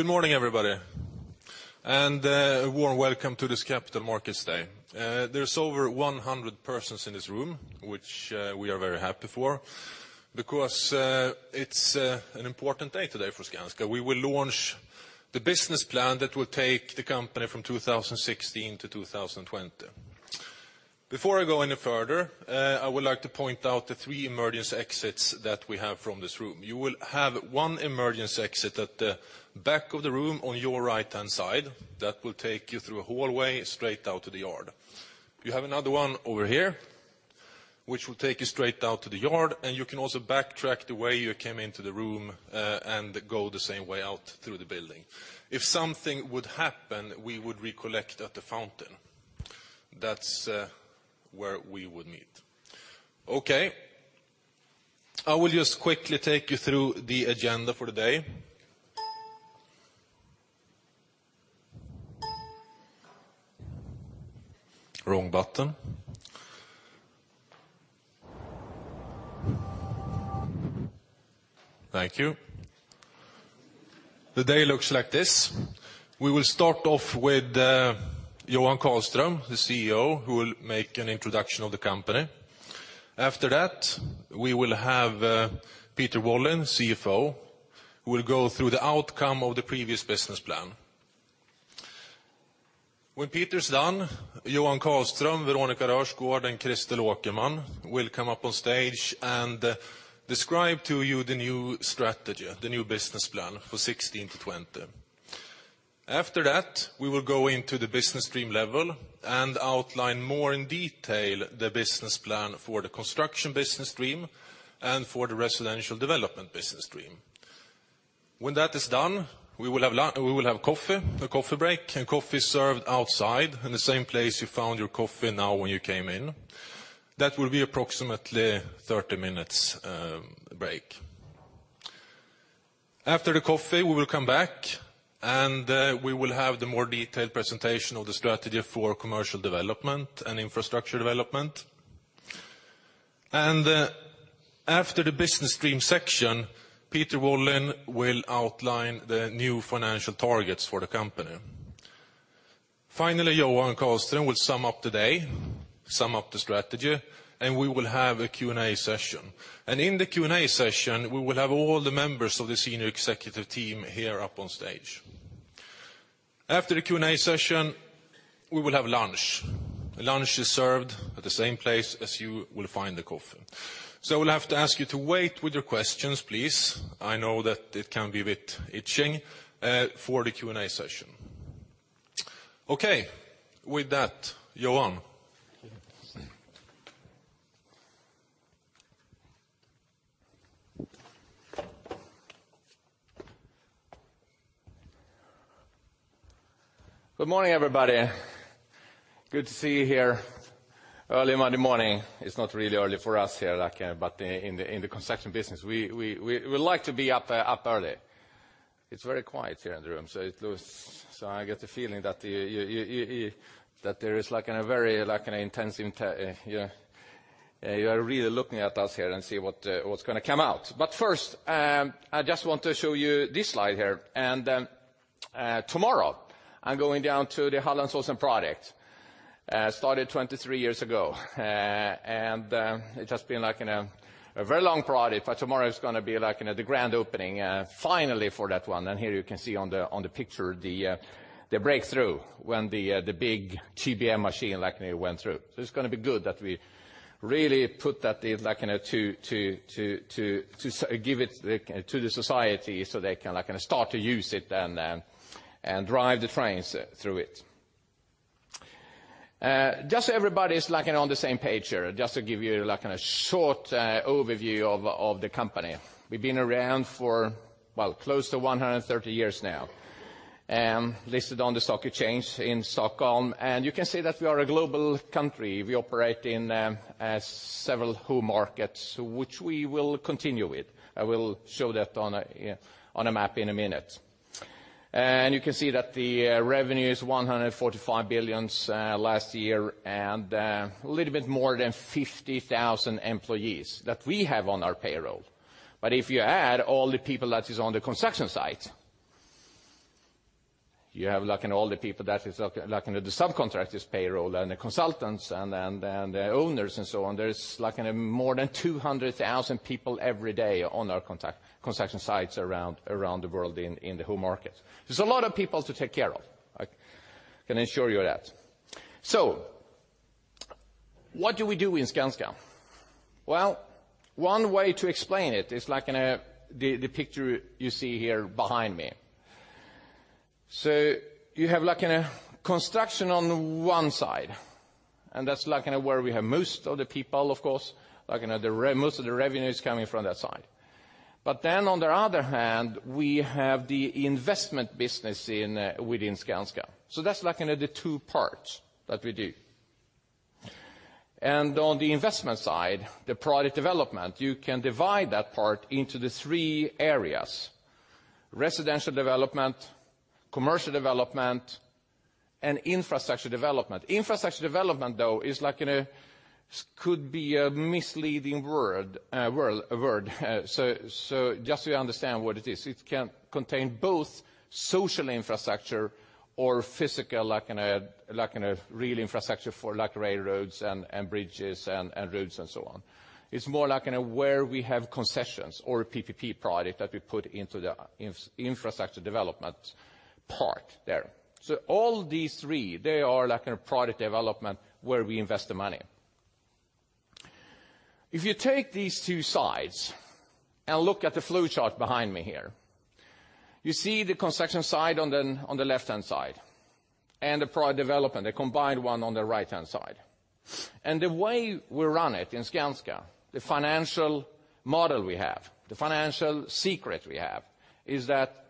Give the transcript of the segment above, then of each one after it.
Good morning, everybody, and a warm welcome to this Capital Markets Day. There's over 100 persons in this room, which we are very happy for, because it's an important day today for Skanska. We will launch the business plan that will take the company from 2016 to 2020. Before I go any further, I would like to point out the three emergency exits that we have from this room. You will have one emergency exit at the back of the room on your right-hand side. That will take you through a hallway straight out to the yard. You have another one over here, which will take you straight out to the yard, and you can also backtrack the way you came into the room and go the same way out through the building. If something would happen, we would recollect at the fountain. That's where we would meet. Okay, I will just quickly take you through the agenda for today. Wrong button. Thank you. The day looks like this: We will start off with Johan Karlström, the CEO, who will make an introduction of the company. After that, we will have Peter Wallin, CFO, who will go through the outcome of the previous business plan. When Peter's done, Johan Karlström, Veronica Rörsgård, and Christel Åkerman will come up on stage and describe to you the new strategy, the new business plan for 2016-2020. After that, we will go into the business stream level and outline more in detail the business plan for the construction business stream and for the residential development business stream. When that is done, we will have coffee, a coffee break, and coffee is served outside in the same place you found your coffee now when you came in. That will be approximately 30 minutes break. After the coffee, we will come back, and we will have the more detailed presentation of the strategy for commercial development and infrastructure development. And after the business stream section, Peter Wallin will outline the new financial targets for the company. Finally, Johan Karlström will sum up the day, sum up the strategy, and we will have a Q&A session. And in the Q&A session, we will have all the members of the Senior Executive Team here up on stage. After the Q&A session, we will have lunch. Lunch is served at the same place as you will find the coffee. We'll have to ask you to wait with your questions, please. I know that it can be a bit itching for the Q&A session. Okay, with that, Johan? Good morning, everybody. Good to see you here early Monday morning. It's not really early for us here, like, but in the construction business, we like to be up early. It's very quiet here in the room, so it looks... So I get the feeling that you that there is like in a very, like in an intense you are really looking at us here and see what what's gonna come out. But first, I just want to show you this slide here. And tomorrow, I'm going down to the Hallandsås project, started 23 years ago. And it has been like in a very long project, but tomorrow is gonna be like, you know, the grand opening, finally for that one. Here you can see on the picture, the breakthrough when the big TBM machine, like, you know, went through. So it's gonna be good that we really put that in, like, you know, to give it to the society so they can, like, kind of start to use it and drive the trains through it. Just so everybody is, like, on the same page here, just to give you, like, a short overview of the company. We've been around for, well, close to 130 years now, listed on the stock exchange in Stockholm, and you can see that we are a global company. We operate in as several home markets, which we will continue with. I will show that on a map in a minute. You can see that the revenue is 145 billion last year, and a little bit more than 50,000 employees that we have on our payroll. But if you add all the people that is on the construction site, you have, like, in all the people that is, like, in the subcontractors' payroll, and the consultants, and the owners and so on, there is like more than 200,000 people every day on our construction sites around the world in the home market. There's a lot of people to take care of, I can assure you of that. So what do we do in Skanska? Well, one way to explain it is like the picture you see here behind me. So you have like in a construction on the one side, and that's like, you know, where we have most of the people, of course, like, you know, the most of the revenue is coming from that side. But then on the other hand, we have the investment business in within Skanska. So that's like, you know, the two parts that we do. And on the investment side, the product development, you can divide that part into the three areas: residential development, commercial development and infrastructure development. Infrastructure development, though, is like, could be a misleading word. So just so you understand what it is, it can contain both social infrastructure or physical, like in a, like in a real infrastructure for like railroads and bridges and roads and so on. It's more like in a way where we have concessions or a PPP project that we put into the infrastructure development part there. So all these three, they are like in a product development where we invest the money. If you take these two sides and look at the flowchart behind me here, you see the construction side on the left-hand side, and the product development, the combined one on the right-hand side. And the way we run it in Skanska, the financial model we have, the financial secret we have, is that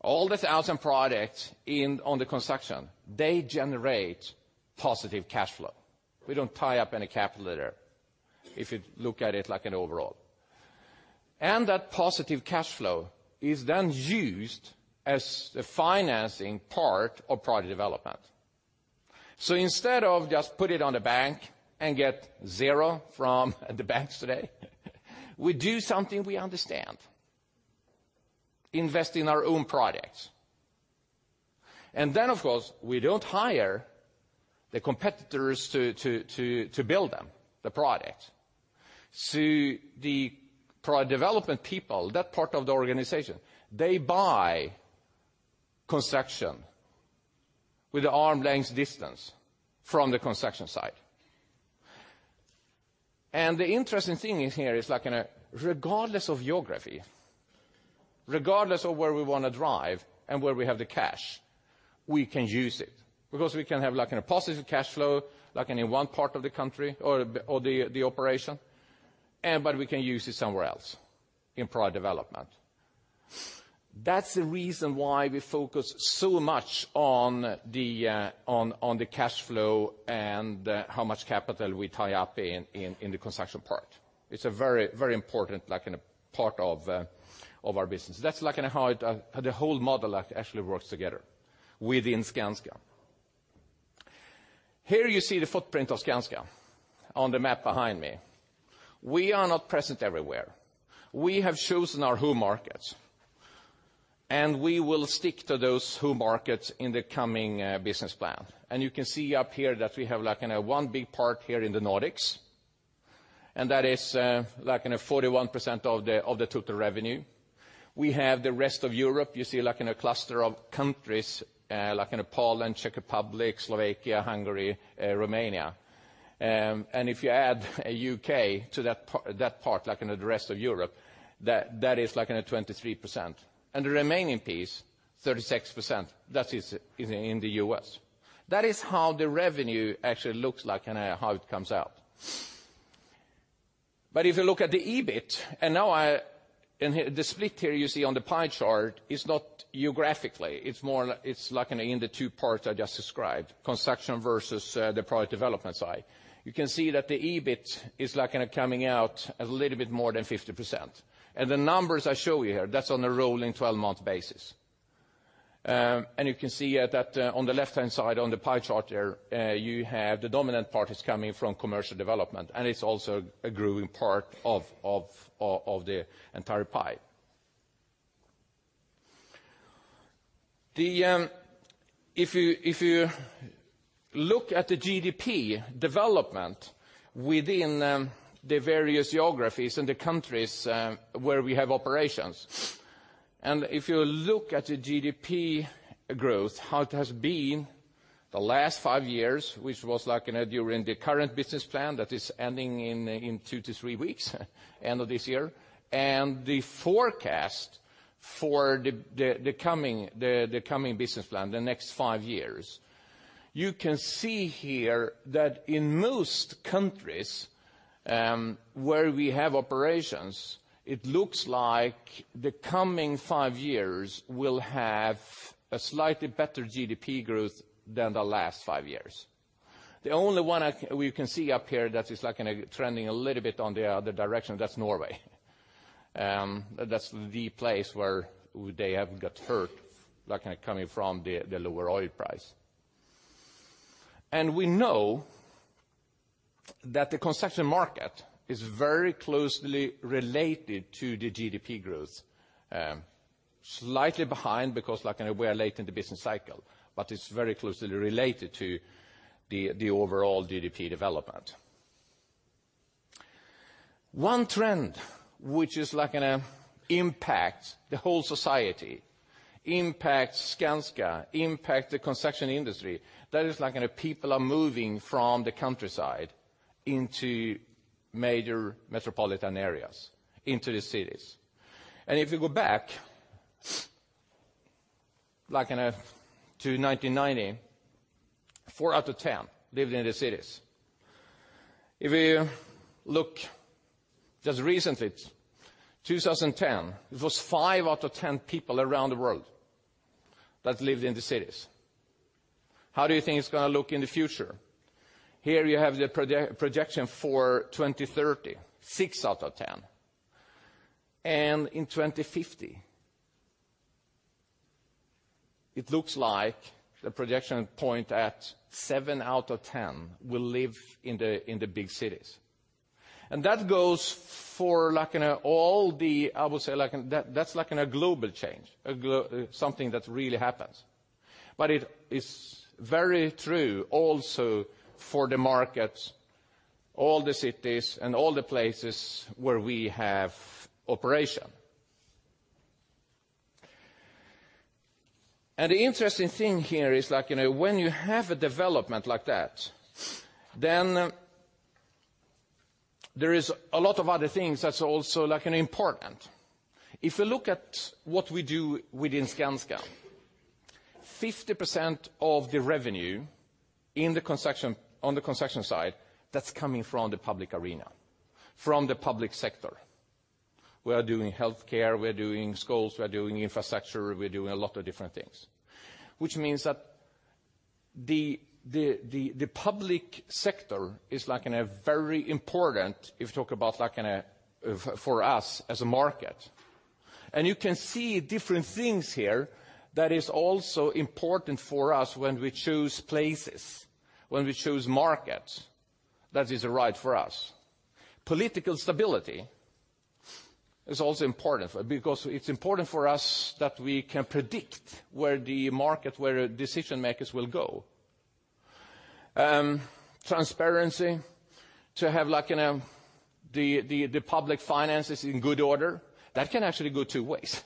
all the thousand products in, on the construction, they generate positive cash flow. We don't tie up any capital there, if you look at it like an overall. And that positive cash flow is then used as the financing part of product development. So instead of just put it on a bank and get zero from the banks today, we do something we understand, invest in our own products. And then, of course, we don't hire the competitors to build them, the product. So the product development people, that part of the organization, they buy construction with an arm's length distance from the construction site. And the interesting thing in here is, like, regardless of geography, regardless of where we want to drive and where we have the cash, we can use it. Because we can have like a positive cash flow, like in one part of the country or the operation, and but we can use it somewhere else in product development. That's the reason why we focus so much on the cash flow and how much capital we tie up in the construction part. It's a very, very important, like, in a part of our business. That's like in how the whole model like actually works together within Skanska. Here you see the footprint of Skanska on the map behind me. We are not present everywhere. We have chosen our home markets, and we will stick to those home markets in the coming business plan. You can see up here that we have, like, in a one big part here in the Nordics, and that is, like in a 41% of the total revenue. We have the rest of Europe, you see, like in a cluster of countries, like in Poland, Czech Republic, Slovakia, Hungary, Romania. And if you add a U.K. to that part, that part, like in the rest of Europe, that, that is like in a 23%. And the remaining piece, 36%, that is, is in the U.S. That is how the revenue actually looks like and how it comes out. But if you look at the EBIT, and now I, and here, the split here you see on the pie chart is not geographically, it's more like, it's like in the two parts I just described, construction versus the product development side. You can see that the EBIT is like in a coming out a little bit more than 50%. And the numbers I show you here, that's on a rolling 12-month basis. And you can see that on the left-hand side, on the pie chart there, you have the dominant part is coming from commercial development, and it's also a growing part of the entire pie. If you look at the GDP development within the various geographies and the countries where we have operations, and if you look at the GDP growth, how it has been the last 5 years, which was like in a during the current business plan that is ending in two to three weeks, end of this year, and the forecast for the coming business plan, the next five years, you can see here that in most countries where we have operations, it looks like the coming five years will have a slightly better GDP growth than the last five years. The only one we can see up here that is like in a trending a little bit on the other direction, that's Norway. That's the place where they have got hurt, like, coming from the lower oil price. And we know that the construction market is very closely related to the GDP growth, slightly behind, because we are late in the business cycle, but it's very closely related to the overall GDP development. One trend which is like impact the whole society, impact Skanska, impact the construction industry, that is people are moving from the countryside into major metropolitan areas, into the cities. And if you go back, like, to 1990, four out of 10 lived in the cities. If you look just recently, 2010, it was five out of 10 people around the world that lived in the cities. How do you think it's gonna look in the future? Here you have the projection for 2030, 6 out of 10. In 2050, it looks like the projection point at seven out of 10 will live in the big cities. And that goes for like, you know, all the, I would say, like, that, that's like in a global change, something that really happens. But it is very true also for the markets, all the cities, and all the places where we have operation. And the interesting thing here is like, you know, when you have a development like that, then there is a lot of other things that's also, like, an important. If you look at what we do within Skanska, 50% of the revenue in the construction, on the construction side, that's coming from the public arena, from the public sector. We are doing healthcare, we're doing schools, we're doing infrastructure, we're doing a lot of different things. Which means that the public sector is, like, in a very important, if you talk about like in a, for us as a market. And you can see different things here that is also important for us when we choose places, when we choose markets, that is right for us. Political stability is also important because it's important for us that we can predict where the market, where decision makers will go. Transparency, to have, like, you know, the public finances in good order, that can actually go two ways.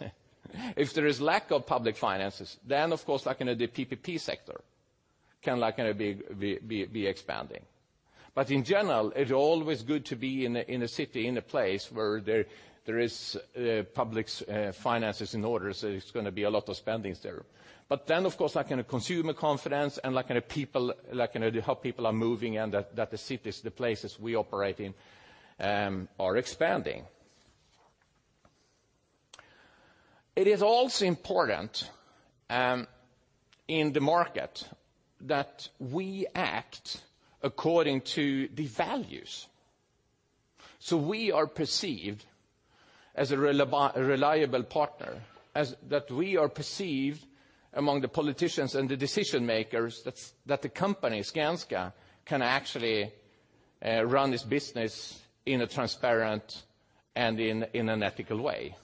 If there is lack of public finances, then, of course, like, in the PPP sector, can, like, be expanding. But in general, it's always good to be in a city, in a place where there is public finances in order, so it's gonna be a lot of spendings there. But then, of course, like, in consumer confidence, and like in people, like, you know, how people are moving, and that the cities, the places we operate in, are expanding. It is also important, in the market, that we act according to the values. So we are perceived as a reliable partner, as that we are perceived among the politicians and the decision makers, that's that the company, Skanska, can actually run this business in a transparent and in an ethical way.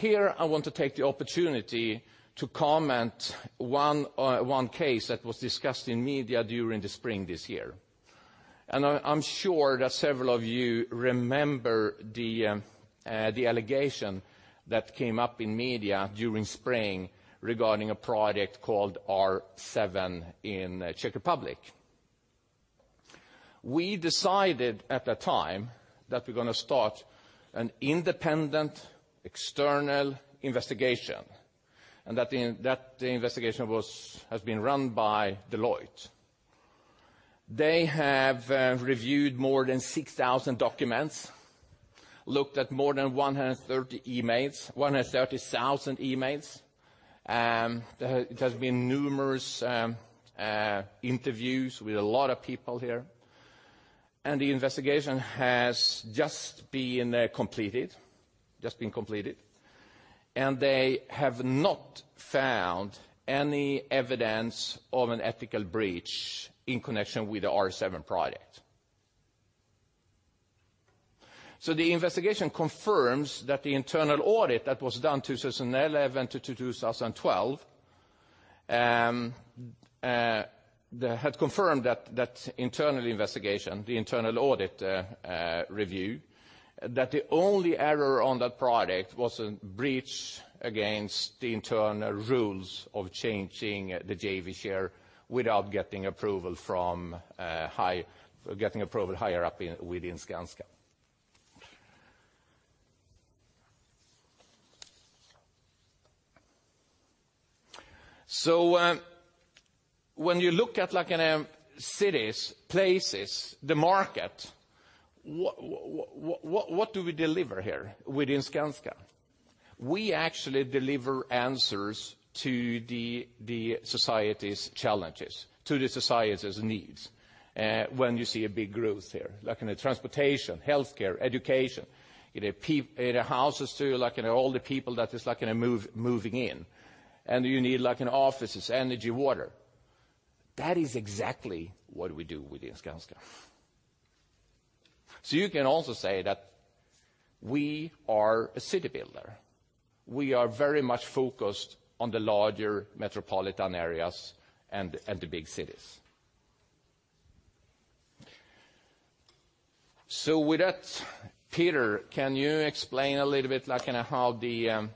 Here, I want to take the opportunity to comment one case that was discussed in media during the spring this year. I’m sure that several of you remember the allegation that came up in the media during spring regarding a project called R7 in Czech Republic. We decided at that time that we’re gonna start an independent, external investigation, and that the investigation was, has been run by Deloitte. They have reviewed more than 6,000 documents, looked at more than 130 emails, 130,000 emails. There has, it has been numerous interviews with a lot of people here, and the investigation has just been completed, just been completed, and they have not found any evidence of an ethical breach in connection with the R7 project. So the investigation confirms that the internal audit that was done in 2011 to 2012 had confirmed that internal investigation, the internal audit, review, that the only error on that project was a breach against the internal rules of changing the JV share without getting approval from getting approval higher up in within Skanska. So when you look at cities, places, the market, what do we deliver here within Skanska? We actually deliver answers to the society's challenges, to the society's needs, when you see a big growth here, like in the transportation, healthcare, education, you know, in the houses, too, like, you know, all the people that is like in a move, moving in, and you need like in offices, energy, water. That is exactly what we do within Skanska. So you can also say that we are a city builder. We are very much focused on the larger metropolitan areas and the big cities. So with that, Peter, can you explain a little bit, like, in how the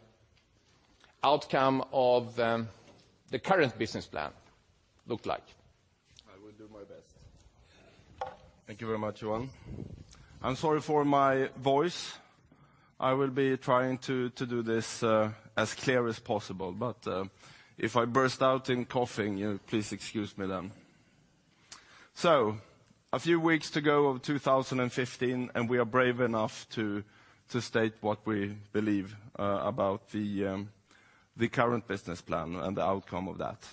outcome of the current business plan looked like? I will do my best. Thank you very much, Johan. I'm sorry for my voice. I will be trying to do this as clear as possible, but if I burst out in coughing, please excuse me then. So a few weeks to go of 2015, and we are brave enough to state what we believe about the current business plan and the outcome of that.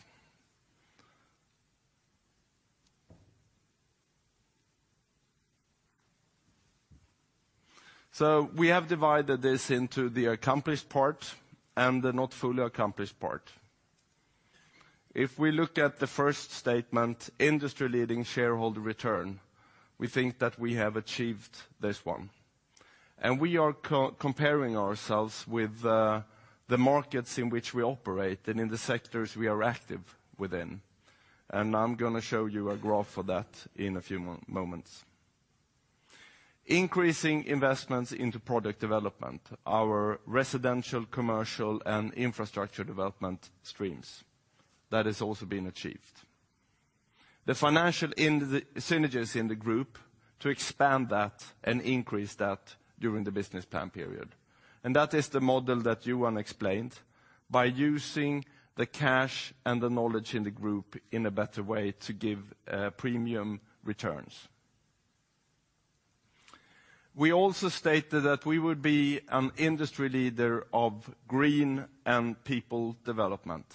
So we have divided this into the accomplished part and the not fully accomplished part. If we look at the first statement, industry-leading shareholder return, we think that we have achieved this one. And we are comparing ourselves with the markets in which we operate and in the sectors we are active within. And I'm going to show you a graph for that in a few moments. Increasing investments into product development, our residential, commercial, and infrastructure development streams, that has also been achieved. The financial in the synergies in the group to expand that and increase that during the business plan period. And that is the model that Johan explained, by using the cash and the knowledge in the group in a better way to give, premium returns. We also stated that we would be an industry leader of green and people development.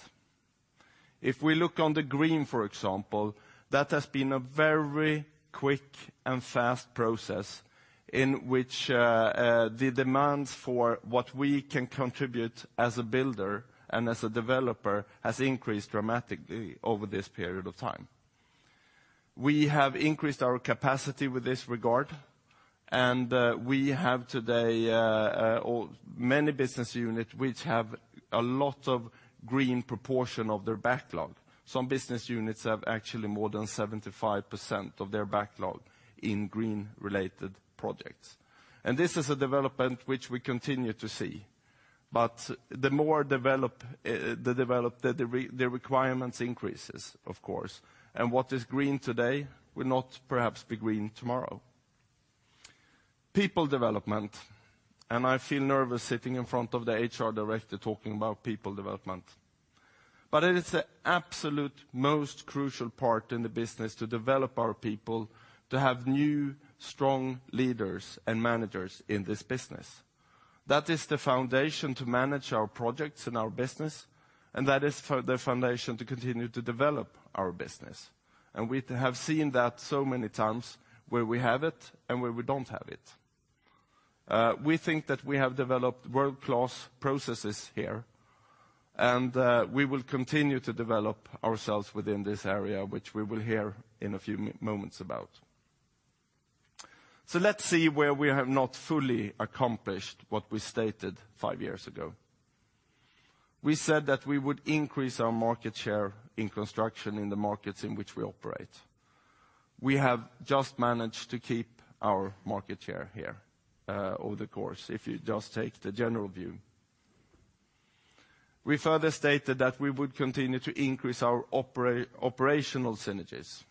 If we look on the green, for example, that has been a very quick and fast process in which, the demands for what we can contribute as a builder and as a developer has increased dramatically over this period of time. We have increased our capacity with this regard, and, we have today, many business units which have a lot of green proportion of their backlog. Some business units have actually more than 75% of their backlog in green-related projects. This is a development which we continue to see, but the more developed the requirements increases, of course, and what is green today will not perhaps be green tomorrow. People development, and I feel nervous sitting in front of the HR director talking about people development. But it is the absolute most crucial part in the business to develop our people, to have new, strong leaders and managers in this business. That is the foundation to manage our projects and our business, and that is the foundation to continue to develop our business. We have seen that so many times where we have it and where we don't have it. We think that we have developed world-class processes here, and we will continue to develop ourselves within this area, which we will hear in a few moments about. So let's see where we have not fully accomplished what we stated five years ago. We said that we would increase our market share in construction in the markets in which we operate. We have just managed to keep our market share here, over the course, if you just take the general view. We further stated that we would continue to increase our operational synergies.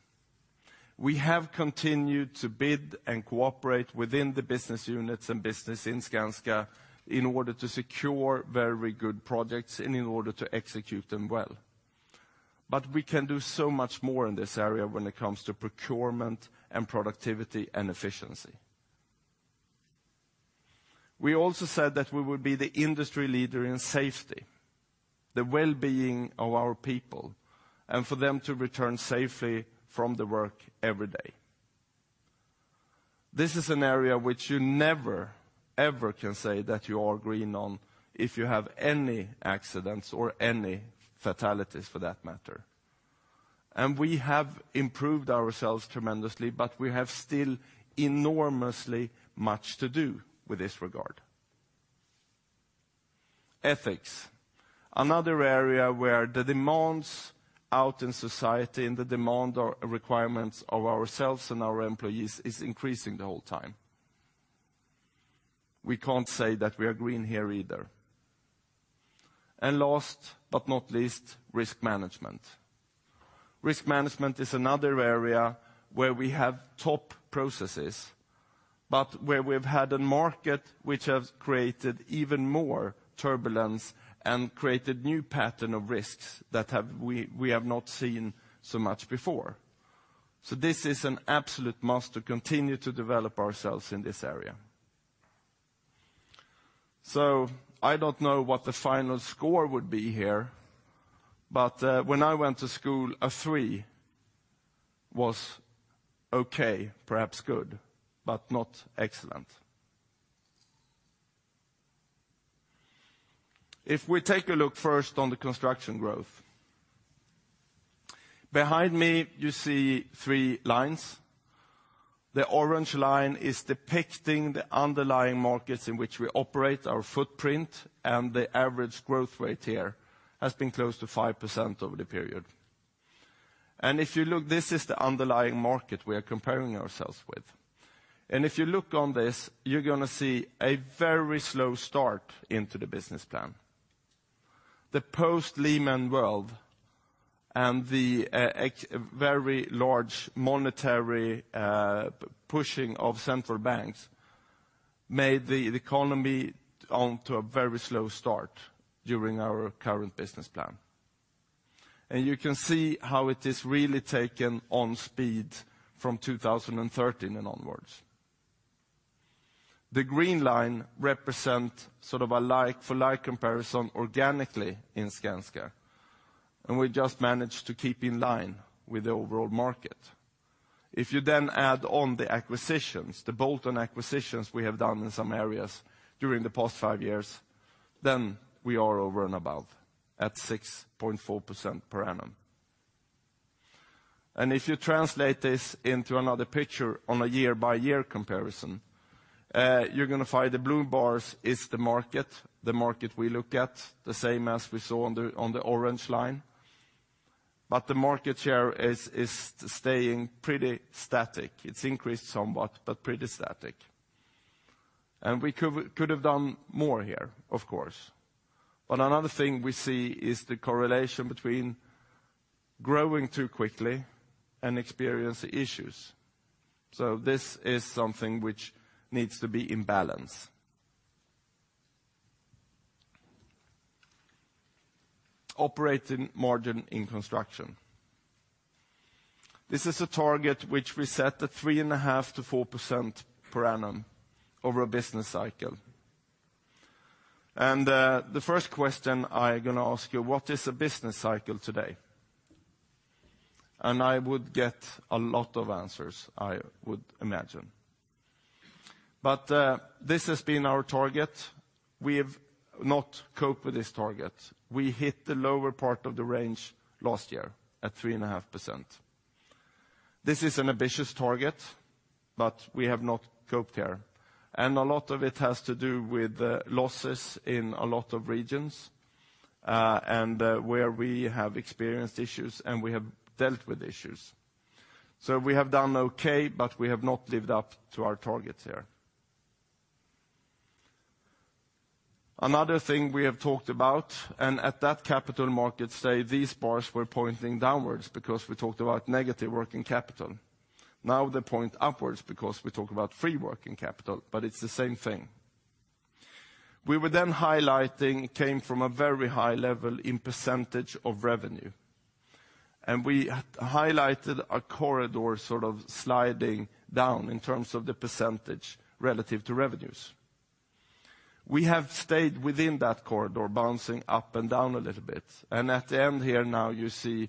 We have continued to bid and cooperate within the business units and business in Skanska in order to secure very good projects and in order to execute them well. But we can do so much more in this area when it comes to procurement, and productivity, and efficiency. We also said that we would be the industry leader in safety, the well-being of our people, and for them to return safely from the work every day. This is an area which you never, ever can say that you are green on if you have any accidents or any fatalities for that matter. We have improved ourselves tremendously, but we have still enormously much to do in this regard. Ethics, another area where the demands out in society and the demand or requirements of ourselves and our employees is increasing the whole time. We can't say that we are green here either. Last but not least, risk management. Risk management is another area where we have top processes, but where we've had a market which has created even more turbulence and created new pattern of risks that we have not seen so much before. So this is an absolute must to continue to develop ourselves in this area. So I don't know what the final score would be here, but when I went to school, a three was okay, perhaps good, but not excellent. If we take a look first on the construction growth. Behind me, you see three lines. The orange line is depicting the underlying markets in which we operate, our footprint, and the average growth rate here has been close to 5% over the period. And if you look, this is the underlying market we are comparing ourselves with. And if you look on this, you're going to see a very slow start into the business plan. The post-Lehman world and the very large monetary pushing of central banks made the economy on to a very slow start during our current business plan. You can see how it is really taken on speed from 2013 and onwards... The green line represent sort of a like, for like comparison organically in Skanska, and we just managed to keep in line with the overall market. If you then add on the acquisitions, the bolt-on acquisitions we have done in some areas during the past five years, then we are over and above at 6.4% per annum. And if you translate this into another picture on a year-by-year comparison, you're going to find the blue bars is the market, the market we look at, the same as we saw on the orange line. But the market share is staying pretty static. It's increased somewhat, but pretty static. And we could have done more here, of course. But another thing we see is the correlation between growing too quickly and experience issues. So this is something which needs to be in balance. Operating margin in construction. This is a target which we set at 3.5%-4% per annum over a business cycle. And, the first question I'm going to ask you, what is a business cycle today? And I would get a lot of answers, I would imagine. But, this has been our target. We have not coped with this target. We hit the lower part of the range last year at 3.5%. This is an ambitious target, but we have not coped here, and a lot of it has to do with, losses in a lot of regions, and, where we have experienced issues, and we have dealt with issues. So we have done okay, but we have not lived up to our targets here. Another thing we have talked about, and at that capital markets day, these bars were pointing downwards because we talked about negative working capital. Now, they point upwards because we talk about free working capital, but it's the same thing. We were then highlighting came from a very high level in percentage of revenue, and we highlighted a corridor sort of sliding down in terms of the percentage relative to revenues. We have stayed within that corridor, bouncing up and down a little bit, and at the end here, now you see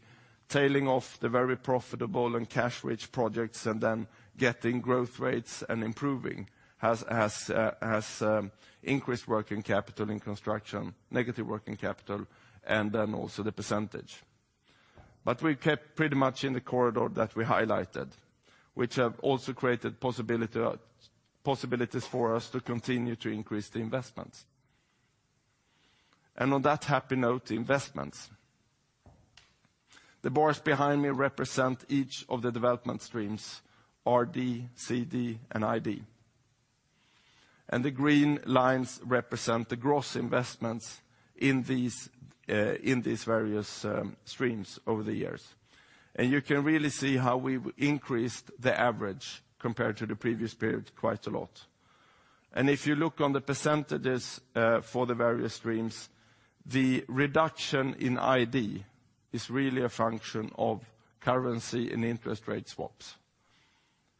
tailing off the very profitable and cash-rich projects and then getting growth rates and improving has increased working capital in construction, negative working capital, and then also the percentage. But we kept pretty much in the corridor that we highlighted, which have also created possibility, possibilities for us to continue to increase the investments. And on that happy note, investments. The bars behind me represent each of the development streams, RD, CD, and ID. And the green lines represent the gross investments in these various streams over the years. And you can really see how we increased the average compared to the previous period, quite a lot. And if you look on the percentages for the various streams, the reduction in ID is really a function of currency and interest rate swaps,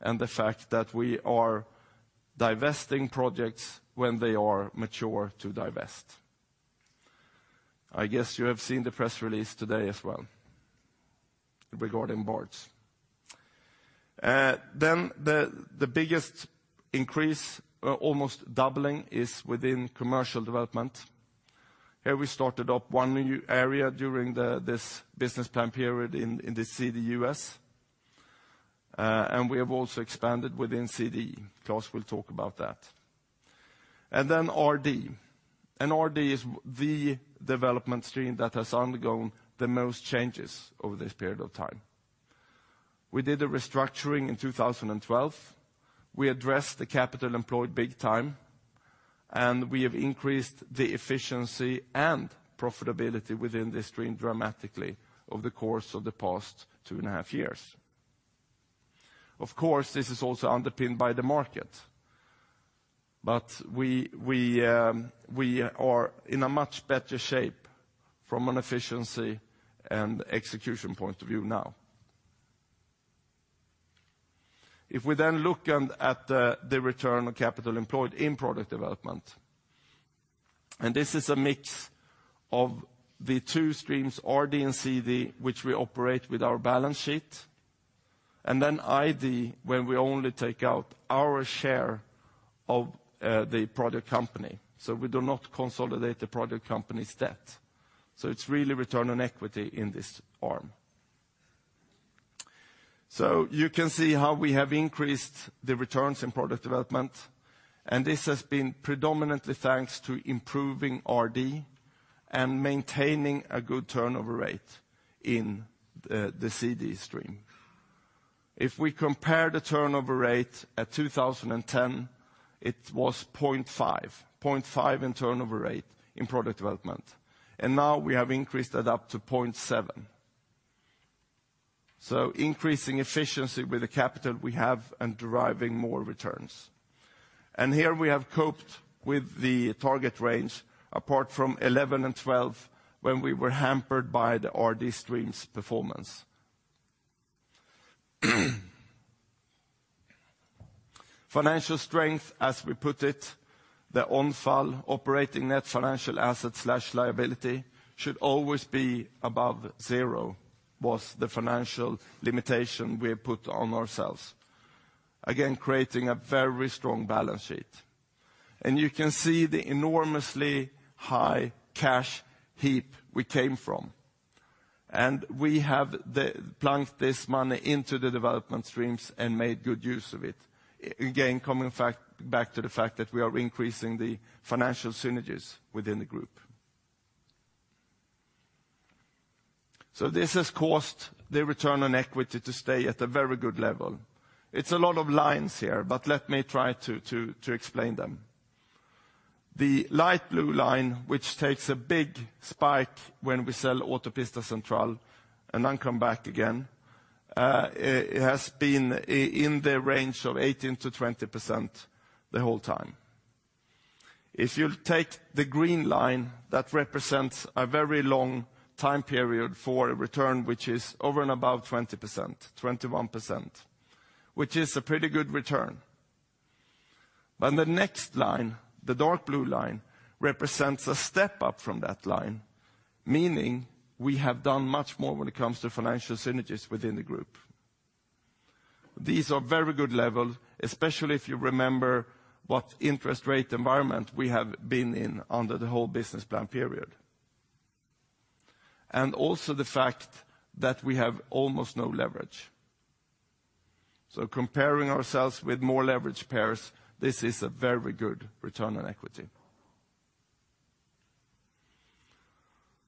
and the fact that we are divesting projects when they are mature to divest. I guess you have seen the press release today as well regarding Barts. Then the biggest increase, almost doubling, is within commercial development. Here, we started up one new area during the, this business plan period in, in the CDUS, and we have also expanded within CD. Claes will talk about that. Then RD. RD is the development stream that has undergone the most changes over this period of time. We did a restructuring in 2012. We addressed the capital employed big time, and we have increased the efficiency and profitability within this stream dramatically over the course of the past two and a half years. Of course, this is also underpinned by the market, but we, we, we are in a much better shape from an efficiency and execution point of view now. If we then look at the return on capital employed in product development, and this is a mix of the two streams, RD and CD, which we operate with our balance sheet, and then ID, when we only take out our share of the product company. So we do not consolidate the product company's debt. So it's really return on equity in this arm. So you can see how we have increased the returns in product development, and this has been predominantly thanks to improving RD and maintaining a good turnover rate in the CD stream. If we compare the turnover rate at 2010, it was 0.5. 0.5 in turnover rate in product development, and now we have increased it up to 0.7. So increasing efficiency with the capital we have and deriving more returns. Here we have coped with the target range, apart from 11 and 12, when we were hampered by the RD stream's performance... Financial strength, as we put it, the ONFAL, Operating Net Financial Asset/Liability, should always be above zero, was the financial limitation we have put on ourselves. Again, creating a very strong balance sheet. You can see the enormously high cash heap we came from. And we have plunked this money into the development streams and made good use of it. Again, coming back to the fact that we are increasing the financial synergies within the group. So this has caused the return on equity to stay at a very good level. It's a lot of lines here, but let me try to explain them. The light blue line, which takes a big spike when we sell Autopista Central and then come back again, it has been in, in the range of 18%-20% the whole time. If you'll take the green line, that represents a very long time period for a return, which is over and above 20%, 21%, which is a pretty good return. But the next line, the dark blue line, represents a step up from that line, meaning we have done much more when it comes to financial synergies within the group. These are very good levels, especially if you remember what interest rate environment we have been in under the whole business plan period. And also the fact that we have almost no leverage. So comparing ourselves with more leverage pairs, this is a very good return on equity.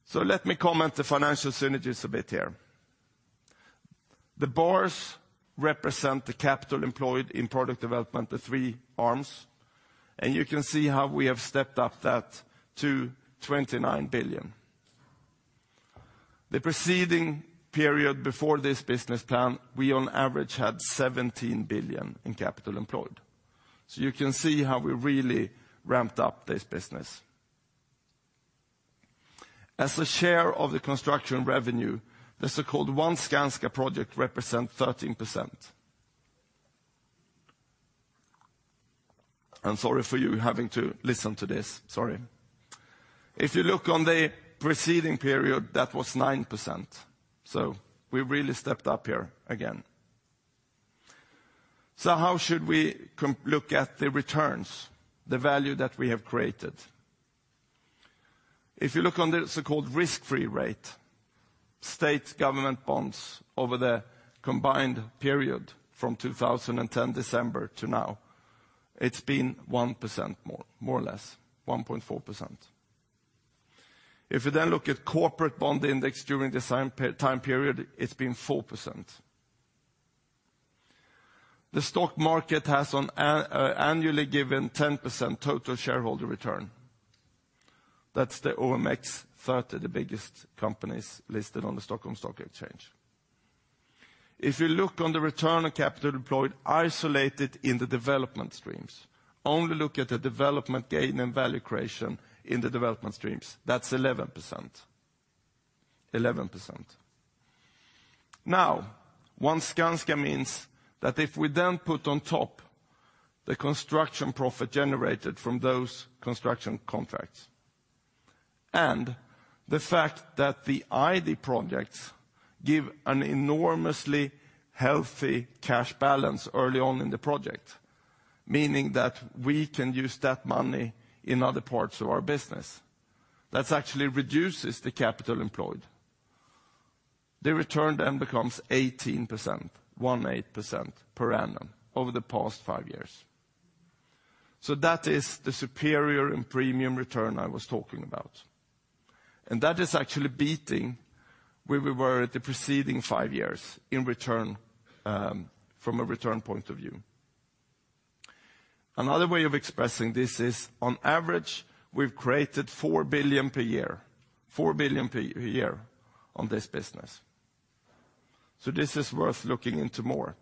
So let me comment the financial synergies a bit here. The bars represent the capital employed in product development, the three arms, and you can see how we have stepped up that to 29 billion. The preceding period before this business plan, we on average had 17 billion in capital employed. So you can see how we really ramped up this business. As a share of the construction revenue, the so-called One Skanska project represents 13%. I'm sorry for you having to listen to this. Sorry. If you look on the preceding period, that was 9%. So we really stepped up here again. So how should we look at the returns, the value that we have created? If you look at the so-called risk-free rate, state government bonds over the combined period from December 2010 to now, it's been 1% more, more or less, 1.4%. If you then look at corporate bond index during the same period, it's been 4%. The stock market has annually given 10% total shareholder return. That's the OMX 30, the biggest companies listed on the Stockholm Stock Exchange. If you look at the return on capital deployed, isolated in the development streams, only look at the development gain and value creation in the development streams, that's 11%. 11%. Now, One Skanska means that if we then put on top the construction profit generated from those construction contracts, and the fact that the ID projects give an enormously healthy cash balance early on in the project, meaning that we can use that money in other parts of our business, that actually reduces the capital employed. The return then becomes 18%, 18%, per annum over the past five years. So that is the superior and premium return I was talking about. And that is actually beating where we were at the preceding five years in return, from a return point of view. Another way of expressing this is, on average, we've created 4 billion per year, 4 billion per year on this business. So this is worth looking into more.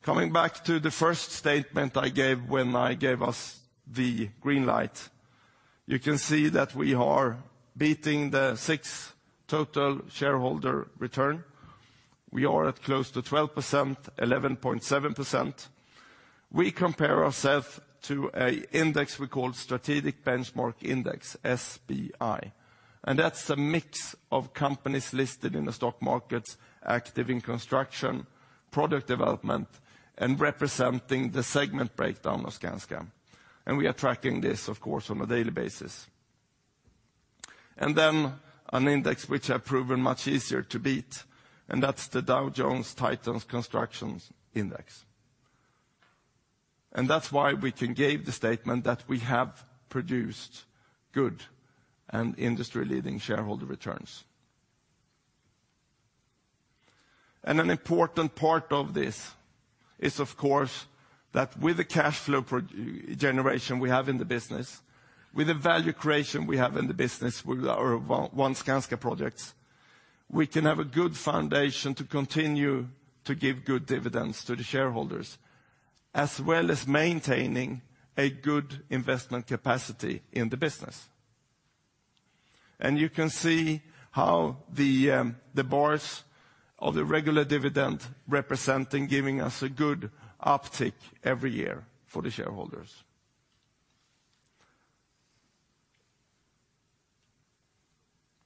Coming back to the first statement I gave when I gave us the green light, you can see that we are beating the 6% total shareholder return. We are at close to 12%, 11.7%. We compare ourselves to an index we call Strategic Benchmark Index, SBI, and that's a mix of companies listed in the stock markets, active in construction, product development, and representing the segment breakdown of Skanska. We are tracking this, of course, on a daily basis. Then an index which have proven much easier to beat, and that's the Dow Jones Titans Construction Index. That's why we can give the statement that we have produced good and industry-leading shareholder returns. An important part of this is, of course, that with the cash flow generation we have in the business, with the value creation we have in the business, with our One Skanska projects, we can have a good foundation to continue to give good dividends to the shareholders, as well as maintaining a good investment capacity in the business.... And you can see how the bars of the regular dividend representing giving us a good uptick every year for the shareholders.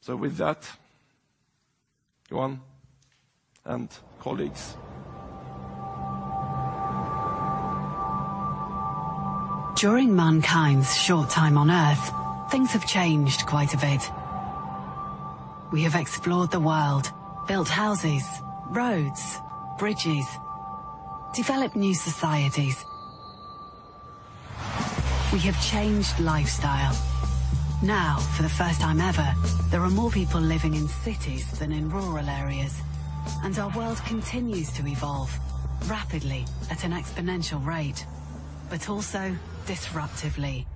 So with that, go on, and colleagues. During mankind's short time on Earth, things have changed quite a bit. We have explored the world, built houses, roads, bridges, developed new societies. We have changed lifestyle. Now, for the first time ever, there are more people living in cities than in rural areas, and our world continues to evolve rapidly at an exponential rate, but also disruptively.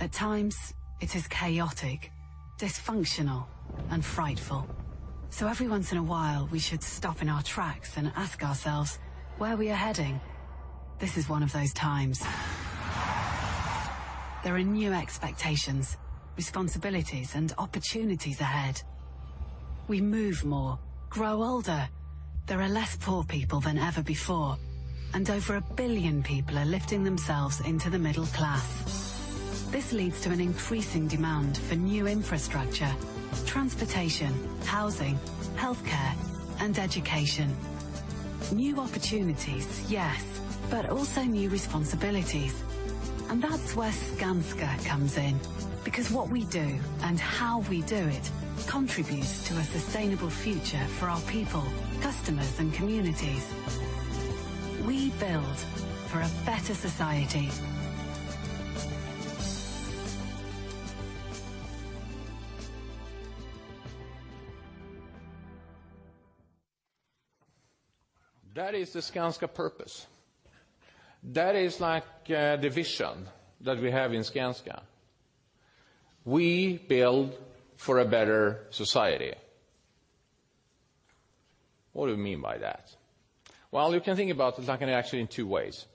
At times, it is chaotic, dysfunctional, and frightful. So every once in a while, we should stop in our tracks and ask ourselves, where we are heading? This is one of those times. There are new expectations, responsibilities, and opportunities ahead. We move more, grow older. There are less poor people than ever before, and over 1 billion people are lifting themselves into the middle class. This leads to an increasing demand for new infrastructure, transportation, housing, healthcare, and education. New opportunities, yes, but also new responsibilities. That's where Skanska comes in, because what we do and how we do it contributes to a sustainable future for our people, customers, and communities. We build for a better society. That is the Skanska purpose. That is like the vision that we have in Skanska. We build for a better society. What do we mean by that? Well, you can think about it like, actually, in two ways.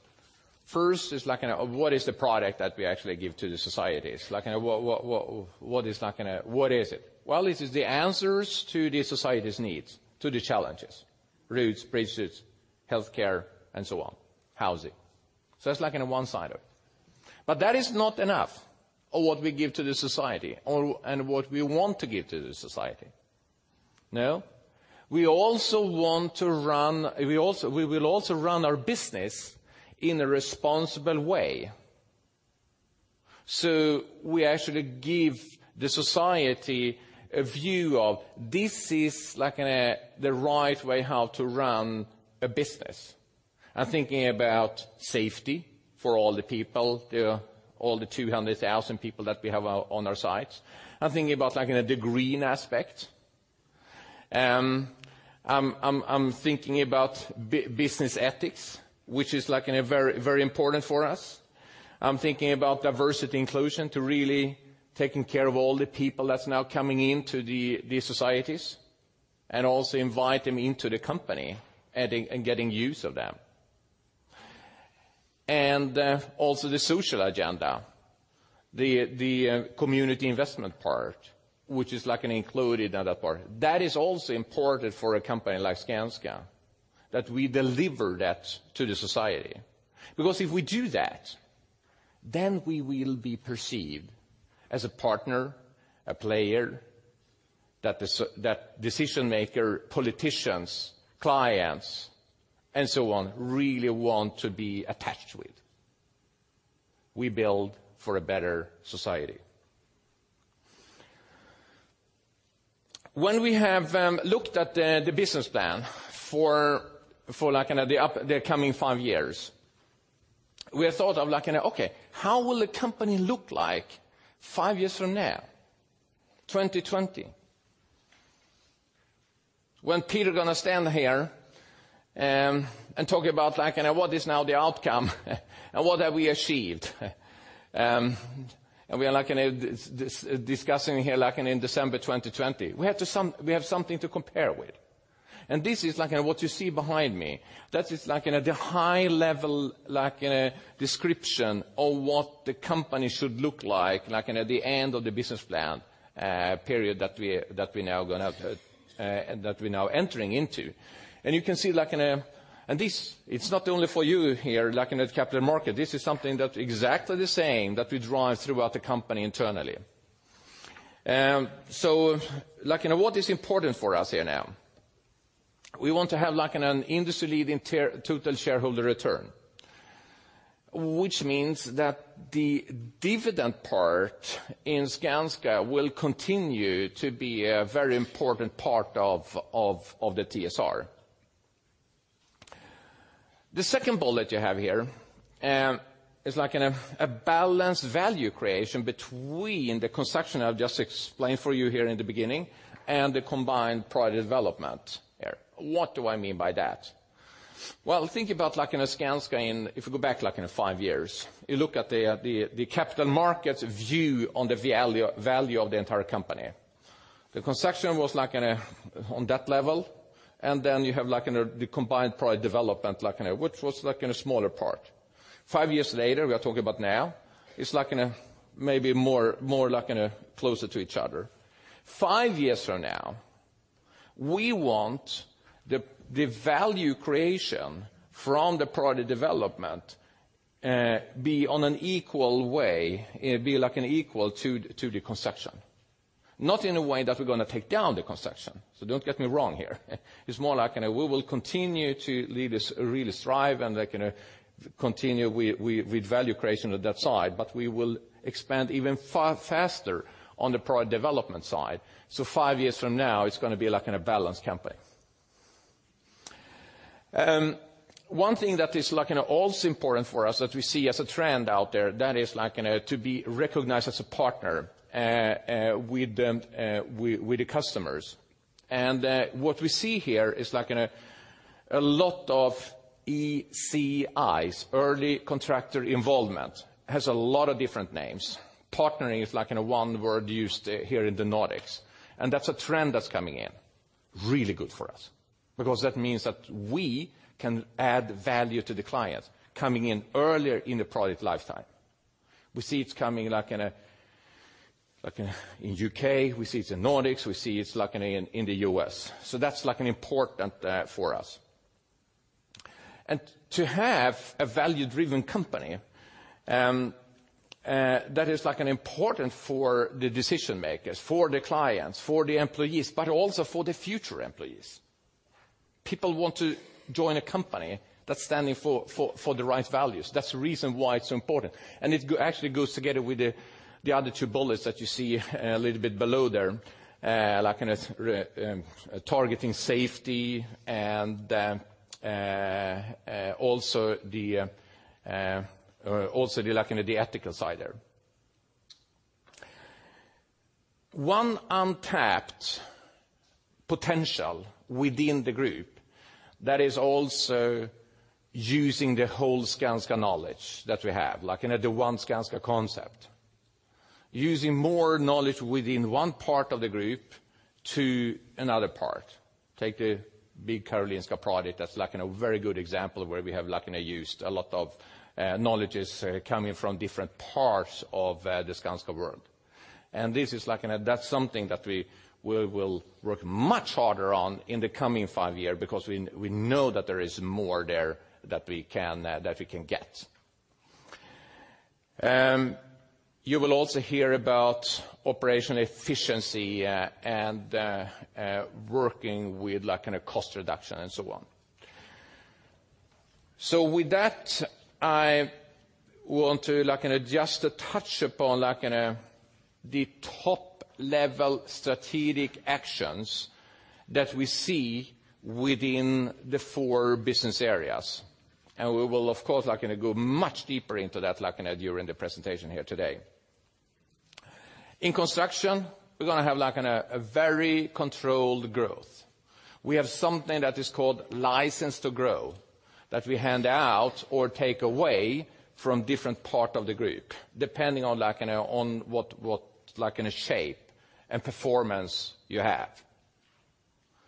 First, like, what is the product that we actually give to the societies? Like, what is it? Well, it is the answers to the society's needs, to the challenges, roads, bridges, healthcare, and so on, housing. So that's like one side of it. But that is not enough of what we give to the society and what we want to give to the society. No? We also want to run our business in a responsible way. So we actually give the society a view of this is like the right way how to run a business. I'm thinking about safety for all the people, all the 200,000 people that we have out on our sites. I'm thinking about like the green aspect. I'm thinking about business ethics, which is like very, very important for us. I'm thinking about diversity inclusion, to really taking care of all the people that's now coming into the societies, and also invite them into the company, adding and getting use of them. And also the social agenda, the community investment part, which is like included in that part. That is also important for a company like Skanska, that we deliver that to the society. Because if we do that, then we will be perceived as a partner, a player, that that decision-maker, politicians, clients, and so on, really want to be attached with. We build for a better society. When we have looked at the business plan for the upcoming five years, we have thought of like, "Okay, how will the company look like five years from now? 2020." When Peter going to stand here and talk about like what is now the outcome, and what have we achieved? And we are like in this discussing here, like in December 2020. We have something to compare with. This is like what you see behind me, that is like in a high level, like in a description of what the company should look like, like in at the end of the business plan period that we're now entering into. You can see, like in a... This, it's not only for you here, like in the capital market, this is something that exactly the same that we drive throughout the company internally. So like what is important for us here now? We want to have like an industry leading total shareholder return, which means that the dividend part in Skanska will continue to be a very important part of the TSR. The second bullet you have here is like a balanced value creation between the construction I've just explained for you here in the beginning, and the combined product development. What do I mean by that? Well, think about like in a Skanska, if you go back, like in five years, you look at the capital markets view on the value of the entire company.... The construction was like on that level, and then you have like the combined product development, like which was like a smaller part. Five years later, we are talking about now, it's like maybe more like closer to each other. Five years from now, we want the value creation from the product development be on an equal way, be like an equal to the construction. Not in a way that we're going to take down the construction, so don't get me wrong here. It's more like in a we will continue to lead this, really thrive, and like in a continue with value creation on that side, but we will expand even far faster on the product development side. So five years from now, it's going to be like in a balanced company. One thing that is like in all important for us, that we see as a trend out there, that is like in a to be recognized as a partner with the customers. What we see here is like in a lot of ECIs, early contractor involvement, has a lot of different names. Partnering is like one word used here in the Nordics, and that's a trend that's coming in. Really good for us, because that means that we can add value to the client, coming in earlier in the product lifetime. We see it's coming like in the U.K., we see it's in Nordics, we see it's like in the U.S. So that's like an important for us. To have a value-driven company, that is like an important for the decision makers, for the clients, for the employees, but also for the future employees. People want to join a company that's standing for the right values. That's the reason why it's so important. Actually goes together with the other two bullets that you see a little bit below there. Like in a targeting safety and also the like in the ethical side there. One untapped potential within the group that is also using the whole Skanska knowledge that we have, like in the One Skanska concept. Using more knowledge within one part of the group to another part. Take the big Karolinska project that's like in a very good example of where we have like in a used a lot of knowledges coming from different parts of the Skanska world. And this is like in a, that's something that we will work much harder on in the coming five year, because we know that there is more there that we can that we can get. You will also hear about operational efficiency, and working with like in a cost reduction and so on. So with that, I want to like in a just to touch upon like in a the top-level strategic actions that we see within the four business areas. And we will, of course, like in a go much deeper into that, like in a, during the presentation here today. In construction, we're going to have like in a, a very controlled growth. We have something that is called License to Grow, that we hand out or take away from different part of the group, depending on like in a, on what, like in a shape and performance you have.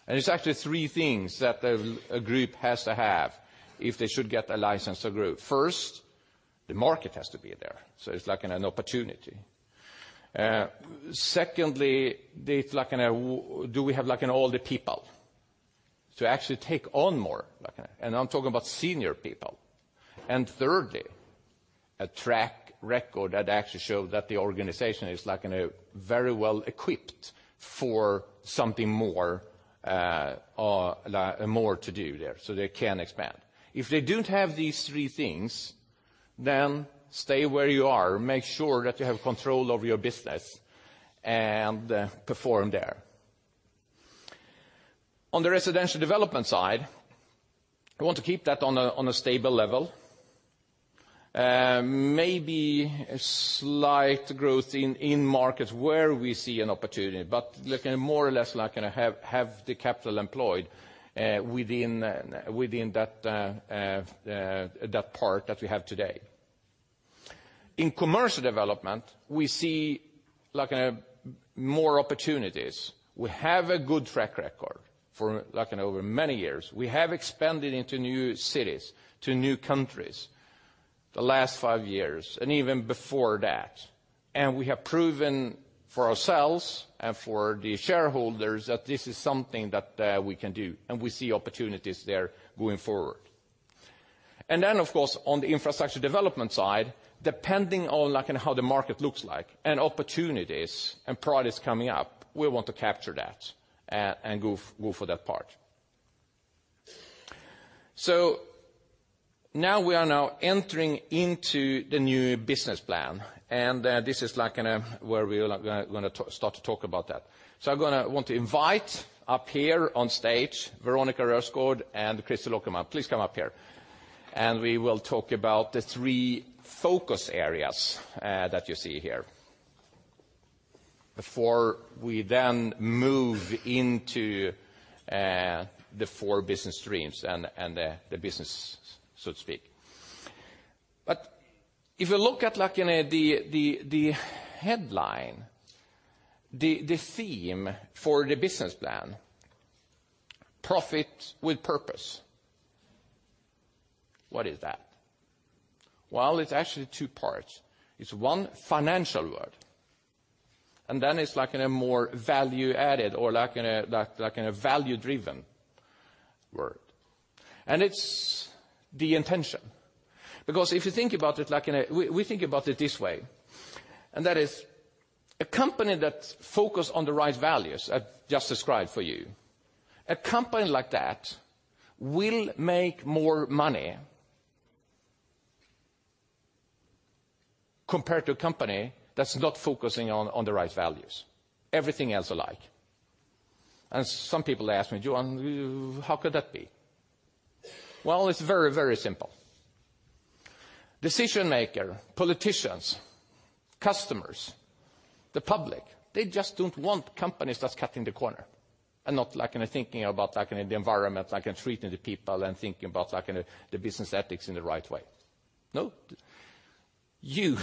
And it's actually three things that a group has to have if they should get a License to Grow. First, the market has to be there, so it's like in an opportunity. Secondly, it's like in a do we have like in all the people to actually take on more, like? And I'm talking about senior people. And thirdly, a track record that actually show that the organization is like in a very well equipped for something more, like, more to do there, so they can expand. If they don't have these three things, then stay where you are, make sure that you have control over your business, and perform there. On the residential development side, I want to keep that on a, on a stable level. Maybe a slight growth in markets where we see an opportunity, but like in more or less like in a have the capital employed within that part that we have today. In commercial development, we see like a more opportunities. We have a good track record for like in over many years. We have expanded into new cities, to new countries, the last five years, and even before that. And we have proven for ourselves and for the shareholders that this is something that we can do, and we see opportunities there going forward. And then, of course, on the infrastructure development side, depending on like how the market looks like, and opportunities and products coming up, we want to capture that and go for that part. So now we are entering into the new business plan, and this is like where we are gonna start to talk about that. So I'm gonna want to invite up here on stage, Veronica Rörsgård and Christel Akerman, please come up here. And we will talk about the three focus areas that you see here, before we then move into the four business streams and the business, so to speak. But if you look at the headline, the theme for the business plan, Profit with Purpose. What is that? Well, it's actually two parts. It's one financial word, and then it's like a more value-added or like a value-driven word. It's the intention, because if you think about it, we think about it this way, and that is a company that focus on the right values, I just described for you, a company like that will make more money... compared to a company that's not focusing on the right values, everything else alike. And some people ask me, "Johan, how could that be?" Well, it's very, very simple. Decision maker, politicians, customers, the public, they just don't want companies that's cutting the corner and not like in a thinking about like in the environment, like in treating the people and thinking about like in the business ethics in the right way. No, you,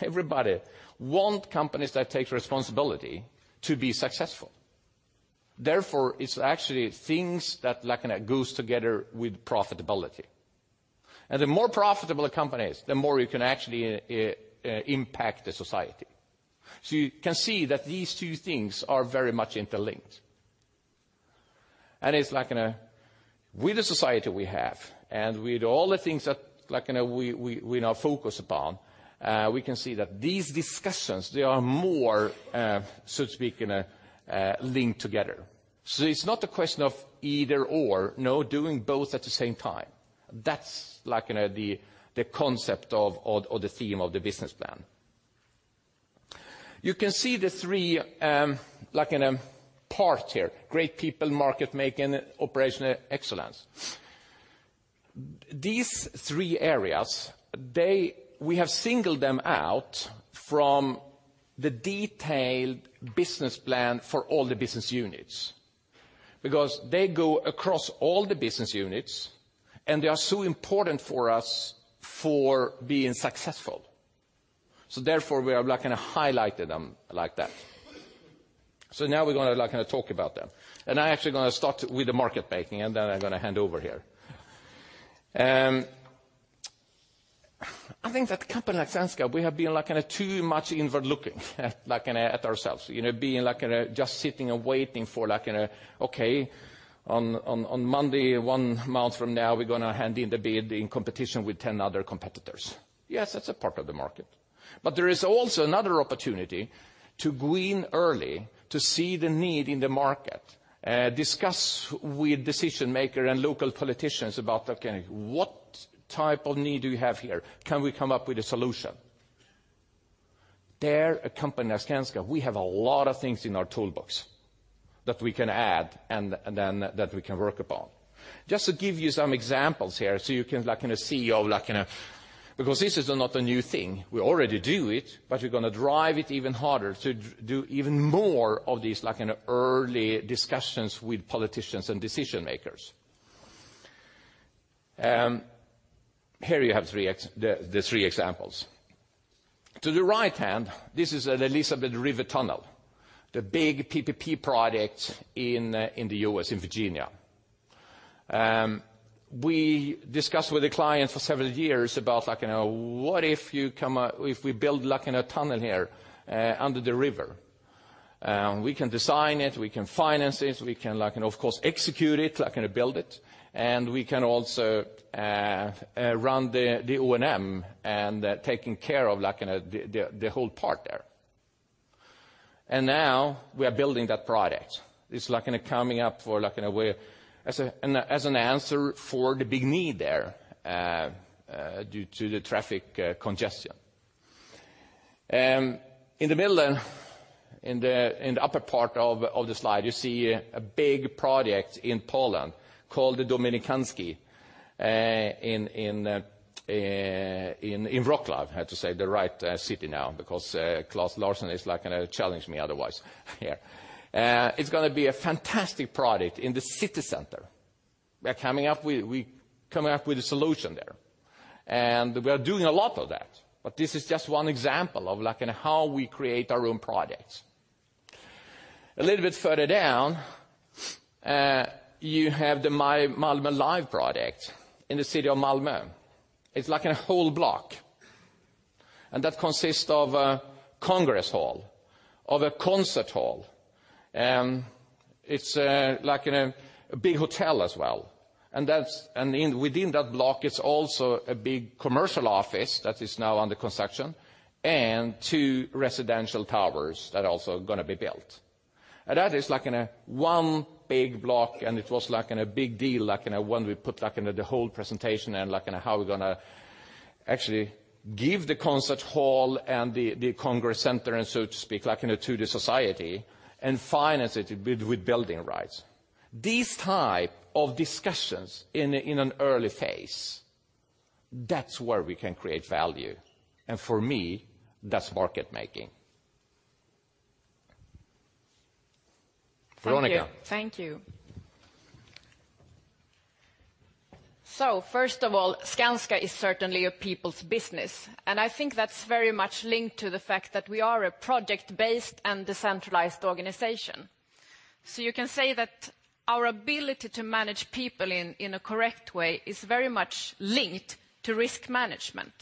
everybody want companies that take responsibility to be successful. Therefore, it's actually things that goes together with profitability. And the more profitable a company is, the more you can actually impact the society. So you can see that these two things are very much interlinked. And it's like, with the society we have, and with all the things that, like, we now focus upon, we can see that these discussions, they are more, so to speak, linked together. So it's not a question of either or, no, doing both at the same time. That's like the concept of, or the theme of the business plan. You can see the three, like part here, Great People, Market Making, Operational Excellence. These three areas, we have singled them out from the detailed business plan for all the business units, because they go across all the business units, and they are so important for us for being successful. So therefore, we have highlighted them like that. So now we're gonna talk about them. And I'm actually gonna start with the market making, and then I'm gonna hand over here. I think that company like Skanska, we have been too much inward-looking at ourselves, you know, being just sitting and waiting for, "Okay, on Monday, one month from now, we're gonna hand in the bid in competition with 10 other competitors." Yes, that's a part of the market. But there is also another opportunity to go in early, to see the need in the market, discuss with decision maker and local politicians about, okay, what type of need do we have here? Can we come up with a solution? There, a company like Skanska, we have a lot of things in our toolbox that we can add and then, that we can work upon. Just to give you some examples here, so you can like in a see of like in a... Because this is not a new thing. We already do it, but we're gonna drive it even harder to do even more of these, like early discussions with politicians and decision makers. Here you have the three examples. To the right hand, this is an Elizabeth River Tunnel, the big PPP project in, in the U.S., in Virginia. We discussed with the client for several years about, like you know, what if you come up, if we build like in a tunnel here, under the river? We can design it, we can finance it, we can like and, of course, execute it, like in a build it, and we can also, run the O&M and taking care of like in a, the whole part there. And now we are building that project. It's like in a coming up for like in a way, as a, and as an answer for the big need there, due to the traffic, congestion. In the upper part of the slide, you see a big project in Poland called the Dominikański in Wrocław. I have to say the right city now, because Claes Larsson is like gonna challenge me otherwise here. It's gonna be a fantastic project in the city center. We're coming up with a solution there. And we are doing a lot of that, but this is just one example of like in how we create our own projects. A little bit further down, you have the Malmö Live project in the city of Malmö. It's like in a whole block, and that consists of a congress hall, of a concert hall, it's a, like in a big hotel as well. And that's within that block. It's also a big commercial office that is now under construction, and two residential towers that are also gonna be built. And that is like a one big block, and it was like a big deal, like when we put the whole presentation and like how we're gonna actually give the concert hall and the, the congress center, and so to speak, like to the society, and finance it with, with building rights. These type of discussions in an early phase, that's where we can create value. And for me, that's market making. Thank you, thank you. So first of all, Skanska is certainly a people's business, and I think that's very much linked to the fact that we are a project-based and decentralized organization. So you can say that our ability to manage people in a correct way is very much linked to risk management.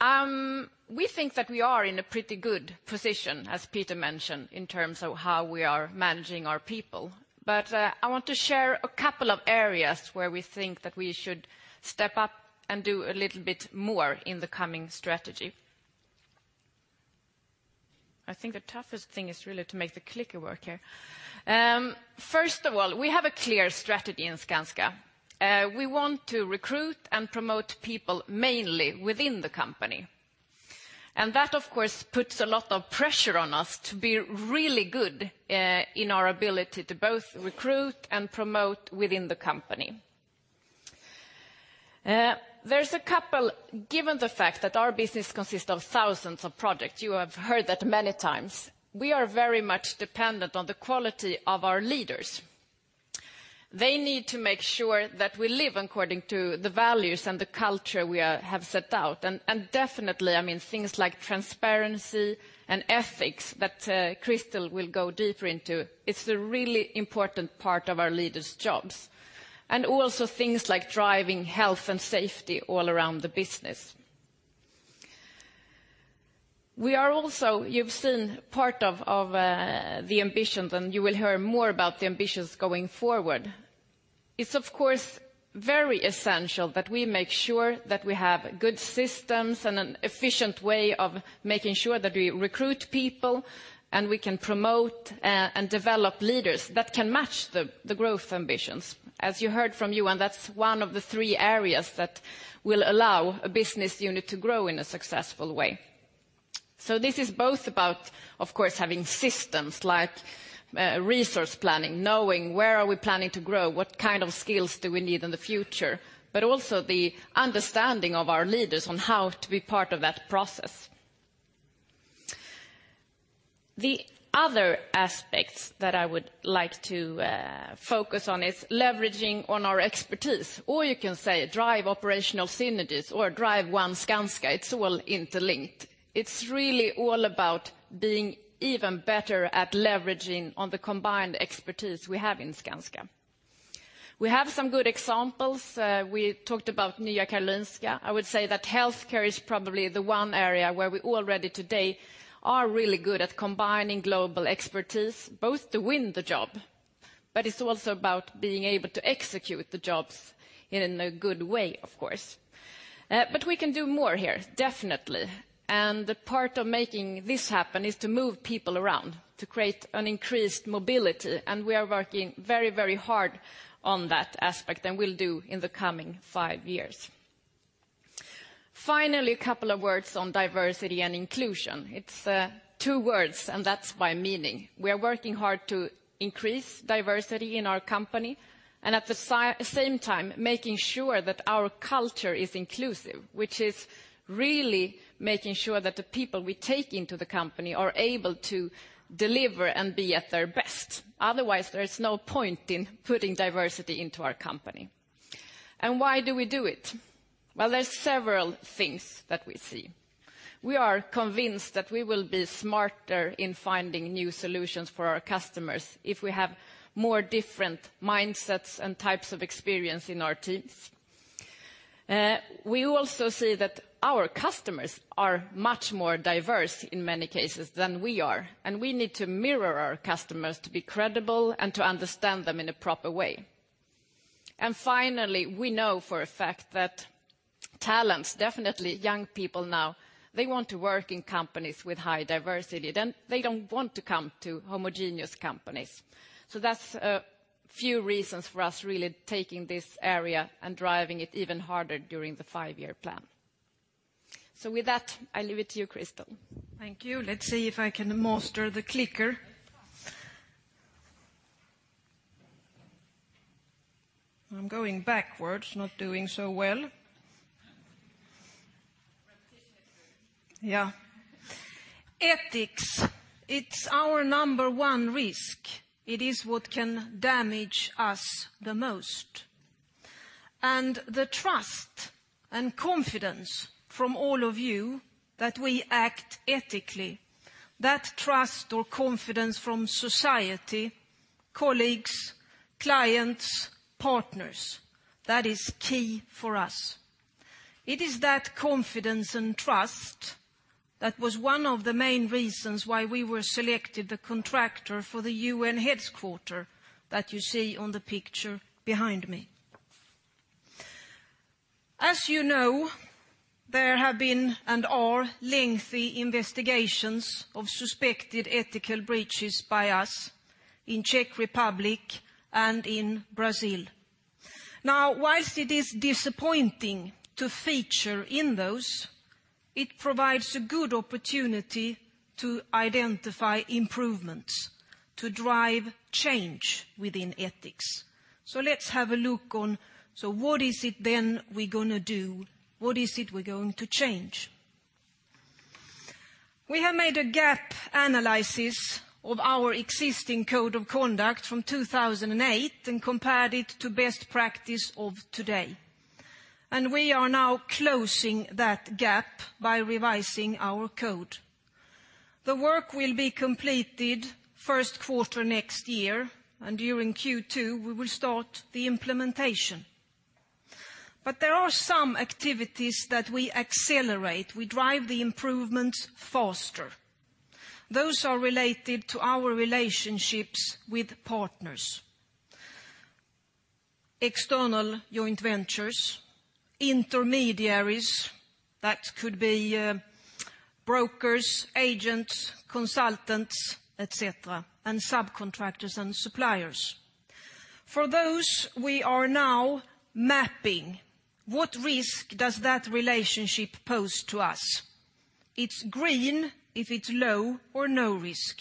We think that we are in a pretty good position, as Peter mentioned, in terms of how we are managing our people. But I want to share a couple of areas where we think that we should step up and do a little bit more in the coming strategy. I think the toughest thing is really to make the clicker work here. First of all, we have a clear strategy in Skanska. We want to recruit and promote people mainly within the company, and that, of course, puts a lot of pressure on us to be really good in our ability to both recruit and promote within the company. Given the fact that our business consists of thousands of projects, you have heard that many times, we are very much dependent on the quality of our leaders. They need to make sure that we live according to the values and the culture we have set out, and definitely, I mean, things like transparency and ethics, that Christel will go deeper into; it's a really important part of our leaders' jobs. And also things like driving health and safety all around the business. We are also; you've seen part of the ambitions, and you will hear more about the ambitions going forward. It's of course very essential that we make sure that we have good systems and an efficient way of making sure that we recruit people, and we can promote and develop leaders that can match the growth ambitions. As you heard from Johan, that's one of the three areas that will allow a business unit to grow in a successful way. So this is both about, of course, having systems like resource planning, knowing where are we planning to grow, what kind of skills do we need in the future, but also the understanding of our leaders on how to be part of that process. The other aspects that I would like to focus on is leveraging on our expertise, or you can say, drive operational synergies or drive One Skanska. It's all interlinked. It's really all about being even better at leveraging on the combined expertise we have in Skanska. We have some good examples. We talked about Nya Karolinska. I would say that healthcare is probably the one area where we already today are really good at combining global expertise, both to win the job, but it's also about being able to execute the jobs in a good way, of course. But we can do more here, definitely, and the part of making this happen is to move people around, to create an increased mobility, and we are working very, very hard on that aspect and will do in the coming five years. Finally, a couple of words on diversity and inclusion. It's two words, and that's by meaning. We are working hard to increase diversity in our company, and at the same time, making sure that our culture is inclusive, which is really making sure that the people we take into the company are able to deliver and be at their best. Otherwise, there is no point in putting diversity into our company. And why do we do it? Well, there's several things that we see. We are convinced that we will be smarter in finding new solutions for our customers if we have more different mindsets and types of experience in our teams. We also see that our customers are much more diverse in many cases than we are, and we need to mirror our customers to be credible and to understand them in a proper way. Finally, we know for a fact that talents, definitely young people now, they want to work in companies with high diversity. Then they don't want to come to homogeneous companies. That's a few reasons for us really taking this area and driving it even harder during the five-year plan. With that, I leave it to you, Christel. Thank you. Let's see if I can master the clicker. I'm going backwards, not doing so well. Practice. Yeah. Ethics, it's our number 1 risk. It is what can damage us the most. And the trust and confidence from all of you that we act ethically, that trust or confidence from society, colleagues, clients, partners, that is key for us. It is that confidence and trust that was one of the main reasons why we were selected the contractor for the UN headquarters that you see on the picture behind me. As you know, there have been and are lengthy investigations of suspected ethical breaches by us in Czech Republic and in Brazil. Now, while it is disappointing to feature in those, it provides a good opportunity to identify improvements, to drive change within ethics. So let's have a look on, so what is it then we're gonna do? What is it we're going to change?... We have made a gap analysis of our existing code of conduct from 2008 and compared it to best practice of today, and we are now closing that gap by revising our code. The work will be completed first quarter next year, and during Q2, we will start the implementation. But there are some activities that we accelerate. We drive the improvements faster. Those are related to our relationships with partners, external joint ventures, intermediaries, that could be, brokers, agents, consultants, et cetera, and subcontractors and suppliers. For those, we are now mapping what risk does that relationship pose to us? It's green if it's low or no risk.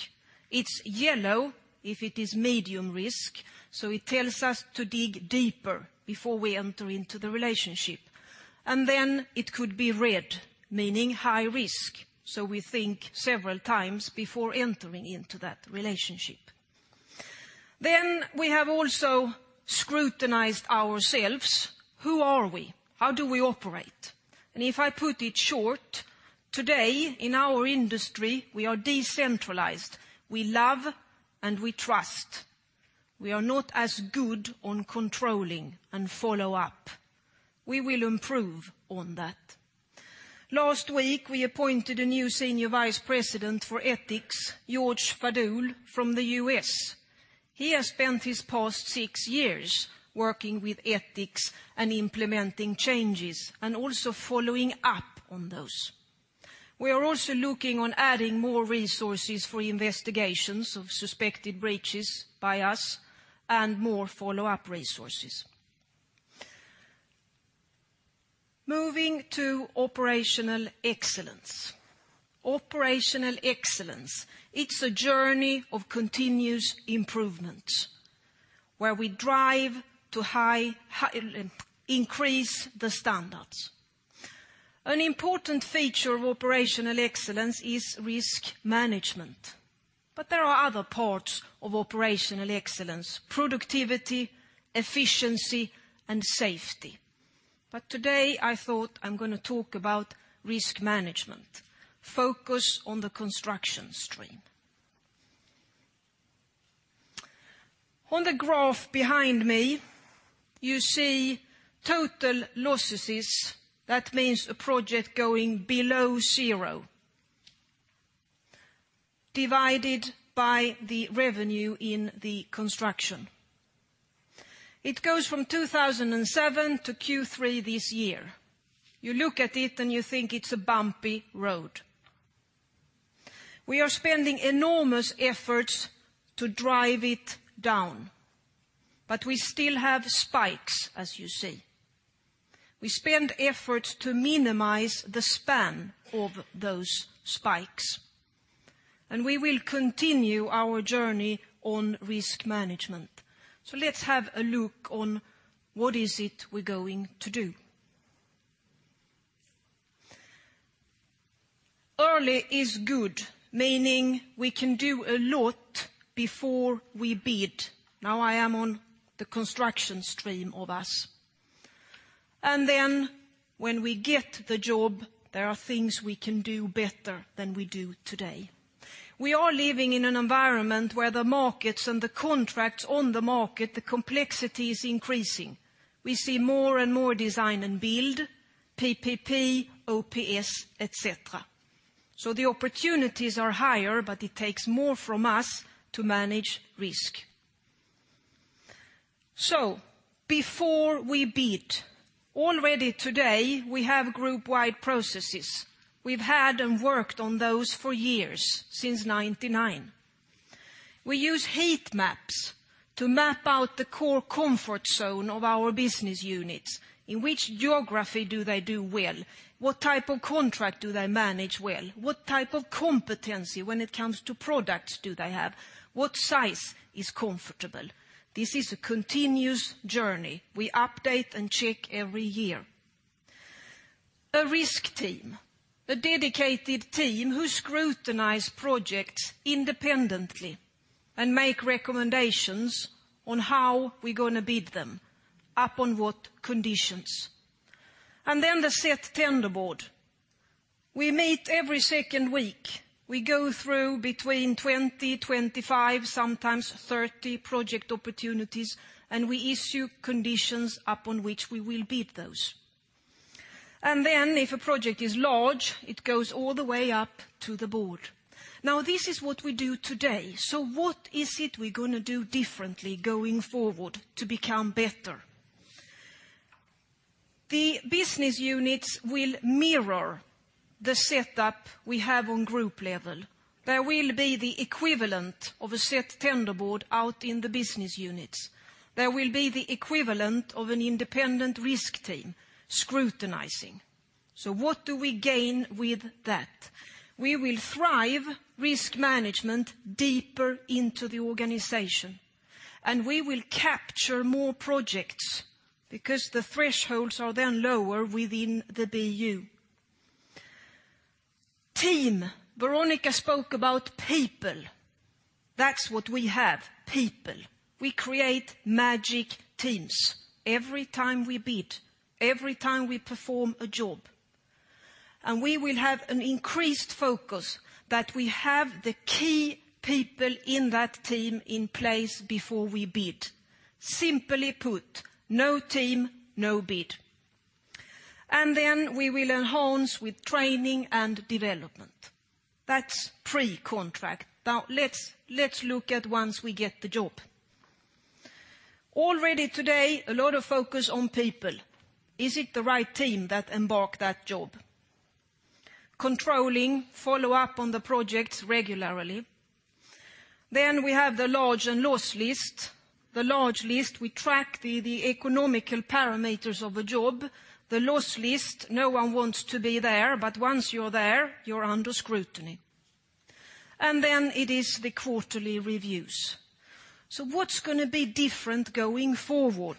It's yellow if it is medium risk, so it tells us to dig deeper before we enter into the relationship. And then it could be red, meaning high risk, so we think several times before entering into that relationship. Then we have also scrutinized ourselves. Who are we? How do we operate? And if I put it short, today, in our industry, we are decentralized. We love and we trust. We are not as good on controlling and follow-up. We will improve on that. Last week, we appointed a new Senior Vice President for ethics, George Fadul, from the U.S. He has spent his past six years working with ethics and implementing changes, and also following up on those. We are also looking on adding more resources for investigations of suspected breaches by us and more follow-up resources. Moving to operational excellence. Operational excellence, it's a journey of continuous improvement, where we drive to high, high—increase the standards. An important feature of operational excellence is risk management, but there are other parts of operational excellence, productivity, efficiency, and safety. But today, I thought I'm gonna talk about risk management, focus on the construction stream. On the graph behind me, you see total losses. That means a project going below zero, divided by the revenue in the construction. It goes from 2007 to Q3 this year. You look at it, and you think it's a bumpy road. We are spending enormous efforts to drive it down, but we still have spikes, as you see. We spend efforts to minimize the span of those spikes, and we will continue our journey on risk management. So let's have a look on what is it we're going to do. Early is good, meaning we can do a lot before we bid. Now I am on the construction stream of us. And then, when we get the job, there are things we can do better than we do today. We are living in an environment where the markets and the contracts on the market, the complexity is increasing. We see more and more design and build, PPP, OPS, et cetera. So the opportunities are higher, but it takes more from us to manage risk. So before we bid, already today, we have group-wide processes. We've had and worked on those for years, since 1999. We use heat maps to map out the core comfort zone of our business units. In which geography do they do well? What type of contract do they manage well? What type of competency when it comes to products do they have? What size is comfortable? This is a continuous journey. We update and check every year. A risk team, a dedicated team who scrutinize projects independently and make recommendations on how we're gonna bid them, upon what conditions. And then the SET Tender Board. We meet every second week. We go through between 20, 25, sometimes 30 project opportunities, and we issue conditions upon which we will bid those. And then, if a project is large, it goes all the way up to the board. Now, this is what we do today. So what is it we're gonna do differently going forward to become better? The business units will mirror the setup we have on group level. There will be the equivalent of a Set Tender Board out in the business units. There will be the equivalent of an independent risk team scrutinizing. So what do we gain with that? We will drive risk management deeper into the organization, and we will capture more projects because the thresholds are then lower within the BU team. Veronica spoke about people. That's what we have, people. We create magic teams every time we bid, every time we perform a job. We will have an increased focus that we have the key people in that team in place before we bid. Simply put, no team, no bid. Then we will enhance with training and development. That's pre-contract. Now, let's look at once we get the job. Already today, a lot of focus on people. Is it the right team that embark that job? Controlling, follow up on the projects regularly. We have the large and loss list. The large list, we track the economic parameters of a job. The loss list, no one wants to be there, but once you're there, you're under scrutiny. Then it is the quarterly reviews. What's gonna be different going forward?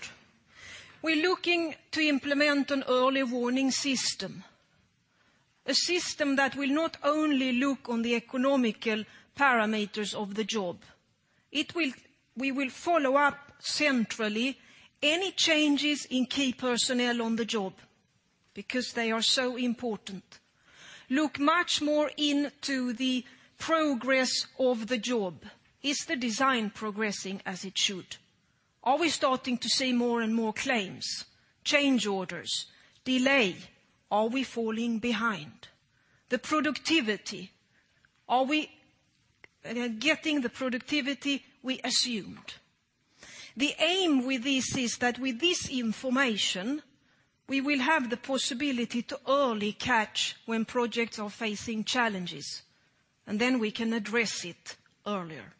We're looking to implement an early warning system, a system that will not only look on the economic parameters of the job. It will. We will follow up centrally any changes in key personnel on the job, because they are so important. Look much more into the progress of the job. Is the design progressing as it should? Are we starting to see more and more claims, change orders, delay? Are we falling behind? The productivity, are we getting the productivity we assumed? The aim with this is that with this information, we will have the possibility to early catch when projects are facing challenges, and then we can address it earlier.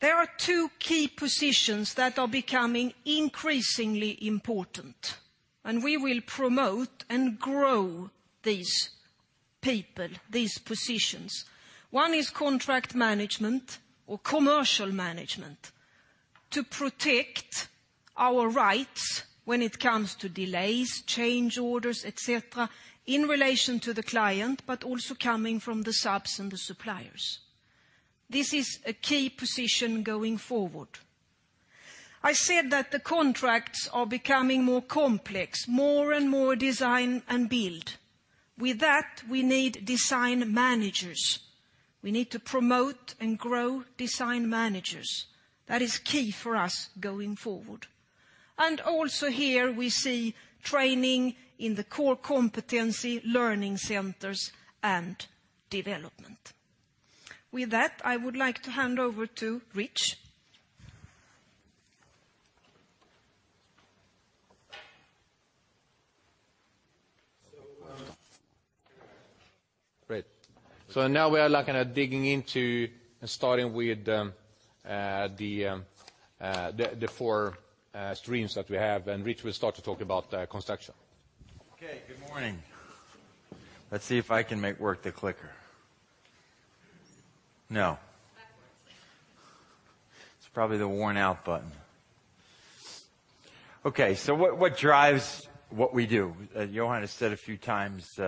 There are two key positions that are becoming increasingly important, and we will promote and grow these people, these positions. One is contract management or commercial management, to protect our rights when it comes to delays, change orders, et cetera, in relation to the client, but also coming from the subs and the suppliers. This is a key position going forward. I said that the contracts are becoming more complex, more and more design and build. With that, we need design managers. We need to promote and grow design managers. That is key for us going forward. And also here, we see training in the core competency, learning centers, and development. With that, I would like to hand over to Rich. So, great. Now we are looking at digging into and starting with the four streams that we have, and Rich will start to talk about construction. Okay, good morning. Let's see if I can make the clicker work. No. Backwards. It's probably the worn-out button. Okay, so what drives what we do? Johan has said a few times,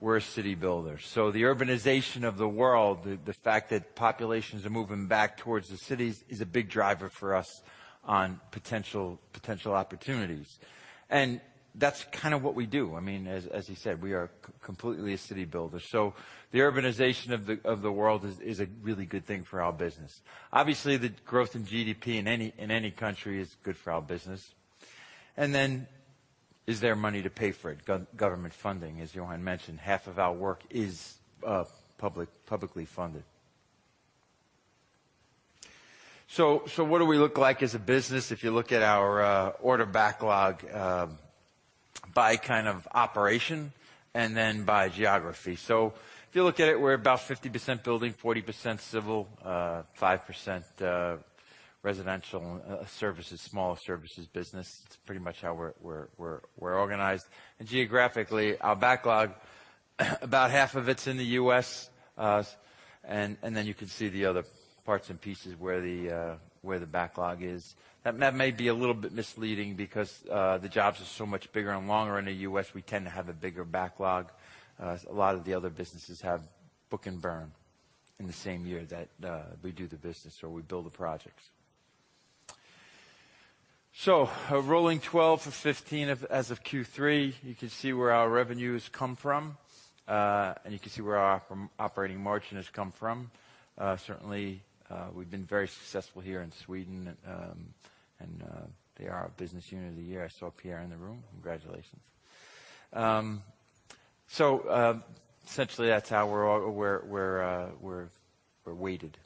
we're a city builder. So the urbanization of the world, the fact that populations are moving back towards the cities, is a big driver for us on potential opportunities. And that's kind of what we do. I mean, as he said, we are completely a city builder. So the urbanization of the world is a really good thing for our business. Obviously, the growth in GDP in any country is good for our business. And then, is there money to pay for it? Government funding, as Johan mentioned, half of our work is publicly funded. So what do we look like as a business? If you look at our order backlog by kind of operation and then by geography. So if you look at it, we're about 50% building, 40% civil, 5% residential, services, small services business. It's pretty much how we're organized. And geographically, our backlog, about half of it's in the U.S. And then you can see the other parts and pieces where the backlog is. That may be a little bit misleading because the jobs are so much bigger and longer in the U.S., we tend to have a bigger backlog. A lot of the other businesses have book and burn in the same year that we do the business or we build the projects. So a rolling 12-15 of, as of Q3, you can see where our revenues come from, and you can see where our operating margin has come from. Certainly, we've been very successful here in Sweden, and they are our business unit of the year. I saw Pierre in the room. Congratulations. So, essentially, that's how we're weighted.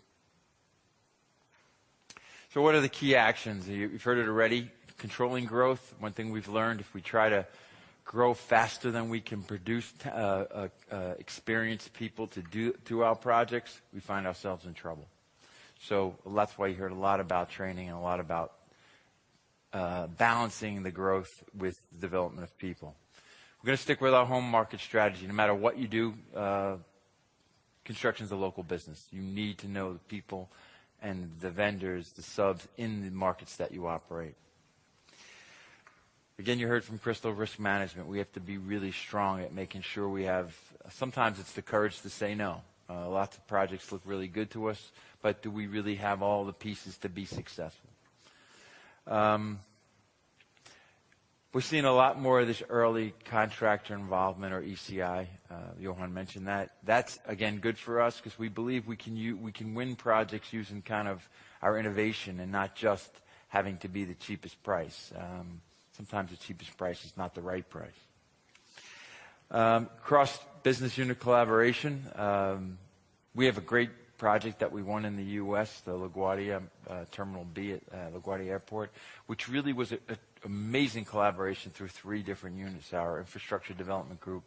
So what are the key actions? You've heard it already, controlling growth. One thing we've learned, if we try to grow faster than we can produce experienced people to do our projects, we find ourselves in trouble. So that's why you heard a lot about training and a lot about balancing the growth with the development of people. We're gonna stick with our home market strategy. No matter what you do, construction's a local business. You need to know the people and the vendors, the subs in the markets that you operate. Again, you heard from Crystal, risk management, we have to be really strong at making sure we have. Sometimes it's the courage to say no. Lots of projects look really good to us, but do we really have all the pieces to be successful? We're seeing a lot more of this early contractor involvement or ECI. Johan mentioned that. That's, again, good for us 'cause we believe we can win projects using kind of our innovation and not just having to be the cheapest price. Sometimes the cheapest price is not the right price. Cross-business unit collaboration. We have a great project that we won in the U.S., the LaGuardia Terminal B at LaGuardia Airport, which really was a amazing collaboration through three different units, our infrastructure development group,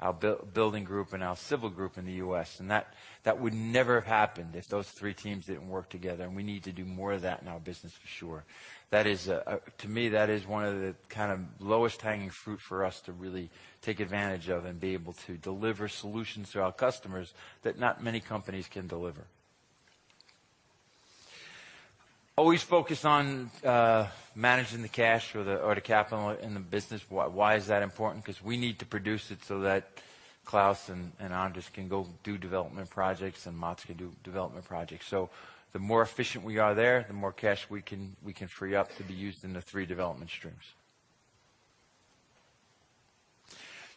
our building group, and our civil group in the U.S. And that would never have happened if those three teams didn't work together, and we need to do more of that in our business, for sure. That is. To me, that is one of the kind of lowest-hanging fruit for us to really take advantage of and be able to deliver solutions to our customers that not many companies can deliver. Always focus on managing the cash or the capital in the business. Why is that important? Because we need to produce it so that Claes and Anders can go do development projects, and Mats can do development projects. So the more efficient we are there, the more cash we can free up to be used in the three development streams.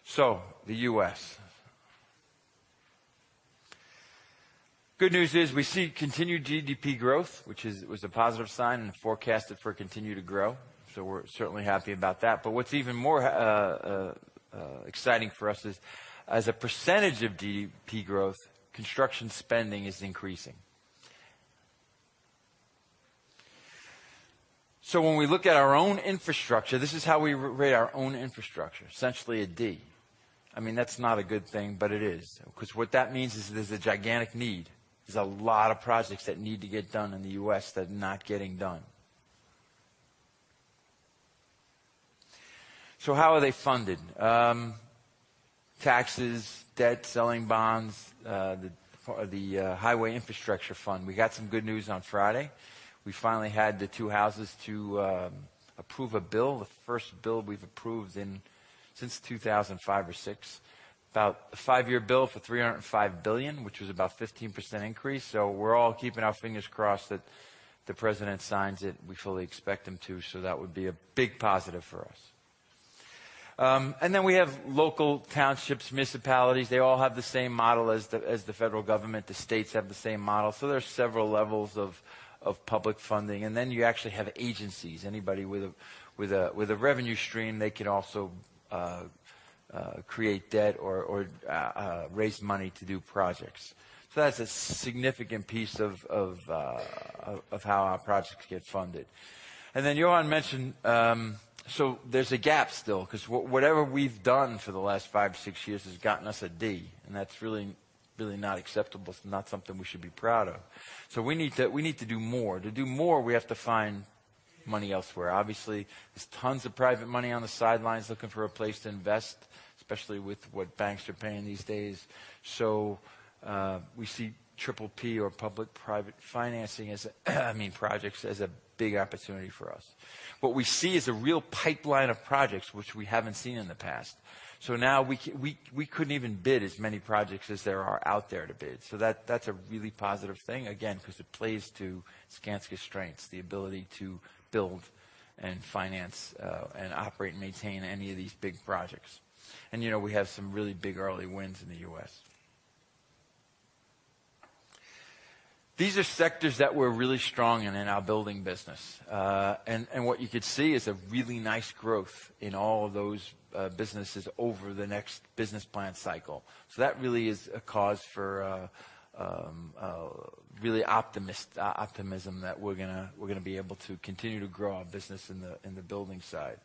So the U.S. Good news is we see continued GDP growth, which was a positive sign and the forecast is for it to continue to grow, so we're certainly happy about that. But what's even more exciting for us is, as a percentage of GDP growth, construction spending is increasing. So when we look at our own infrastructure, this is how we rate our own infrastructure, essentially a D. I mean, that's not a good thing, but it is, because what that means is there's a gigantic need. There's a lot of projects that need to get done in the U.S. that are not getting done. So how are they funded? Taxes, debt, selling bonds, for the Highway Infrastructure Fund. We got some good news on Friday. We finally had the two houses to approve a bill, the first bill we've approved in... since 2005 or 2006. About a five-year bill for 305 billion, which was about 15% increase, so we're all keeping our fingers crossed that the president signs it. We fully expect him to, so that would be a big positive for us. And then we have local townships, municipalities. They all have the same model as the federal government. The states have the same model, so there are several levels of public funding. And then you actually have agencies. Anybody with a revenue stream, they can also create debt or raise money to do projects. So that's a significant piece of how our projects get funded. And then Johan mentioned. So there's a gap still, 'cause whatever we've done for the last 5-6 years has gotten us a D, and that's really, really not acceptable. It's not something we should be proud of, so we need to do more. To do more, we have to find money elsewhere. Obviously, there's tons of private money on the sidelines looking for a place to invest, especially with what banks are paying these days. So we see triple P or public-private financing as, I mean, projects, as a big opportunity for us. What we see is a real pipeline of projects which we haven't seen in the past. So now we we couldn't even bid as many projects as there are out there to bid, so that's a really positive thing, again, 'cause it plays to Skanska's strengths, the ability to build and finance and operate and maintain any of these big projects. And you know, we have some really big early wins in the U.S. These are sectors that we're really strong in in our building business. And what you could see is a really nice growth in all of those businesses over the next business plan cycle. So that really is a cause for really optimism that we're gonna be able to continue to grow our business in the building side.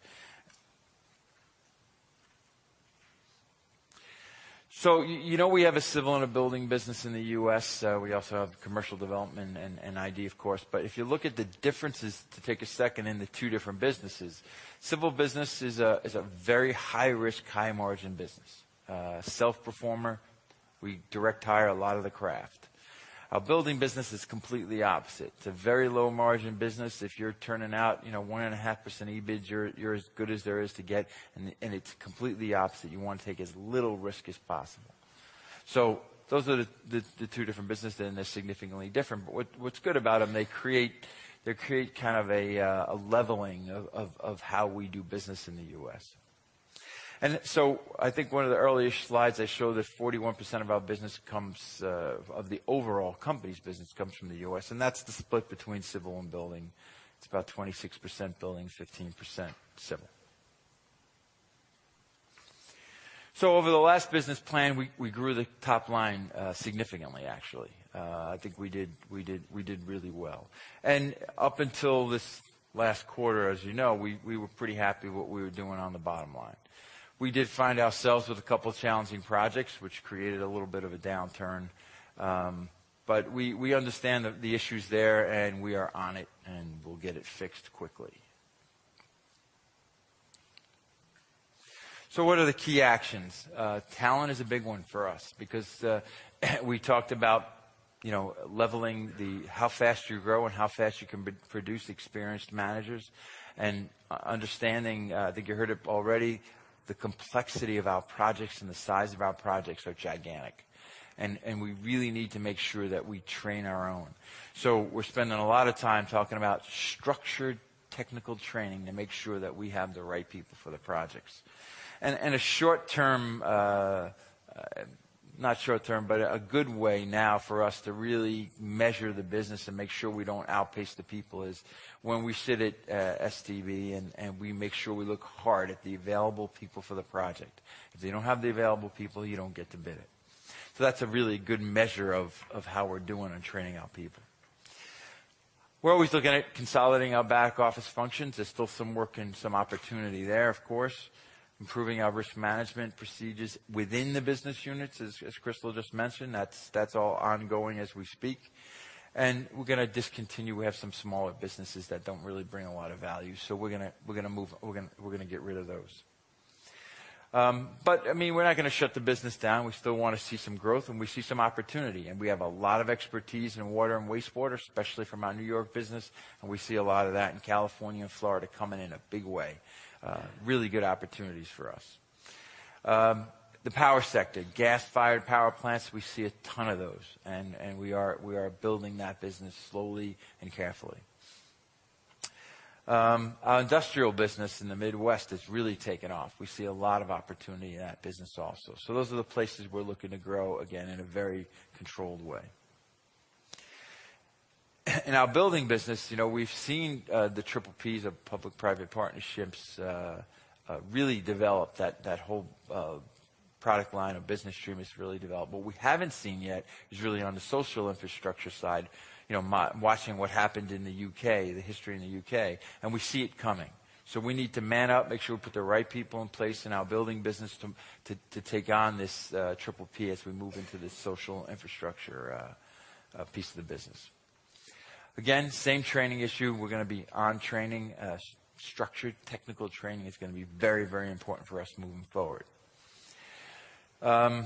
So you know, we have a civil and a building business in the U.S. We also have commercial development and ID, of course. But if you look at the differences, to take a second, in the two different businesses, civil business is a very high-risk, high-margin business. Self-performer, we direct hire a lot of the craft. Our building business is completely opposite. It's a very low-margin business. If you're turning out, you know, 1.5% EBIT, you're as good as there is to get, and it's completely opposite. You want to take as little risk as possible. So those are the two different businesses, and they're significantly different. But what's good about them, they create kind of a leveling of how we do business in the U.S. I think one of the earlier slides, I showed that 41% of our business comes of the overall company's business, comes from the U.S., and that's the split between civil and building. It's about 26% building, 15% civil. So over the last business plan, we grew the top line significantly, actually. I think we did really well. And up until this last quarter, as you know, we were pretty happy with what we were doing on the bottom line. We did find ourselves with a couple of challenging projects, which created a little bit of a downturn. But we understand the issues there, and we are on it, and we'll get it fixed quickly. So what are the key actions? Talent is a big one for us because, we talked about, you know, leveling how fast you grow and how fast you can produce experienced managers and understanding, I think you heard it already, the complexity of our projects and the size of our projects are gigantic. And we really need to make sure that we train our own. So we're spending a lot of time talking about structured technical training to make sure that we have the right people for the projects. And a short-term, not short-term, but a good way now for us to really measure the business and make sure we don't outpace the people is when we sit at STB, and we make sure we look hard at the available people for the project. If you don't have the available people, you don't get to bid it. So that's a really good measure of how we're doing on training our people. We're always looking at consolidating our back office functions. There's still some work and some opportunity there, of course. Improving our risk management procedures within the business units, as Christel just mentioned, that's all ongoing as we speak. And we're gonna discontinue. We have some smaller businesses that don't really bring a lot of value, so we're gonna get rid of those. But, I mean, we're not gonna shut the business down. We still wanna see some growth, and we see some opportunity, and we have a lot of expertise in water and wastewater, especially from our New York business, and we see a lot of that in California and Florida coming in a big way. Really good opportunities for us. The power sector, gas-fired power plants, we see a ton of those, and we are building that business slowly and carefully. Our industrial business in the Midwest has really taken off. We see a lot of opportunity in that business also. So those are the places we're looking to grow again in a very controlled way. In our building business, you know, we've seen the triple Ps of public-private partnerships really develop. That whole product line of business stream has really developed. What we haven't seen yet is really on the social infrastructure side, you know, watching what happened in the U.K., the history in the U.K., and we see it coming. So we need to man up, make sure we put the right people in place in our building business to take on this triple P as we move into this social infrastructure piece of the business. Again, same training issue. We're gonna be on training. Structured technical training is gonna be very, very important for us moving forward. And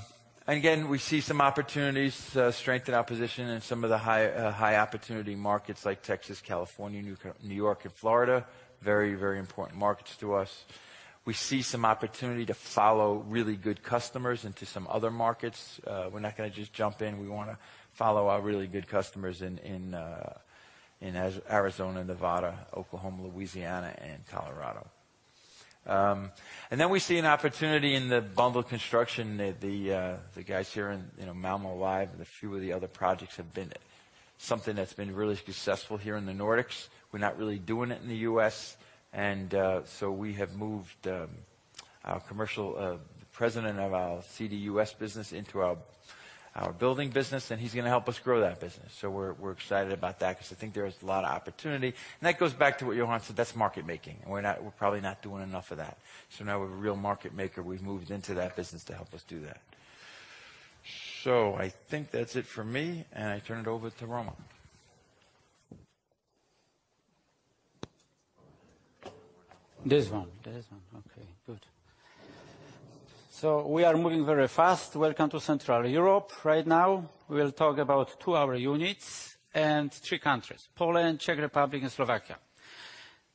again, we see some opportunities to strengthen our position in some of the high-opportunity markets like Texas, California, New York, and Florida. Very, very important markets to us. We see some opportunity to follow really good customers into some other markets. We're not gonna just jump in. We wanna follow our really good customers in Arizona, Nevada, Oklahoma, Louisiana, and Colorado. And then we see an opportunity in the bundle construction that the guys here in, you know, Malmö Live and a few of the other projects have been something that's been really successful here in the Nordics. We're not really doing it in the U.S., and so we have moved our commercial president of our CDUS business into our building business, and he's gonna help us grow that business. So we're excited about that because I think there is a lot of opportunity, and that goes back to what Johan said. That's market making, and we're probably not doing enough of that. So now we have a real market maker. We've moved into that business to help us do that. I think that's it for me, and I turn it over to Roman. This one. This one. Okay, good. So we are moving very fast. Welcome to Central Europe. Right now, we'll talk about two our units and three countries, Poland, Czech Republic, and Slovakia.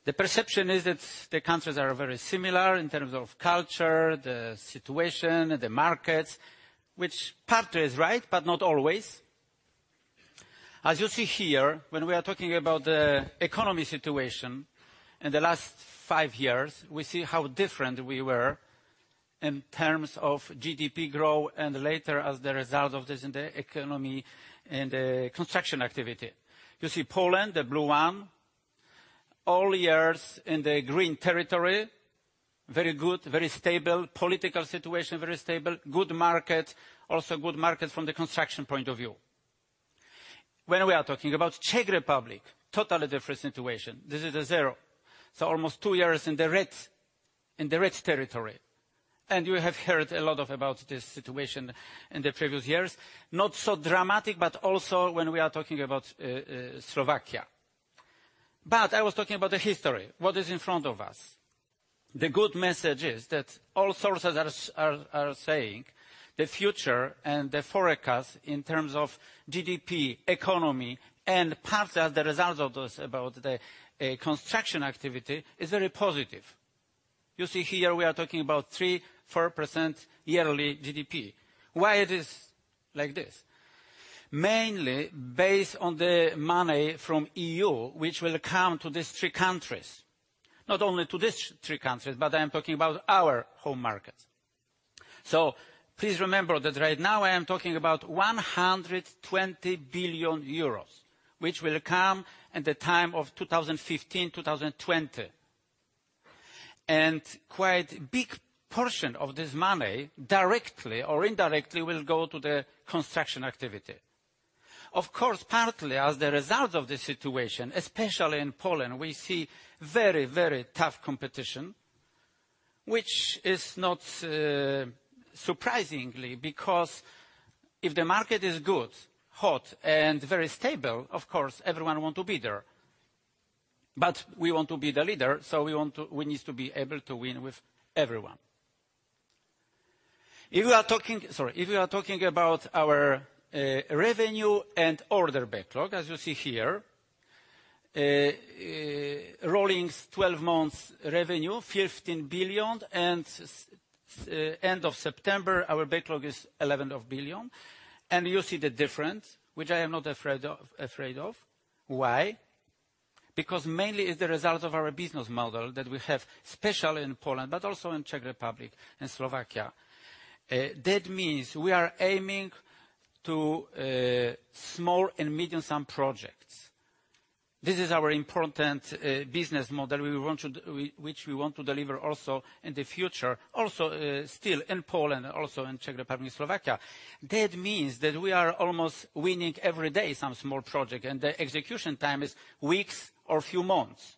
The perception is that the countries are very similar in terms of culture, the situation, the markets, which partly is right, but not always. As you see here, when we are talking about the economy situation in the last five years, we see how different we were in terms of GDP growth, and later, as the result of this, in the economy and construction activity. You see Poland, the blue one, all years in the green territory, very good, very stable. Political situation, very stable. Good market. Also good market from the construction point of view. When we are talking about Czech Republic, totally different situation. This is a zero, so almost two years in the red, in the red territory. And you have heard a lot about this situation in the previous years. Not so dramatic, but also when we are talking about Slovakia. But I was talking about the history, what is in front of us? The good message is that all sources are saying the future and the forecast in terms of GDP, economy, and partly as the result of those about the construction activity, is very positive. You see here we are talking about 3%-4% yearly GDP. Why it is like this? Mainly based on the money from EU, which will come to these three countries. Not only to these three countries, but I am talking about our home markets. So please remember that right now I am talking about 120 billion euros, which will come in the time of 2015, 2020. Quite big portion of this money, directly or indirectly, will go to the construction activity. Of course, partly as the result of the situation, especially in Poland, we see very, very tough competition, which is not, surprisingly, because if the market is good, hot, and very stable, of course, everyone want to be there.... But we want to be the leader, so we want to, we need to be able to win with everyone. If you are talking, sorry, if you are talking about our, revenue and order backlog, as you see here, rolling twelve months revenue, 15 billion, and end of September, our backlog is 11 billion. You see the difference, which I am not afraid of, afraid of. Why? Because mainly it's the result of our business model that we have, especially in Poland, but also in Czech Republic and Slovakia. That means we are aiming to small and medium-sized projects. This is our important business model. We want to we, which we want to deliver also in the future, also still in Poland, also in Czech Republic, and Slovakia. That means that we are almost winning every day some small project, and the execution time is weeks or a few months.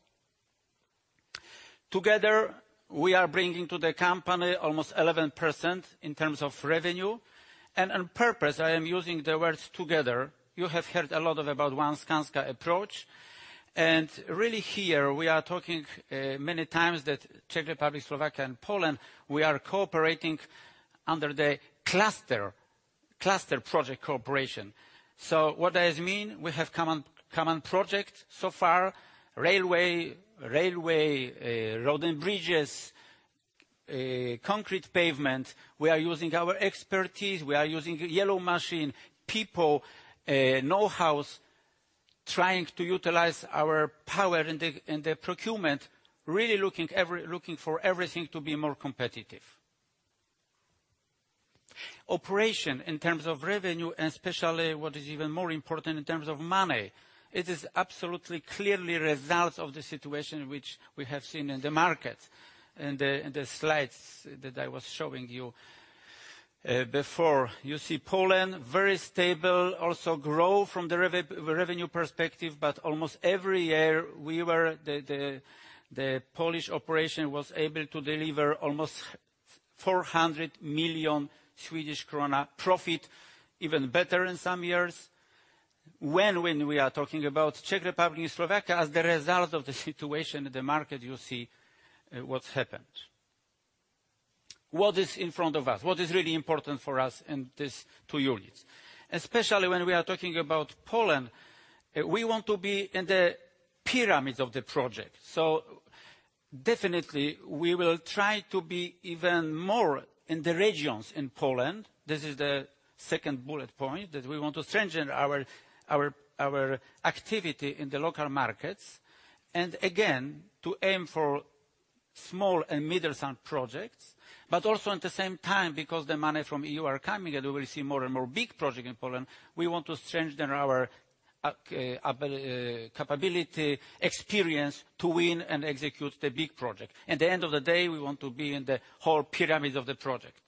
Together, we are bringing to the company almost 11% in terms of revenue. On purpose, I am using the words together. You have heard a lot about One Skanska approach, and really here we are talking many times that Czech Republic, Slovakia, and Poland, we are cooperating under the cluster project cooperation. So what does it mean? We have common project. So far, railway, road and bridges, concrete pavement. We are using our expertise, we are using yellow machine, people, know-hows, trying to utilize our power in the procurement, really looking for everything to be more competitive. Operation in terms of revenue, and especially what is even more important, in terms of money, it is absolutely clearly a result of the situation which we have seen in the market, in the slides that I was showing you before. You see Poland, very stable, also grow from the revenue perspective, but almost every year, we were... The Polish operation was able to deliver almost 400 million Swedish krona profit, even better in some years. When we are talking about Czech Republic and Slovakia, as the result of the situation in the market, you see, what's happened. What is in front of us? What is really important for us in these two units? Especially when we are talking about Poland, we want to be in the pyramid of the project. So definitely we will try to be even more in the regions in Poland. This is the second bullet point, that we want to strengthen our activity in the local markets, and again, to aim for small and medium-sized projects, but also at the same time, because the money from EU are coming, and we will see more and more big project in Poland, we want to strengthen our capability, experience to win and execute the big project. At the end of the day, we want to be in the whole pyramid of the project.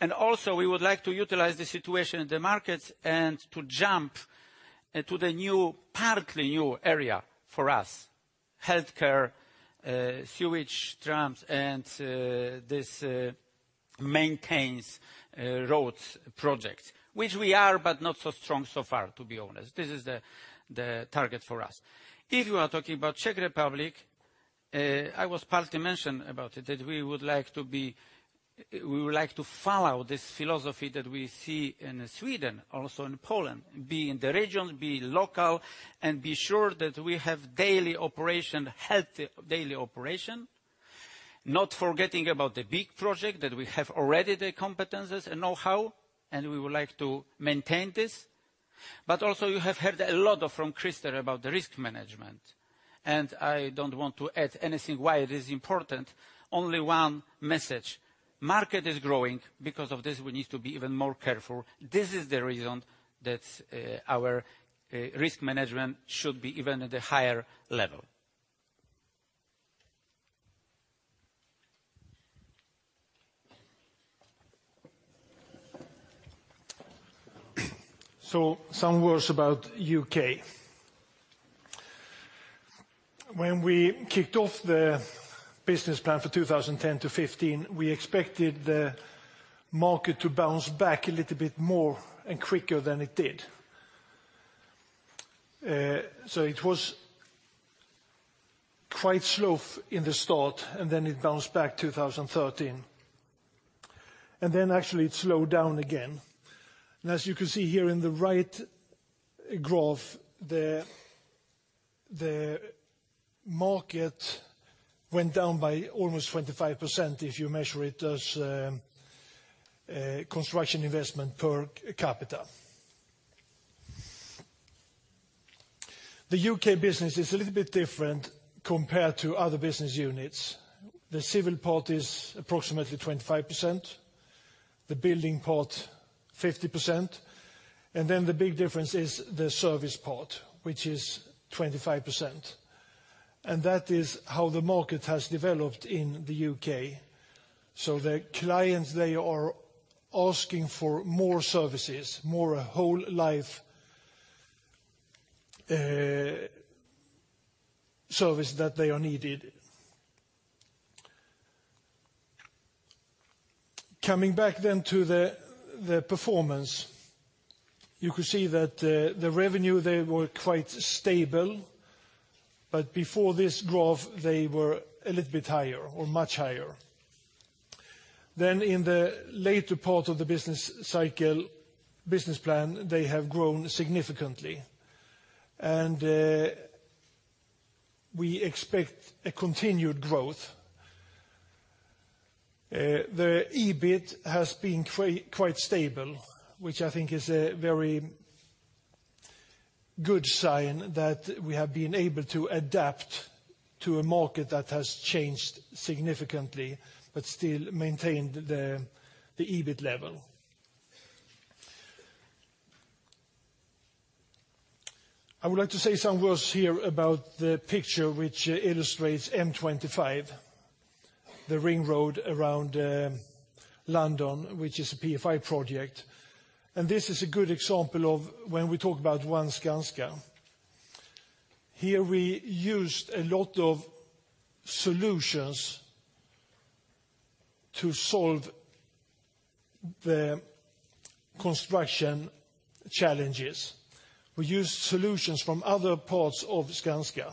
And also, we would like to utilize the situation in the markets and to jump to the new, partly new area for us: healthcare, sewage, trams, and this maintains roads projects, which we are, but not so strong so far, to be honest. This is the target for us. If you are talking about Czech Republic, I was partly mentioned about it, that we would like to follow this philosophy that we see in Sweden, also in Poland. Be in the region, be local, and be sure that we have daily operation, healthy daily operation. Not forgetting about the big project, that we have already the competencies and know-how, and we would like to maintain this. But also, you have heard a lot of from Christel about the risk management, and I don't want to add anything why it is important. Only one message: market is growing. Because of this, we need to be even more careful. This is the reason that our risk management should be even at a higher level. So some words about UK. When we kicked off the business plan for 2010-2015, we expected the market to bounce back a little bit more and quicker than it did. So it was quite slow in the start, and then it bounced back 2013. And then actually it slowed down again. And as you can see here in the right graph, the market went down by almost 25%, if you measure it as construction investment per capita. The U.K business is a little bit different compared to other business units. The civil part is approximately 25%, the building part 50%, and then the big difference is the service part, which is 25%. And that is how the market has developed in the U.K. So the clients, they are asking for more services, more whole life service that they are needed. Coming back then to the performance. You could see that, the revenue, they were quite stable, but before this growth, they were a little bit higher or much higher. Then in the later part of the business cycle, business plan, they have grown significantly, and we expect a continued growth. The EBIT has been quite stable, which I think is a very good sign that we have been able to adapt to a market that has changed significantly, but still maintained the EBIT level. I would like to say some words here about the picture, which illustrates M25, the ring road around London, which is a PFI project. And this is a good example of when we talk about One Skanska. Here, we used a lot of solutions to solve the construction challenges. We used solutions from other parts of Skanska,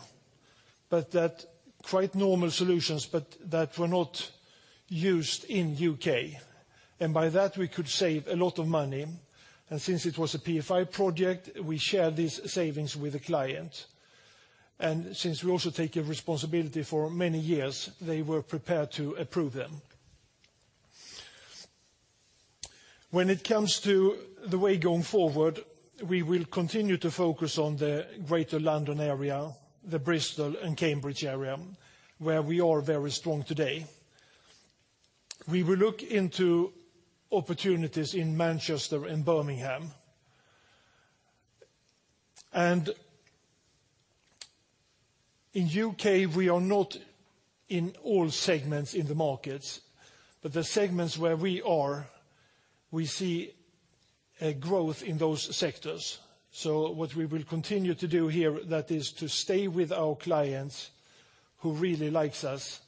but that quite normal solutions, but that were not used in U.K., and by that, we could save a lot of money. Since it was a PFI project, we shared these savings with the client. Since we also take a responsibility for many years, they were prepared to approve them. When it comes to the way going forward, we will continue to focus on the Greater London area, the Bristol and Cambridge area, where we are very strong today. We will look into opportunities in Manchester and Birmingham. In U.K., we are not in all segments in the markets, but the segments where we are, we see a growth in those sectors. So what we will continue to do here, that is to stay with our clients who really likes us,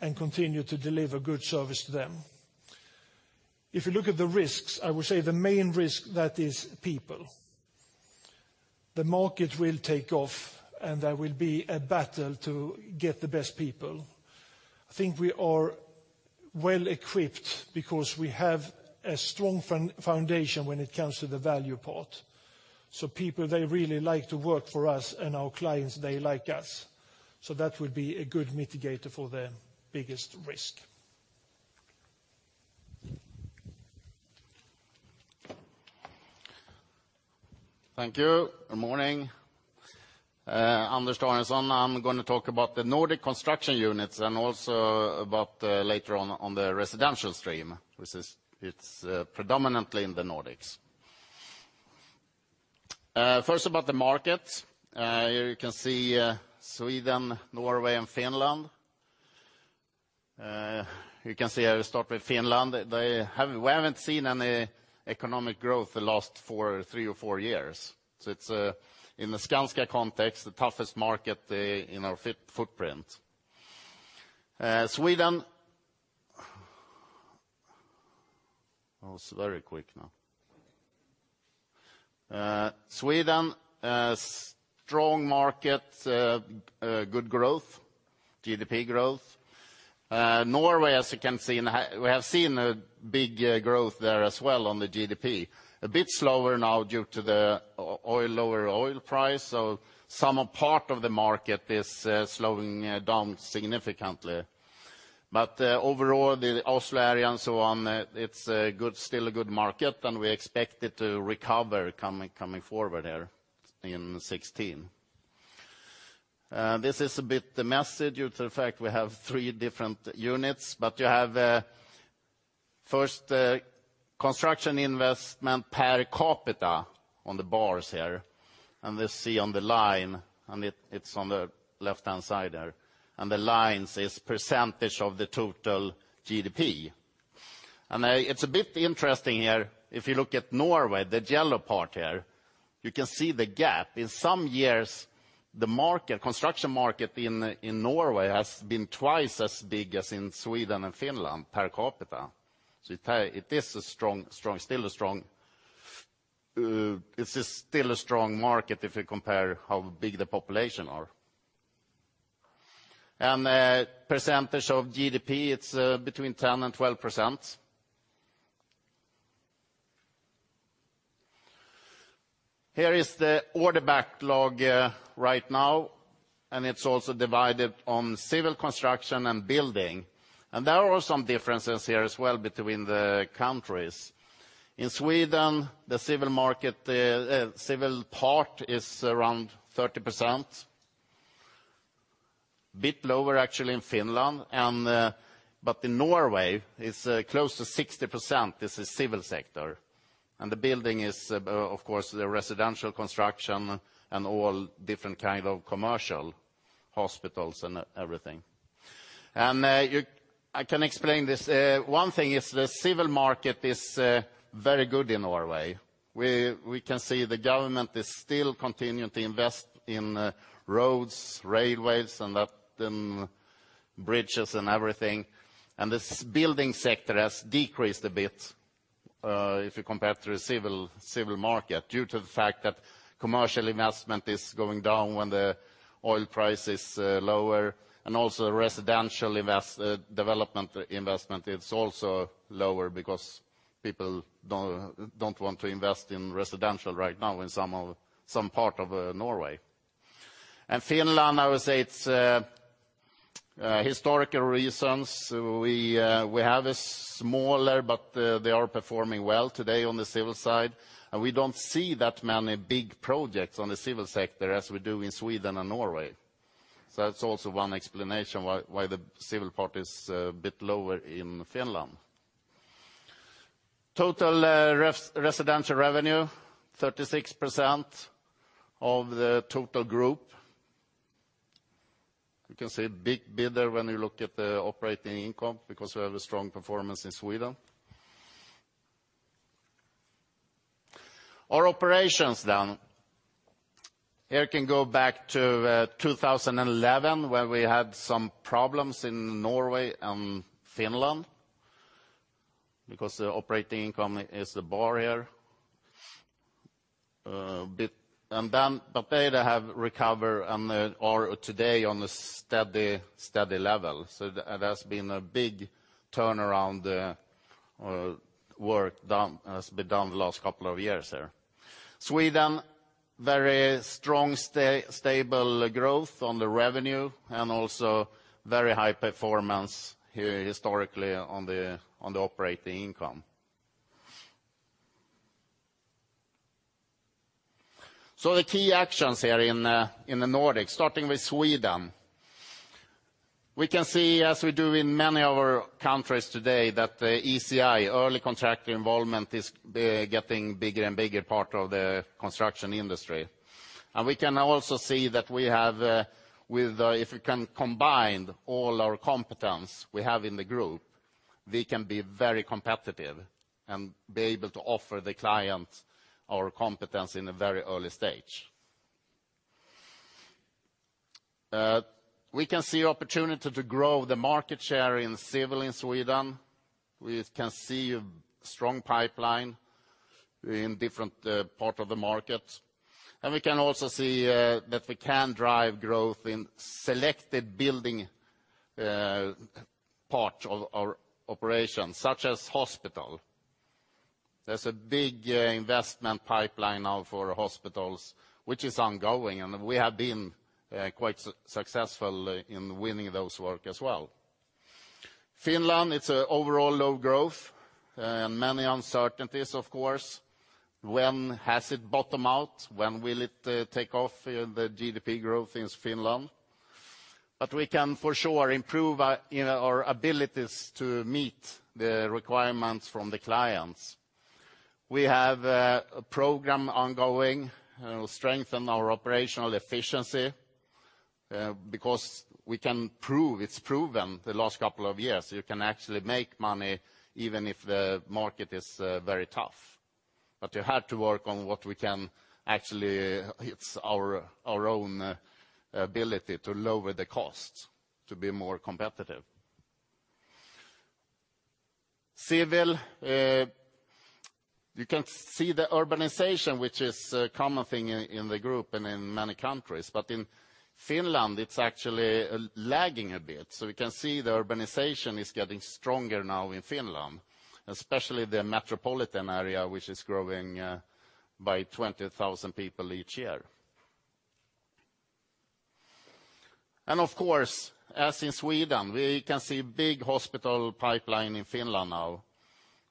and continue to deliver good service to them. If you look at the risks, I would say the main risk, that is people. The market will take off, and there will be a battle to get the best people. I think we are well equipped because we have a strong foundation when it comes to the value part. So people, they really like to work for us, and our clients, they like us, so that would be a good mitigator for the biggest risk. Thank you. Good morning. Anders Danielsson, I'm gonna talk about the Nordic construction units and also about, later on, on the residential stream, which is, it's, predominantly in the Nordics. First about the market. Here you can see, Sweden, Norway, and Finland. You can see I will start with Finland. They haven't, we haven't seen any economic growth the last 4, 3 or 4 years, so it's, in the Skanska context, the toughest market, in our footprint. Sweden... Oh, it's very quick now. Sweden, strong market, good growth, GDP growth. Norway, as you can see, in the half we have seen a big growth there as well on the GDP. A bit slower now due to the oil, lower oil price, so some are part of the market is, slowing, down significantly. But, overall, the Oslo area and so on, it's a good, still a good market, and we expect it to recover coming, coming forward there in 2016. This is a bit messy due to the fact we have three different units, but you have, first, construction investment per capita on the bars here, and this see on the line, and it, it's on the left-hand side there, and the lines is percentage of the total GDP. And, it's a bit interesting here, if you look at Norway, the yellow part here, you can see the gap. In some years, the market, construction market in, in Norway has been twice as big as in Sweden and Finland per capita. So it is a strong, strong, still a strong, it is still a strong market if you compare how big the population are. And percentage of GDP, it's between 10% and 12%. Here is the order backlog right now, and it's also divided on civil construction and building. And there are some differences here as well between the countries. In Sweden, the civil market, civil part is around 30%. Bit lower, actually, in Finland, and but in Norway, it's close to 60%, this is civil sector. And the building is, of course, the residential construction and all different kind of commercial, hospitals and everything. And you, I can explain this. One thing is the civil market is very good in Norway. We can see the government is still continuing to invest in roads, railways, and that, in bridges and everything. And this building sector has decreased a bit, if you compare to the civil market, due to the fact that commercial investment is going down when the oil price is lower, and also residential development investment, it's also lower because people don't want to invest in residential right now in some part of Norway. And Finland, I would say it's historical reasons. We have a smaller, but they are performing well today on the civil side, and we don't see that many big projects on the civil sector as we do in Sweden and Norway. So that's also one explanation why the civil part is a bit lower in Finland. Total, residential revenue, 36% of the total group. You can see it big, bigger when you look at the operating income, because we have a strong performance in Sweden. Our operations then, here can go back to, 2011, where we had some problems in Norway and Finland, because the operating income is the bar here. And then, but they, they have recovered and, are today on a steady, steady level, so there, there has been a big turnaround, work has been done the last couple of years there. Sweden, very strong stable growth on the revenue, and also very high performance here historically on the, on the operating income. So the key actions here in, in the Nordics, starting with Sweden. We can see, as we do in many other countries today, that the ECI, Early Contractor Involvement, is getting bigger and bigger part of the construction industry. We can also see that we have, with, if we can combine all our competence we have in the group, we can be very competitive, and be able to offer the client our competence in a very early stage. We can see opportunity to grow the market share in civil in Sweden. We can see a strong pipeline in different, part of the market. We can also see, that we can drive growth in selected building, parts of our operations, such as hospital. There's a big, investment pipeline now for hospitals, which is ongoing, and we have been, quite successful in winning those work as well. Finland, it's overall low growth and many uncertainties, of course. When has it bottomed out? When will it take off, the GDP growth in Finland? But we can for sure improve our, you know, our abilities to meet the requirements from the clients. We have a program ongoing to strengthen our operational efficiency, because it's proven the last couple of years, you can actually make money even if the market is very tough. But you have to work on what we can actually... It's our own ability to lower the costs to be more competitive. Civil, you can see the urbanization, which is a common thing in the group and in many countries, but in Finland, it's actually lagging a bit. So we can see the urbanization is getting stronger now in Finland, especially the metropolitan area, which is growing by 20,000 people each year. And of course, as in Sweden, we can see big hospital pipeline in Finland now.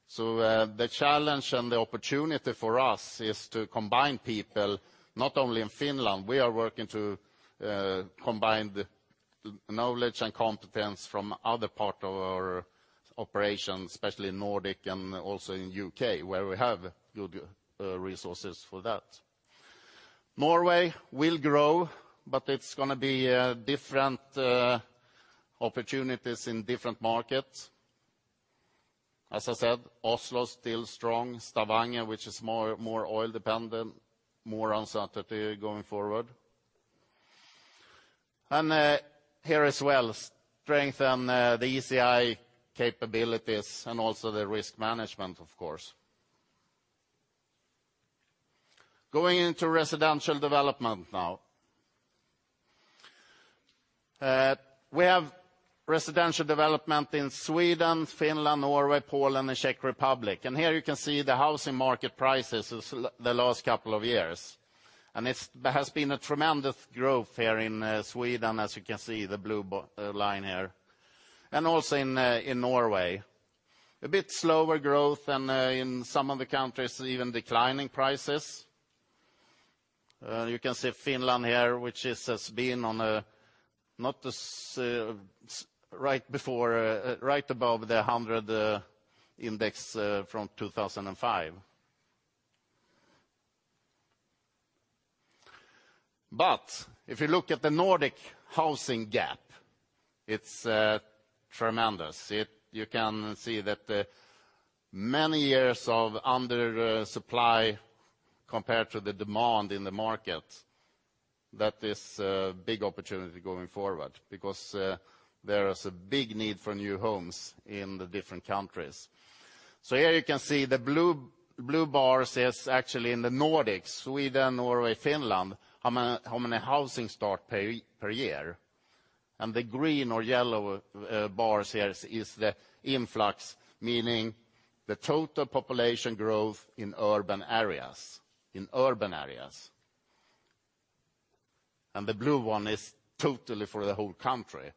So the challenge and the opportunity for us is to combine people, not only in Finland, we are working to combine the knowledge and competence from other part of our operations, especially in Nordic and also in UK, where we have good resources for that. Norway will grow, but it's gonna be different opportunities in different markets. As I said, Oslo is still strong. Stavanger, which is more oil dependent, more uncertainty going forward. And here as well, strengthen the ECI capabilities and also the risk management, of course. Going into residential development now. We have residential development in Sweden, Finland, Norway, Poland, and Czech Republic. And here you can see the housing market prices is, the last couple of years. And it's, there has been a tremendous growth here in, Sweden, as you can see, the blue line here, and also in, in Norway. A bit slower growth than, in some of the countries, even declining prices. You can see Finland here, which is, has been on a, not as, right before, right above the 100 index, from 2005. But if you look at the Nordic housing gap, it's tremendous. You can see that many years of under supply compared to the demand in the market, that is a big opportunity going forward, because there is a big need for new homes in the different countries. So here you can see the blue bars is actually in the Nordics, Sweden, Norway, Finland, how many housing starts per year. And the green or yellow bars here is the influx, meaning the total population growth in urban areas. And the blue one is totally for the whole country.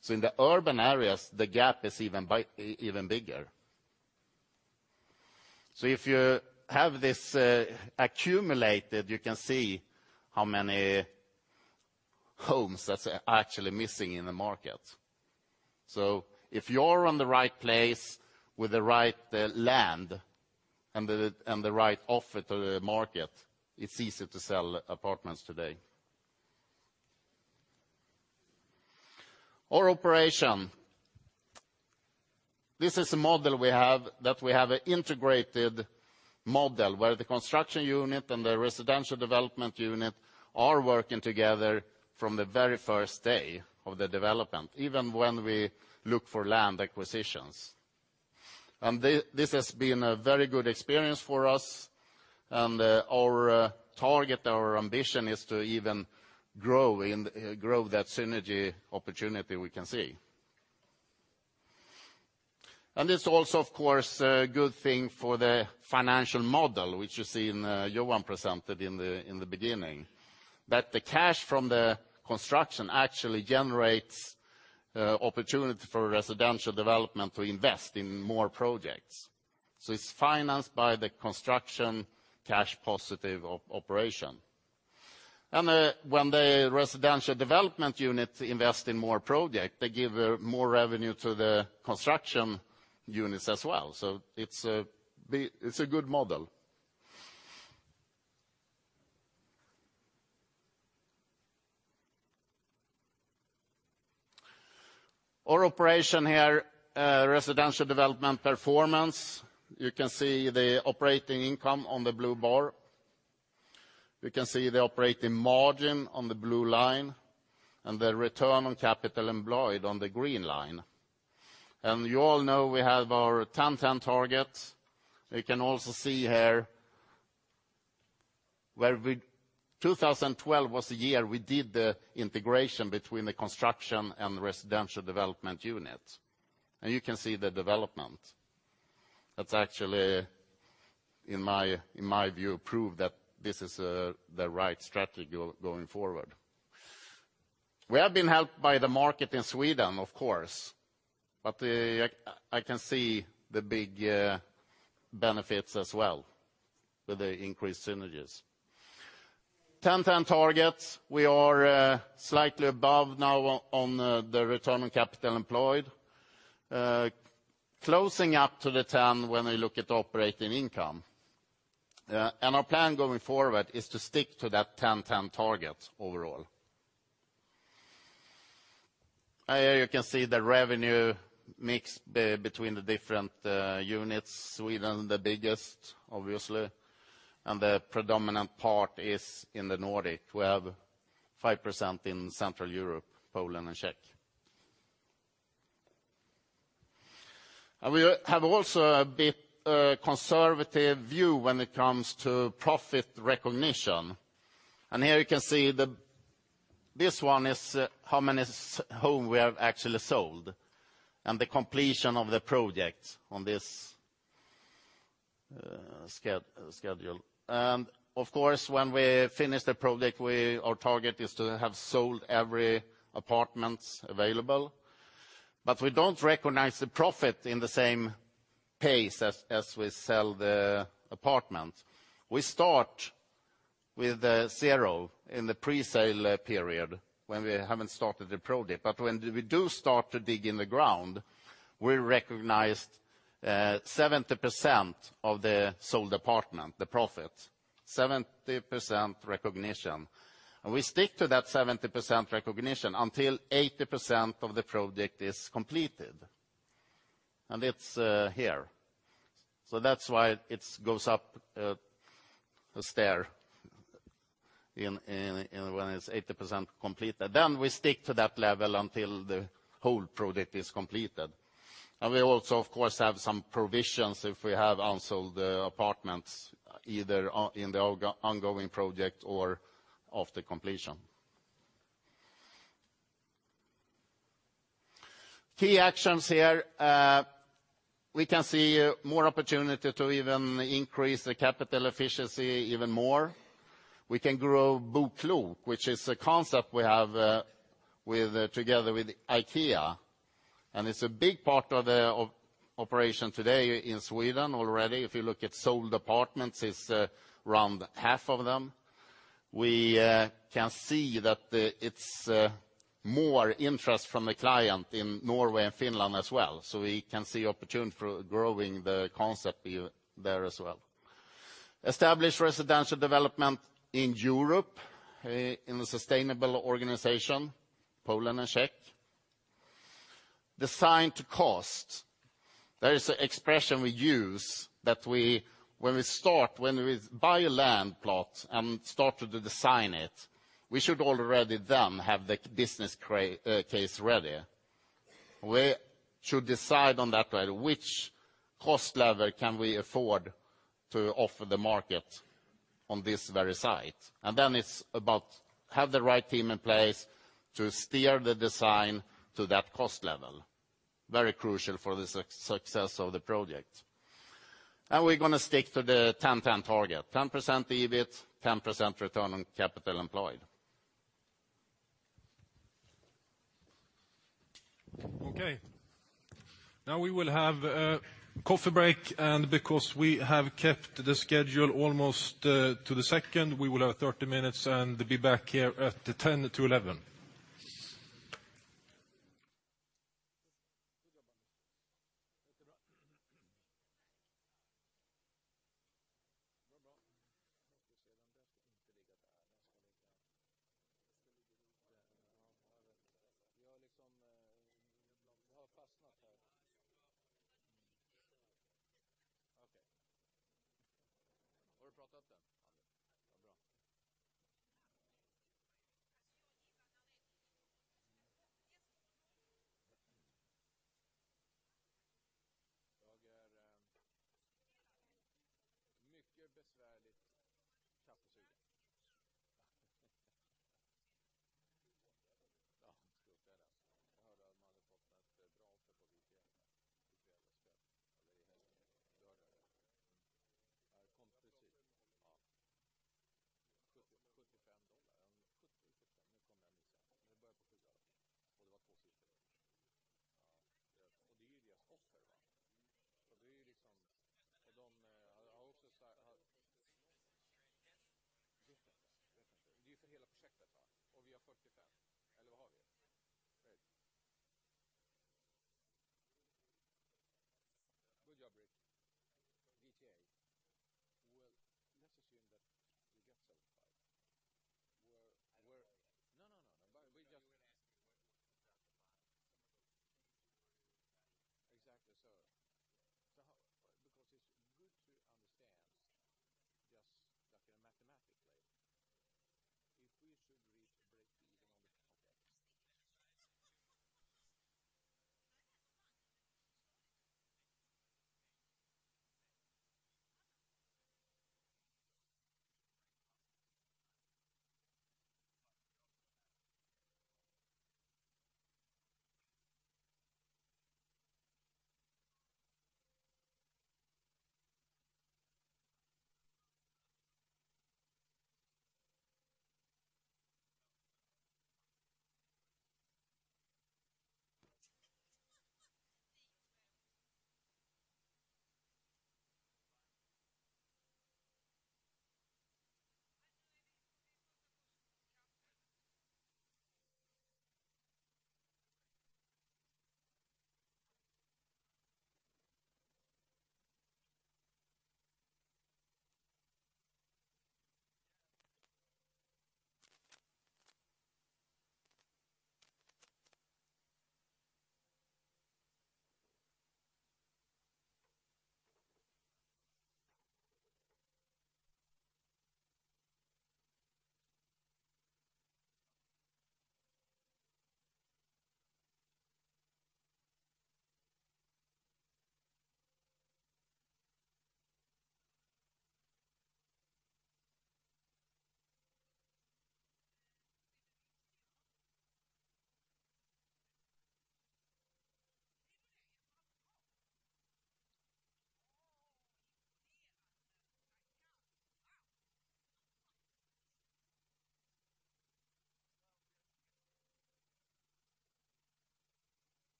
So in the urban areas, the gap is even bigger. So if you have this accumulated, you can see how many homes that's actually missing in the market. So if you're in the right place with the right land and the right offer to the market, it's easy to sell apartments today. Our operation. This is a model we have, an integrated model, where the construction unit and the residential development unit are working together from the very first day of the development, even when we look for land acquisitions. This has been a very good experience for us, and our target, our ambition, is to even grow that synergy opportunity we can see. And it's also, of course, a good thing for the financial model, which you see, and Johan presented in the beginning. That the cash from the construction actually generates opportunity for residential development to invest in more projects. So it's financed by the construction cash positive operation. When the residential development unit invest in more project, they give more revenue to the construction units as well, so it's a good model. Our operation here, residential development performance. You can see the operating income on the blue bar. You can see the operating margin on the blue line, and the return on capital employed on the green line. And you all know we have our 10-10 target. You can also see here, where we... 2012 was the year we did the integration between the construction and residential development unit, and you can see the development. That's actually, in my view, prove that this is the right strategy going forward. We have been helped by the market in Sweden, of course, but, I, I can see the big, benefits as well with the increased synergies. 10-10 targets, we are, slightly above now on, on the return on capital employed. Closing up to the 10 when we look at operating income. And our plan going forward is to stick to that 10-10 target overall. Here you can see the revenue mix between the different, units. Sweden, the biggest, obviously, and the predominant part is in the Nordic. We have 5% in Central Europe, Poland and Czech. And we have also a bit, conservative view when it comes to profit recognition. And here you can see the... This one is how many homes we have actually sold, and the completion of the project on this, schedule. Of course, when we finish the project, our target is to have sold every apartments available. But we don't recognize the profit in the same pace as we sell the apartment. We start with zero in the pre-sale period, when we haven't started the project. But when we do start to dig in the ground, we recognized 70% of the sold apartment, the profit. 70% recognition. And we stick to that 70% recognition until 80% of the project is completed, and it's here. So that's why it goes up the stair in when it's 80% complete. Then we stick to that level until the whole project is completed. And we also, of course, have some provisions if we have unsold apartments, either on, in the ongoing project or after completion. Key actions here, we can see more opportunity to even increase the capital efficiency even more. We can grow BoKlok, which is a concept we have, with, together with IKEA, and it's a big part of the operation today in Sweden already. If you look at sold apartments, it's around half of them. We can see that the, it's more interest from the client in Norway and Finland as well. So we can see opportunity for growing the concept there as well. Establish residential development in Europe, in a sustainable organization, Poland and Czech. Design to cost. There is an expression we use that when we start, when we buy a land plot and start to design it, we should already then have the business case ready. We should decide on that way, which cost level can we afford to offer the market on this very site? Then it's about have the right team in place to steer the design to that cost level. Very crucial for the success of the project. We're going to stick to the 10-10 target, 10% EBIT, 10% return on capital employed. Okay, now we will have a coffee break, and because we have kept the schedule almost to the second, we will have 30 minutes and be back here at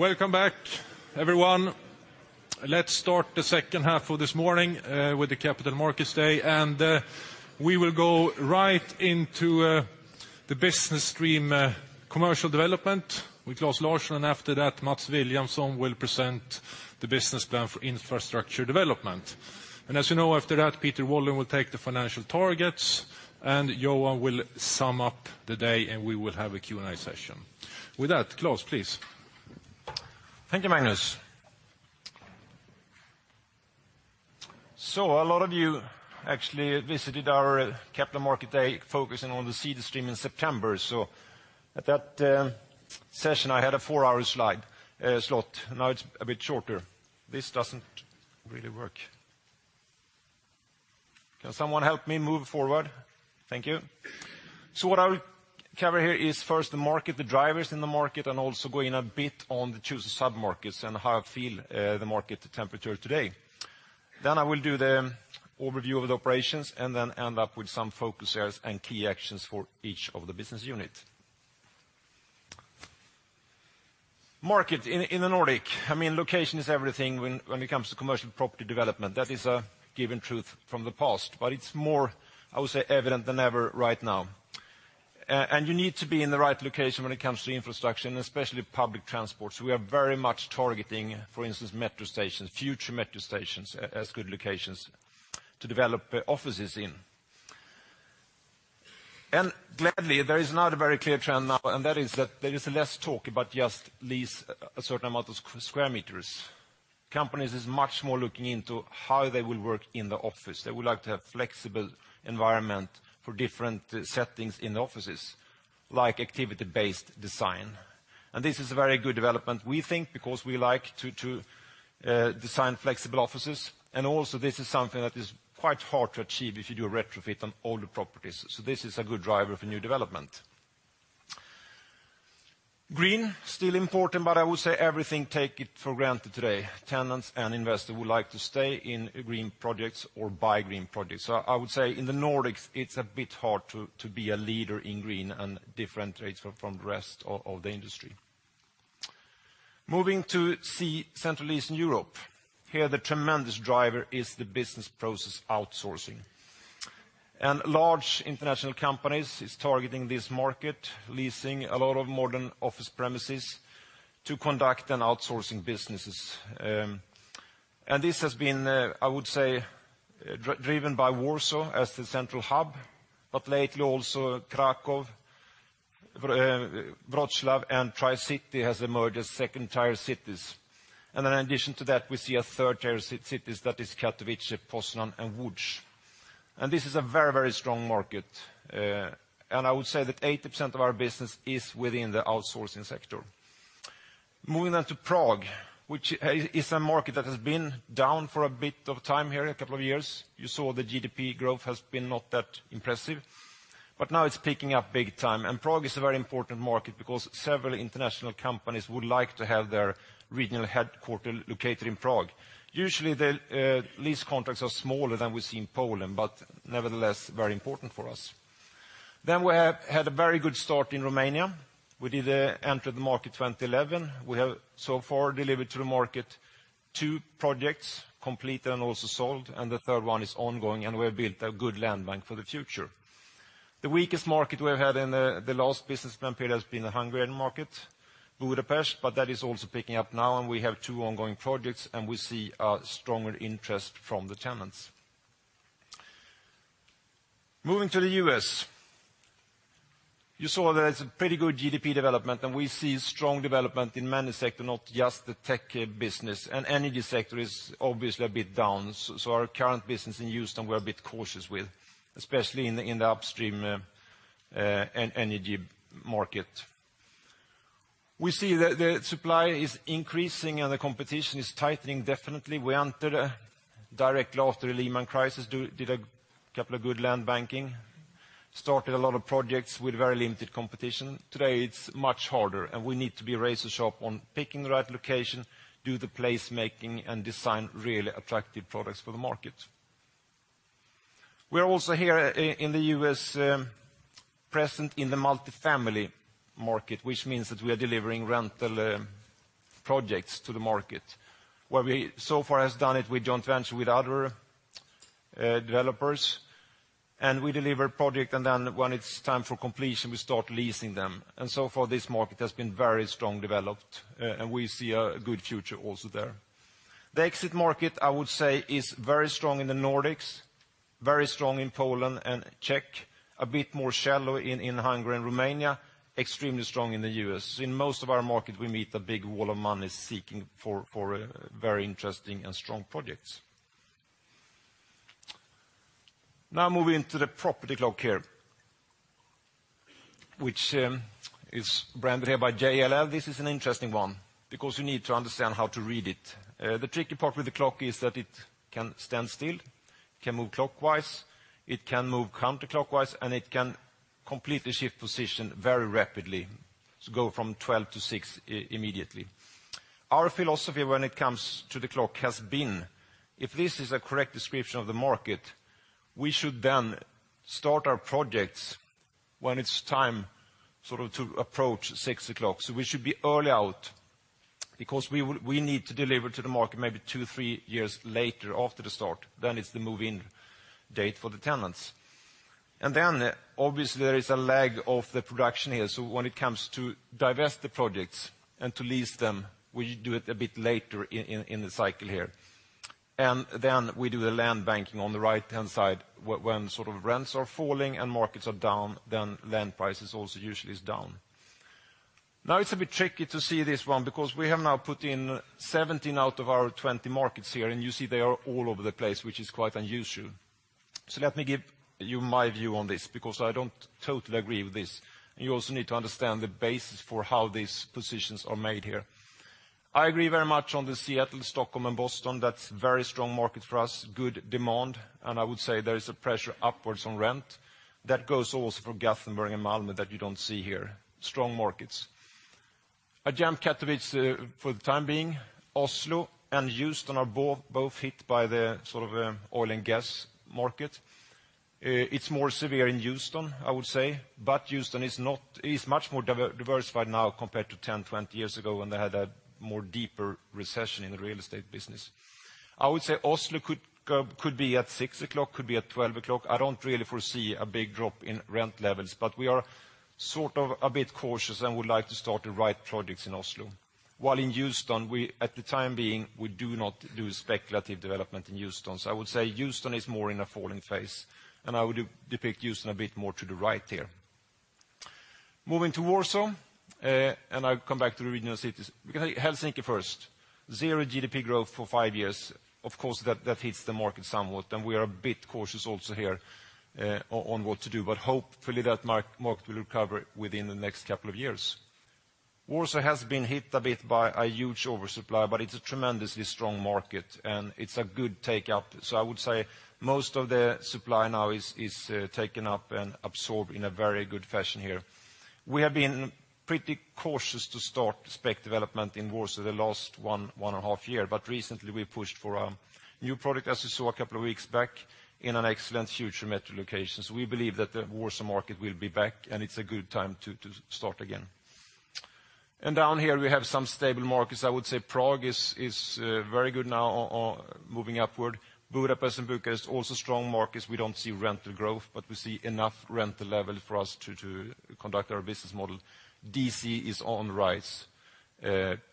Welcome back, everyone. Let's start the second half of this morning with the Capital Markets Day, and we will go right into the business stream, commercial development with Claes Larsson, and after that, Mats Williamson will present the business plan for infrastructure development. And as you know, after that, Peter Wallin will take the financial targets, and Johan will sum up the day, and we will have a Q&A session. With that, Claes, please. Thank you, Magnus.... So a lot of you actually visited our capital market day focusing on the seed stream in September. So at that session, I had a four-hour slide slot, now it's a bit shorter. This doesn't really work. Can someone help me move forward? Thank you. So what I will cover here is first the market, the drivers in the market, and also go in a bit on the chosen submarkets, and how I feel the market temperature today. Then I will do the overview of the operations, and then end up with some focus areas and key actions for each of the business unit. Market in the Nordic, I mean, location is everything when it comes to commercial property development. That is a given truth from the past, but it's more, I would say, evident than ever right now. You need to be in the right location when it comes to infrastructure, and especially public transport. So we are very much targeting, for instance, metro stations, future metro stations, as good locations to develop offices in. And gladly, there is another very clear trend now, and that is that there is less talk about just lease a certain amount of square meters. Companies is much more looking into how they will work in the office. They would like to have flexible environment for different settings in the offices, like activity-based design. And this is a very good development, we think, because we like to design flexible offices, and also this is something that is quite hard to achieve if you do a retrofit on older properties. So this is a good driver for new development. Green, still important, but I would say everything take it for granted today. Tenants and investors would like to stay in green projects or buy green projects. So I would say in the Nordics, it's a bit hard to be a leader in green and differentiate from the rest of the industry. Moving to C, Central Eastern Europe. Here, the tremendous driver is the business process outsourcing. And large international companies is targeting this market, leasing a lot of modern office premises to conduct an outsourcing businesses. And this has been, I would say, driven by Warsaw as the central hub, but lately also Kraków, Wrocław, and Tricity has emerged as second-tier cities. And in addition to that, we see a third-tier cities that is Katowice, Poznań, and Łódź. This is a very, very strong market, and I would say that 80% of our business is within the outsourcing sector. Moving on to Prague, which is a market that has been down for a bit of time here, a couple of years. You saw the GDP growth has been not that impressive, but now it's picking up big time. Prague is a very important market because several international companies would like to have their regional headquarter located in Prague. Usually, the lease contracts are smaller than we see in Poland, but nevertheless, very important for us. We have had a very good start in Romania. We did enter the market in 2011. We have so far delivered to the market two projects, completed and also sold, and the third one is ongoing, and we have built a good land bank for the future. The weakest market we have had in the last business plan period has been the Hungarian market, Budapest, but that is also picking up now, and we have two ongoing projects, and we see a stronger interest from the tenants. Moving to the U.S. You saw that it's a pretty good GDP development, and we see strong development in many sector, not just the tech business. And energy sector is obviously a bit down, so our current business in Houston, we're a bit cautious with, especially in the upstream energy market. We see the supply is increasing and the competition is tightening definitely. We entered directly after the Lehman crisis, did a couple of good land banking, started a lot of projects with very limited competition. Today, it's much harder, and we need to be razor sharp on picking the right location, do the placemaking, and design really attractive products for the market. We're also here in the U.S., present in the multifamily market, which means that we are delivering rental projects to the market, where we so far has done it with joint venture with other developers. And we deliver project, and then when it's time for completion, we start leasing them. And so far, this market has been very strong developed, and we see a good future also there. The exit market, I would say, is very strong in the Nordics, very strong in Poland and Czech, a bit more shallow in, in Hungary and Romania, extremely strong in the U.S. In most of our market, we meet a big wall of money seeking for, for, very interesting and strong projects. Now moving to the property clock here, which, is branded here by JLL. This is an interesting one, because you need to understand how to read it. The tricky part with the clock is that it can stand still, it can move clockwise, it can move counterclockwise, and it can completely shift position very rapidly. So go from 12 to 6 immediately. Our philosophy when it comes to the clock has been, if this is a correct description of the market, we should then start our projects when it's time sort of to approach 6 o'clock. So we should be early out, because we need to deliver to the market maybe 2, 3 years later after the start. Then it's the move-in date for the tenants. And then, obviously, there is a lag of the production here. So when it comes to divest the projects and to lease them, we do it a bit later in the cycle here. And then we do the land banking on the right-hand side. When sort of rents are falling and markets are down, then land price is also usually down. Now it's a bit tricky to see this one, because we have now put in 17 out of our 20 markets here, and you see they are all over the place, which is quite unusual. So let me give you my view on this, because I don't totally agree with this. You also need to understand the basis for how these positions are made here. I agree very much on the Seattle, Stockholm, and Boston. That's very strong market for us, good demand, and I would say there is a pressure upwards on rent. That goes also for Gothenburg and Malmö that you don't see here. Strong markets. I jump Katowice for the time being. Oslo and Houston are both, both hit by the sort of, oil and gas market. It's more severe in Houston, I would say, but Houston is much more diversified now compared to 10, 20 years ago when they had a more deeper recession in the real estate business. I would say Oslo could go, could be at six o'clock, could be at twelve o'clock. I don't really foresee a big drop in rent levels, but we are sort of a bit cautious and would like to start the right projects in Oslo. While in Houston, we at the time being, we do not do speculative development in Houston. So I would say Houston is more in a falling phase, and I would depict Houston a bit more to the right here. Moving to Warsaw, and I'll come back to the regional cities. We can take Helsinki first. Zero GDP growth for 5 years, of course, that, that hits the market somewhat, and we are a bit cautious also here, on, on what to do, but hopefully that market will recover within the next couple of years. Warsaw has been hit a bit by a huge oversupply, but it's a tremendously strong market, and it's a good take up. So I would say most of the supply now is, is, taken up and absorbed in a very good fashion here. We have been pretty cautious to start spec development in Warsaw the last one and a half year, but recently we pushed for a new product, as you saw a couple of weeks back, in an excellent future metro location. So we believe that the Warsaw market will be back, and it's a good time to, to start again. Down here, we have some stable markets. I would say Prague is very good now on moving upward. Budapest and Bucharest, also strong markets. We don't see rental growth, but we see enough rental level for us to conduct our business model. D.C. is on the rise.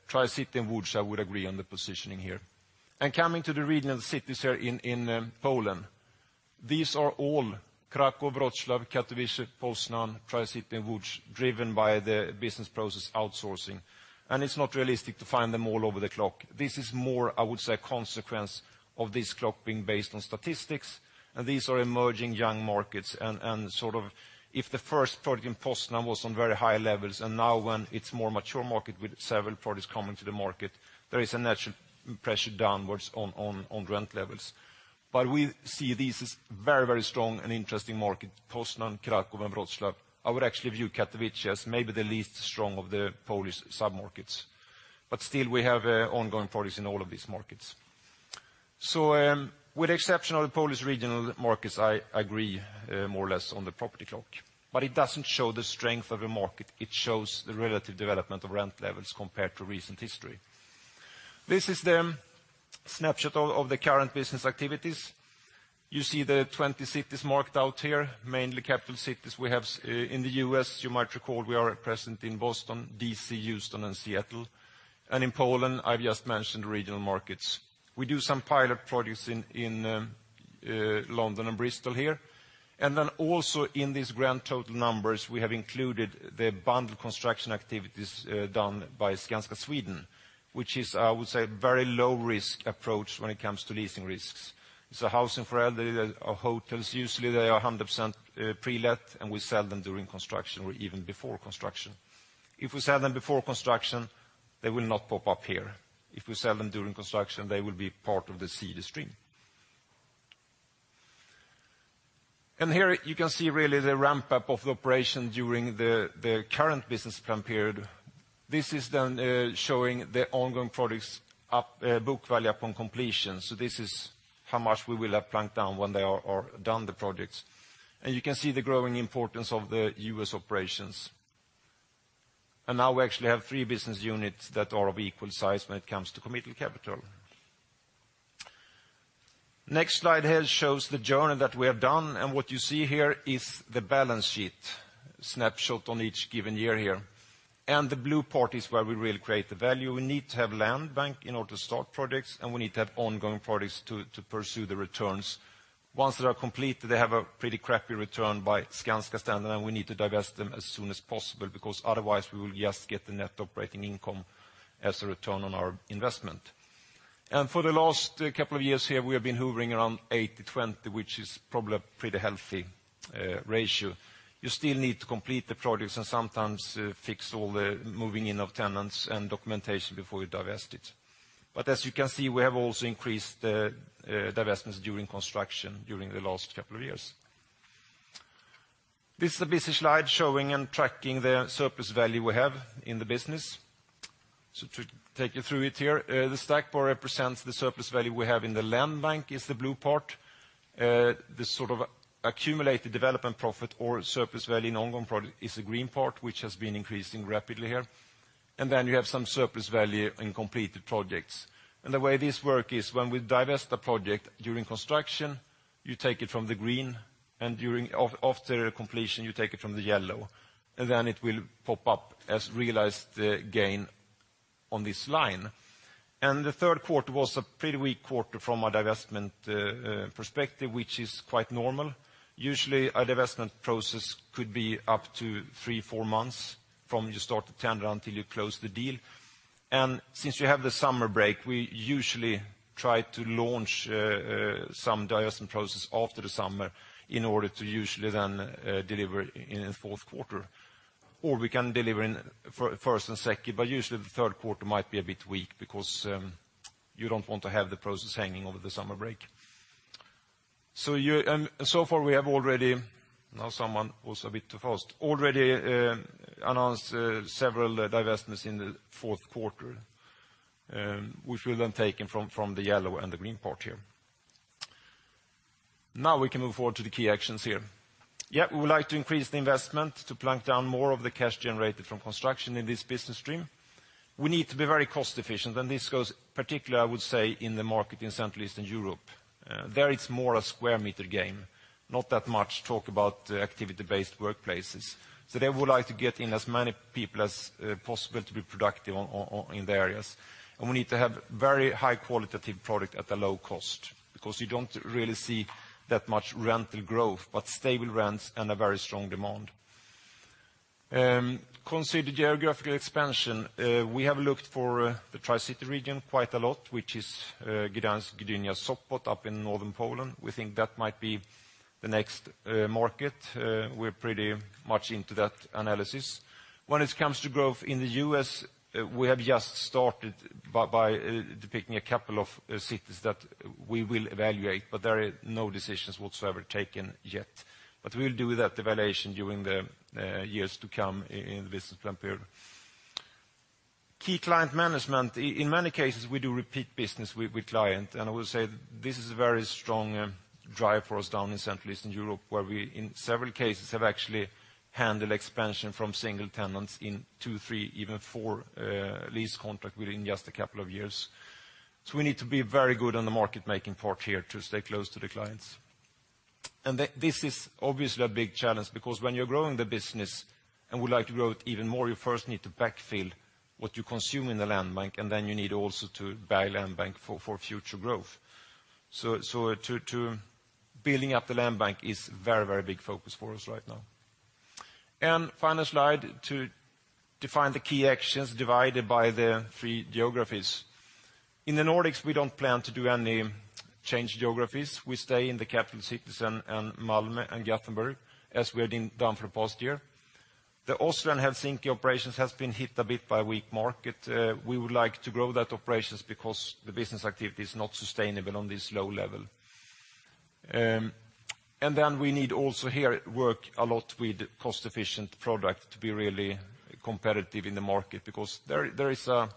Tricity and Łódź, I would agree on the positioning here. Coming to the regional cities here in Poland, these are all Kraków, Wrocław, Katowice, Poznań, Tricity, and Łódź, driven by the business process outsourcing. It's not realistic to find them all over the clock. This is more, I would say, a consequence of this clock being based on statistics, and these are emerging young markets, and sort of if the first product in Poznań was on very high levels, and now when it's more mature market with several products coming to the market, there is a natural pressure downwards on rent levels. But we see this as very, very strong and interesting market. Poznań, Kraków, and Wrocław, I would actually view Katowice as maybe the least strong of the Polish sub-markets. But still, we have ongoing products in all of these markets. So, with the exception of the Polish regional markets, I agree more or less on the property clock. But it doesn't show the strength of a market, it shows the relative development of rent levels compared to recent history. This is the snapshot of the current business activities. You see the 20 cities marked out here, mainly capital cities. We have in the U.S., you might recall, we are present in Boston, D.C., Houston, and Seattle. And in Poland, I've just mentioned the regional markets. We do some pilot projects in London and Bristol here. And then also in these grand total numbers, we have included the bundle construction activities done by Skanska Sweden, which is, I would say, a very low-risk approach when it comes to leasing risks. It's a housing for elderly, there are hotels. Usually, they are 100% pre-let, and we sell them during construction or even before construction. If we sell them before construction, they will not pop up here. If we sell them during construction, they will be part of the CD stream. And here you can see really the ramp-up of the operation during the current business plan period. This is then showing the ongoing projects up book value upon completion. So this is how much we will have planned down when they are done, the projects. And you can see the growing importance of the U.S. operations. And now we actually have three business units that are of equal size when it comes to committed capital. Next slide here shows the journey that we have done, and what you see here is the balance sheet snapshot on each given year here. And the blue part is where we really create the value. We need to have land bank in order to start projects, and we need to have ongoing projects to pursue the returns. Once they are complete, they have a pretty crappy return by Skanska standard, and we need to divest them as soon as possible, because otherwise we will just get the net operating income as a return on our investment. For the last couple of years here, we have been hovering around 80/20, which is probably a pretty healthy ratio. You still need to complete the projects and sometimes fix all the moving in of tenants and documentation before you divest it. But as you can see, we have also increased the divestments during construction during the last couple of years. This is a busy slide showing and tracking the surplus value we have in the business. So to take you through it here, the stacked bar represents the surplus value we have in the land bank, is the blue part. The sort of accumulated development profit or surplus value in ongoing project is the green part, which has been increasing rapidly here. And then you have some surplus value in completed projects. And the way this work is when we divest the project during construction, you take it from the green, and after completion, you take it from the yellow, and then it will pop up as realized gain on this line. And the third quarter was a pretty weak quarter from a divestment perspective, which is quite normal. Usually, a divestment process could be up to three, four months from you start to tender until you close the deal. And since you have the summer break, we usually try to launch some divestment process after the summer in order to usually then deliver in the fourth quarter. Or we can deliver in first and second, but usually the third quarter might be a bit weak because you don't want to have the process hanging over the summer break. So far, we have already, now someone was a bit too fast, already announced several divestments in the fourth quarter, which we'll then taken from, from the yellow and the green part here. Now we can move forward to the key actions here. Yeah, we would like to increase the investment to plunk down more of the cash generated from construction in this business stream. We need to be very cost efficient, and this goes particularly, I would say, in the market in Central Eastern Europe. There it's more a square meter game, not that much talk about activity-based workplaces. So they would like to get in as many people as possible to be productive in the areas. And we need to have very high qualitative product at a low cost because you don't really see that much rental growth, but stable rents and a very strong demand. Consider geographical expansion. We have looked for the Tricity region quite a lot, which is Gdańsk, Gdynia, Sopot, up in northern Poland. We think that might be the next market. We're pretty much into that analysis. When it comes to growth in the U.S., we have just started by depicting a couple of cities that we will evaluate, but there are no decisions whatsoever taken yet. But we'll do that evaluation during the years to come in the business plan period. Key client management. In many cases, we do repeat business with clients, and I will say this is a very strong drive for us down in Central Eastern Europe, where we, in several cases, have actually handled expansion from single tenants in two, three, even four lease contract within just a couple of years. So we need to be very good on the market making part here to stay close to the clients. And this is obviously a big challenge because when you're growing the business, and we would like to grow it even more, you first need to backfill what you consume in the land bank, and then you need also to buy land bank for future growth. Building up the land bank is very, very big focus for us right now. Final slide, to define the key actions divided by the three geographies. In the Nordics, we don't plan to do any change geographies. We stay in the capital cities and Malmö and Gothenburg, as we have been done for the past year. The Oslo and Helsinki operations has been hit a bit by a weak market. We would like to grow that operations because the business activity is not sustainable on this low level. And then we need also here work a lot with cost-efficient product to be really competitive in the market, because there is a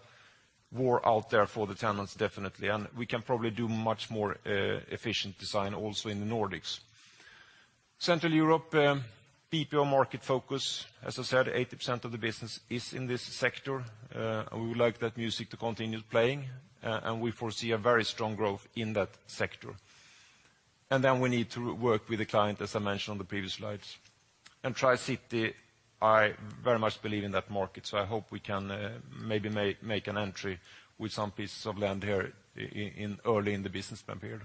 war out there for the tenants, definitely, and we can probably do much more efficient design also in the Nordics. Central Europe, keep your market focus. As I said, 80% of the business is in this sector. We would like that music to continue playing, and we foresee a very strong growth in that sector. Then we need to work with the client, as I mentioned on the previous slides. Tricity, I very much believe in that market, so I hope we can maybe make an entry with some pieces of land here in early in the business plan period.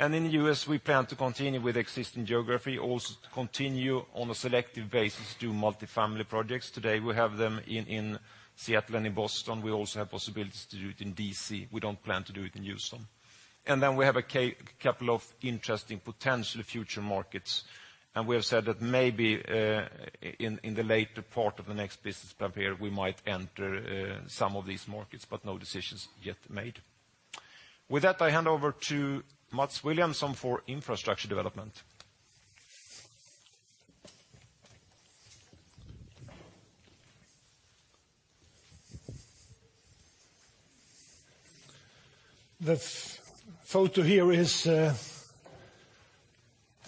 In the U.S., we plan to continue with existing geography, also to continue on a selective basis, do multifamily projects. Today, we have them in Seattle and in Boston. We also have possibilities to do it in D.C. We don't plan to do it in Houston. And then we have a couple of interesting potential future markets, and we have said that maybe, in the later part of the next business plan period, we might enter some of these markets, but no decisions yet made. With that, I hand over to Mats Williamson for infrastructure development. The photo here is, the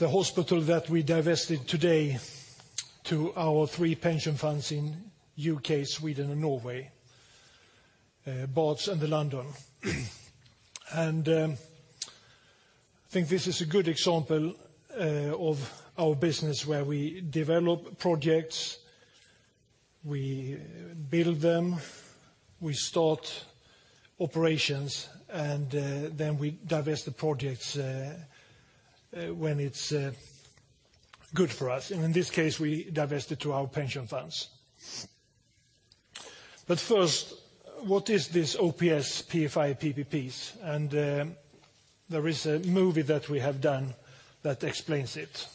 hospital that we divested today to our three pension funds in U.K., Sweden, and Norway, Barts and The London. And, I think this is a good example, of our business where we develop projects, we build them, we start operations, and, then we divest the projects, when it's, good for us. And in this case, we divest it to our pension funds. But first, what is this OPS, PFI, PPPs? And, there is a movie that we have done that explains it.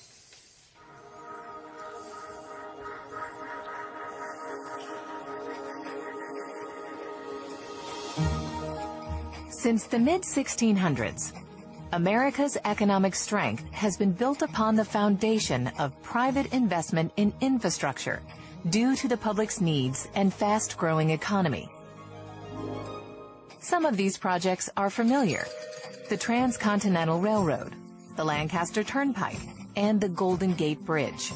Since the mid-1600s, America's economic strength has been built upon the foundation of private investment in infrastructure due to the public's needs and fast-growing economy. Some of these projects are familiar: the Transcontinental Railroad, the Lancaster Turnpike, and the Golden Gate Bridge.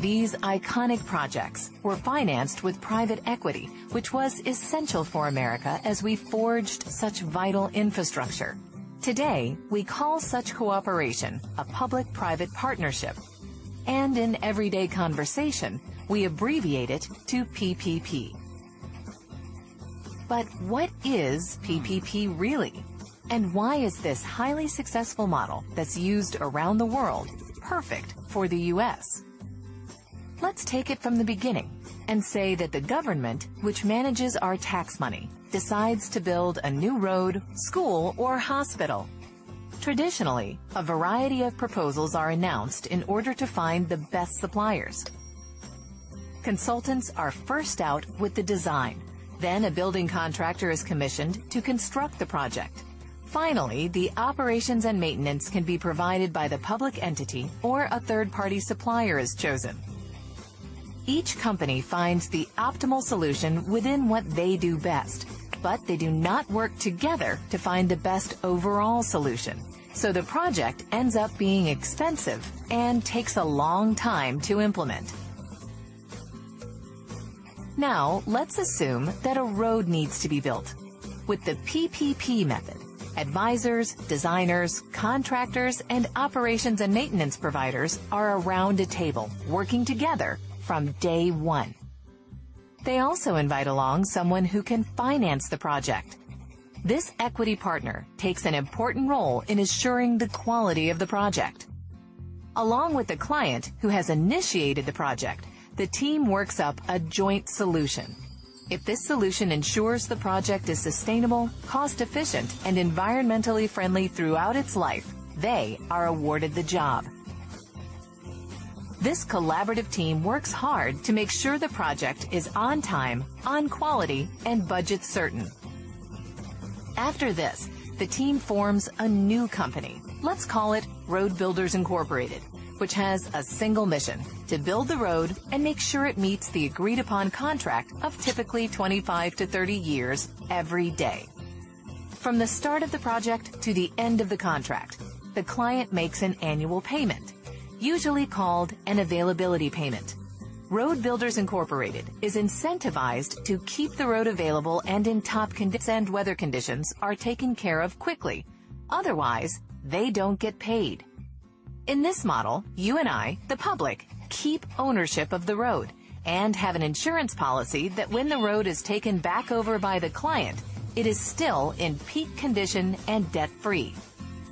These iconic projects were financed with private equity, which was essential for America as we forged such vital infrastructure. Today, we call such cooperation a public-private partnership... In everyday conversation, we abbreviate it to PPP. But what is PPP really? And why is this highly successful model that's used around the world perfect for the U.S.? Let's take it from the beginning and say that the government, which manages our tax money, decides to build a new road, school, or hospital. Traditionally, a variety of proposals are announced in order to find the best suppliers. Consultants are first out with the design, then a building contractor is commissioned to construct the project. Finally, the operations and maintenance can be provided by the public entity, or a third-party supplier is chosen. Each company finds the optimal solution within what they do best, but they do not work together to find the best overall solution, so the project ends up being expensive and takes a long time to implement. Now, let's assume that a road needs to be built. With the PPP method, advisors, designers, contractors, and operations and maintenance providers are around a table working together from day one. They also invite along someone who can finance the project. This equity partner takes an important role in ensuring the quality of the project. Along with the client who has initiated the project, the team works up a joint solution. If this solution ensures the project is sustainable, cost-efficient, and environmentally friendly throughout its life, they are awarded the job. This collaborative team works hard to make sure the project is on time, on quality, and on budget. After this, the team forms a new company, let's call it Road Builders Incorporated, which has a single mission: to build the road and make sure it meets the agreed-upon contract of typically 25-30 years every day. From the start of the project to the end of the contract, the client makes an annual payment, usually called an availability payment. Road Builders Incorporated is incentivized to keep the road available and in top condition, and weather conditions are taken care of quickly. Otherwise, they don't get paid. In this model, you and I, the public, keep ownership of the road and have an insurance policy that when the road is taken back over by the client, it is still in peak condition and debt-free.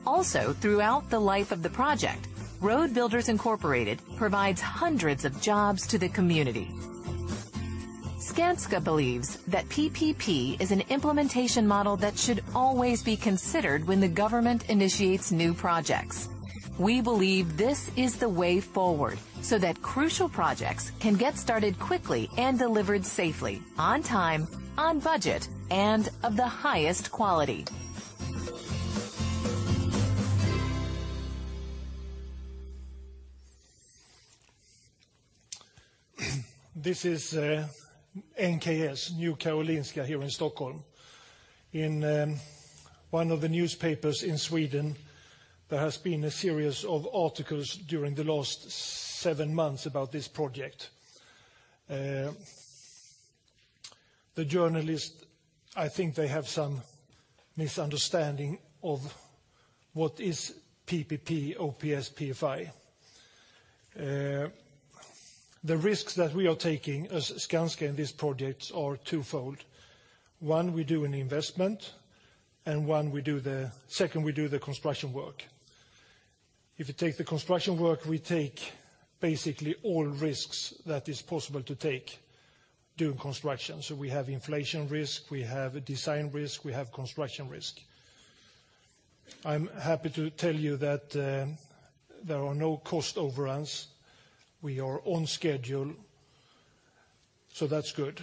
Also, throughout the life of the project, Road Builders Incorporated provides hundreds of jobs to the community. Skanska believes that PPP is an implementation model that should always be considered when the government initiates new projects. We believe this is the way forward, so that crucial projects can get started quickly and delivered safely on time, on budget, and of the highest quality. This is NKS, Nya Karolinska, here in Stockholm. In one of the newspapers in Sweden, there has been a series of articles during the last seven months about this project. The journalists, I think they have some misunderstanding of what is PPP, OPS, PFI. The risks that we are taking as Skanska in these projects are twofold. One, we do an investment, and one, second, we do the construction work. If you take the construction work, we take basically all risks that is possible to take during construction. So we have inflation risk, we have design risk, we have construction risk. I'm happy to tell you that there are no cost overruns. We are on schedule, so that's good.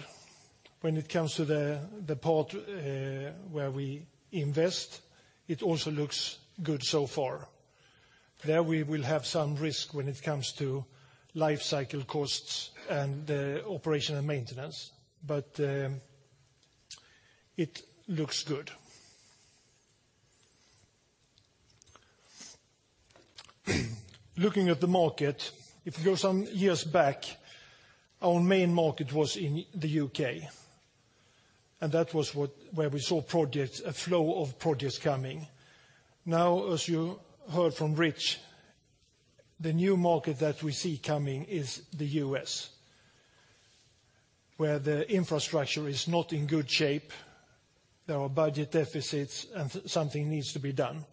When it comes to the part where we invest, it also looks good so far. There, we will have some risk when it comes to life cycle costs and operation and maintenance, but it looks good. Looking at the market, if you go some years back, our main market was in the U.K., and that was where we saw projects, a flow of projects coming. Now, as you heard from Rich, the new market that we see coming is the U.S., where the infrastructure is not in good shape, there are budget deficits, and something needs to be done.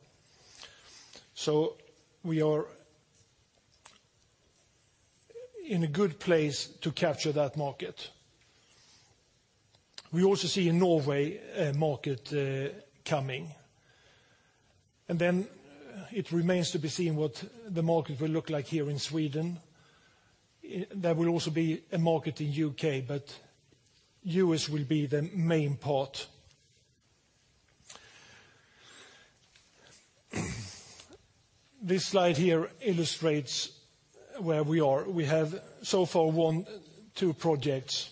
So we are in a good place to capture that market. We also see in Norway a market coming, and then it remains to be seen what the market will look like here in Sweden. There will also be a market in U.K., but U.S. will be the main part. This slide here illustrates where we are. We have so far won two projects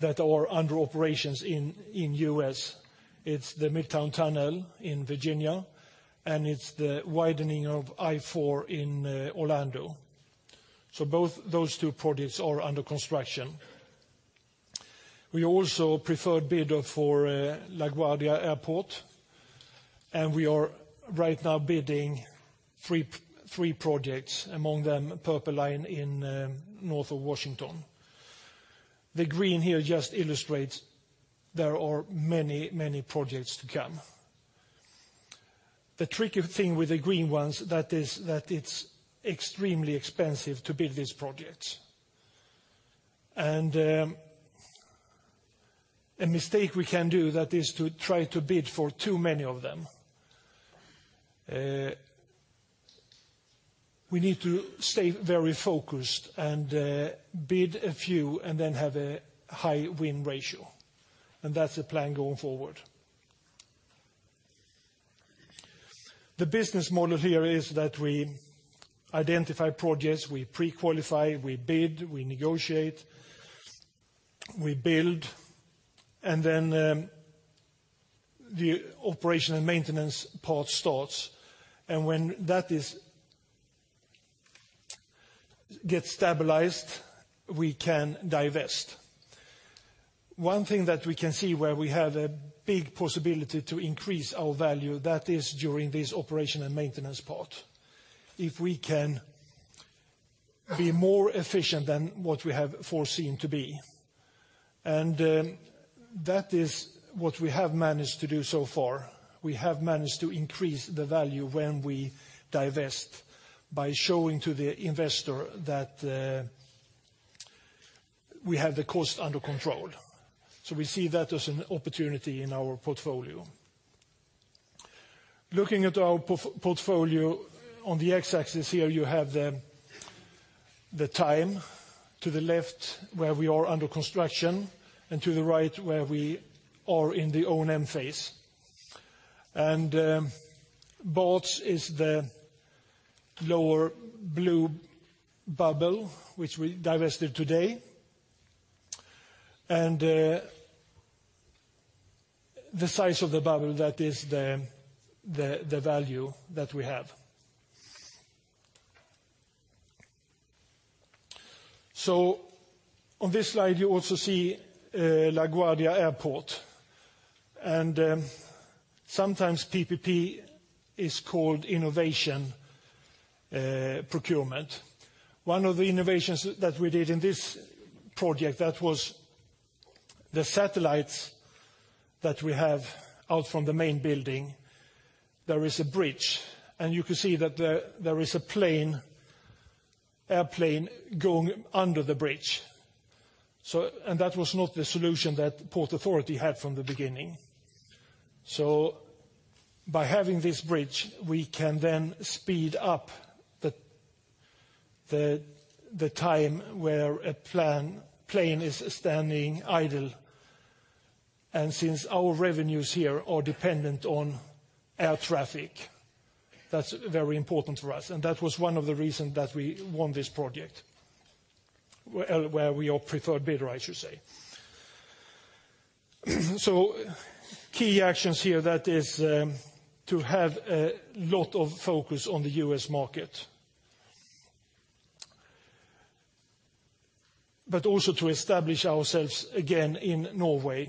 that are under operations in the U.S. It's the Midtown Tunnel in Virginia, and it's the widening of I-4 in Orlando. So both those two projects are under construction. We also preferred bidder for LaGuardia Airport, and we are right now bidding three projects, among them Purple Line in north of Washington. The green here just illustrates there are many, many projects to come. The tricky thing with the green ones, that is that it's extremely expensive to build these projects. And a mistake we can do, that is to try to bid for too many of them. We need to stay very focused and bid a few, and then have a high win ratio, and that's the plan going forward. The business model here is that we identify projects, we pre-qualify, we bid, we negotiate, we build, and then the operation and maintenance part starts. And when that gets stabilized, we can divest. One thing that we can see where we have a big possibility to increase our value, that is during this operation and maintenance part. If we can be more efficient than what we have foreseen to be, and that is what we have managed to do so far. We have managed to increase the value when we divest by showing to the investor that we have the cost under control. So we see that as an opportunity in our portfolio. Looking at our portfolio, on the x-axis here, you have the time to the left, where we are under construction, and to the right, where we are in the O&M phase. Barts is the lower blue bubble, which we divested today. The size of the bubble, that is the value that we have. So on this slide, you also see LaGuardia Airport, and sometimes PPP is called innovation procurement. One of the innovations that we did in this project, that was the satellites that we have out from the main building. There is a bridge, and you can see that there is an airplane going under the bridge. That was not the solution that the Port Authority had from the beginning. By having this bridge, we can then speed up the time where a plane is standing idle, and since our revenues here are dependent on air traffic, that's very important for us. That was one of the reasons that we won this project, where we are preferred bidder, I should say. Key actions here, that is, to have a lot of focus on the U.S. market, but also to establish ourselves again in Norway.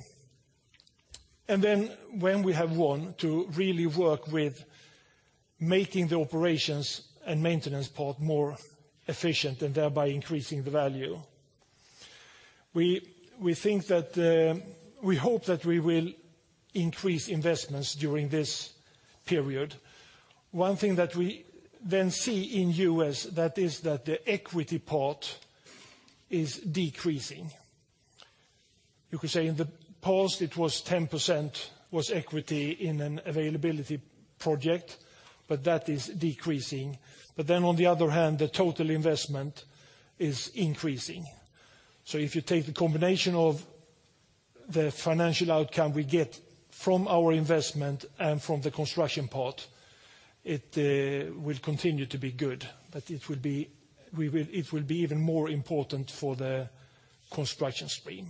And then when we have won, to really work with making the operations and maintenance part more efficient, and thereby increasing the value. We think that we hope that we will increase investments during this period. One thing that we then see in U.S., that is that the equity part is decreasing. You could say in the past, it was 10% was equity in an availability project, but that is decreasing. But then on the other hand, the total investment is increasing. If you take the combination of the financial outcome we get from our investment and from the construction part, it will continue to be good, but it will be even more important for the construction stream.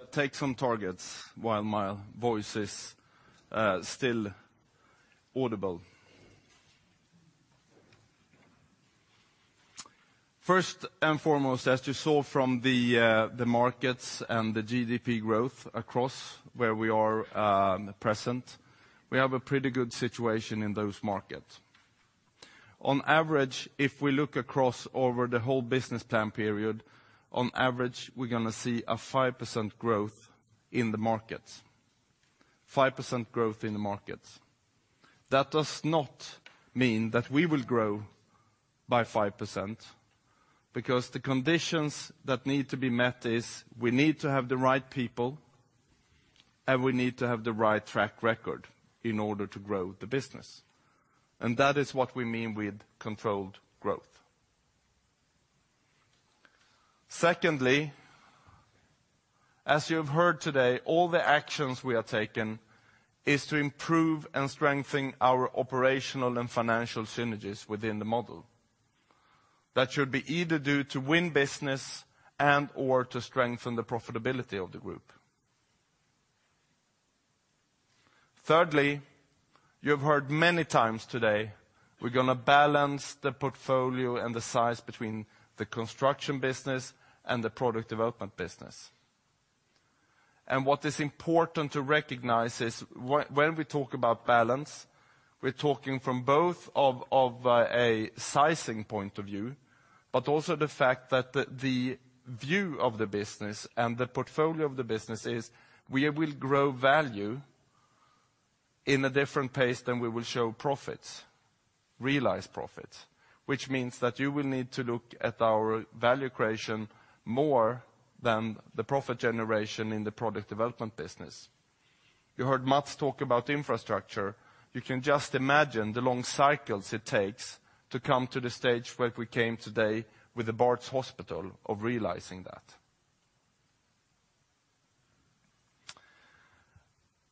Let's take some targets while my voice is still audible. First and foremost, as you saw from the markets and the GDP growth across where we are present, we have a pretty good situation in those markets. On average, if we look across over the whole business time period, on average, we're gonna see a 5% growth in the markets. 5% growth in the markets. That does not mean that we will grow by 5%, because the conditions that need to be met is, we need to have the right people, and we need to have the right track record in order to grow the business. And that is what we mean with controlled growth. Secondly, as you have heard today, all the actions we are taking is to improve and strengthen our operational and financial synergies within the model.... That should be either due to win business and/or to strengthen the profitability of the group. Thirdly, you have heard many times today, we're going to balance the portfolio and the size between the construction business and the product development business. And what is important to recognize is when we talk about balance, we're talking from both of a sizing point of view, but also the fact that the view of the business and the portfolio of the business is we will grow value in a different pace than we will show profits, realized profits. Which means that you will need to look at our value creation more than the profit generation in the product development business. You heard Mats talk about infrastructure. You can just imagine the long cycles it takes to come to the stage where we came today with the Barts Hospital of realizing that.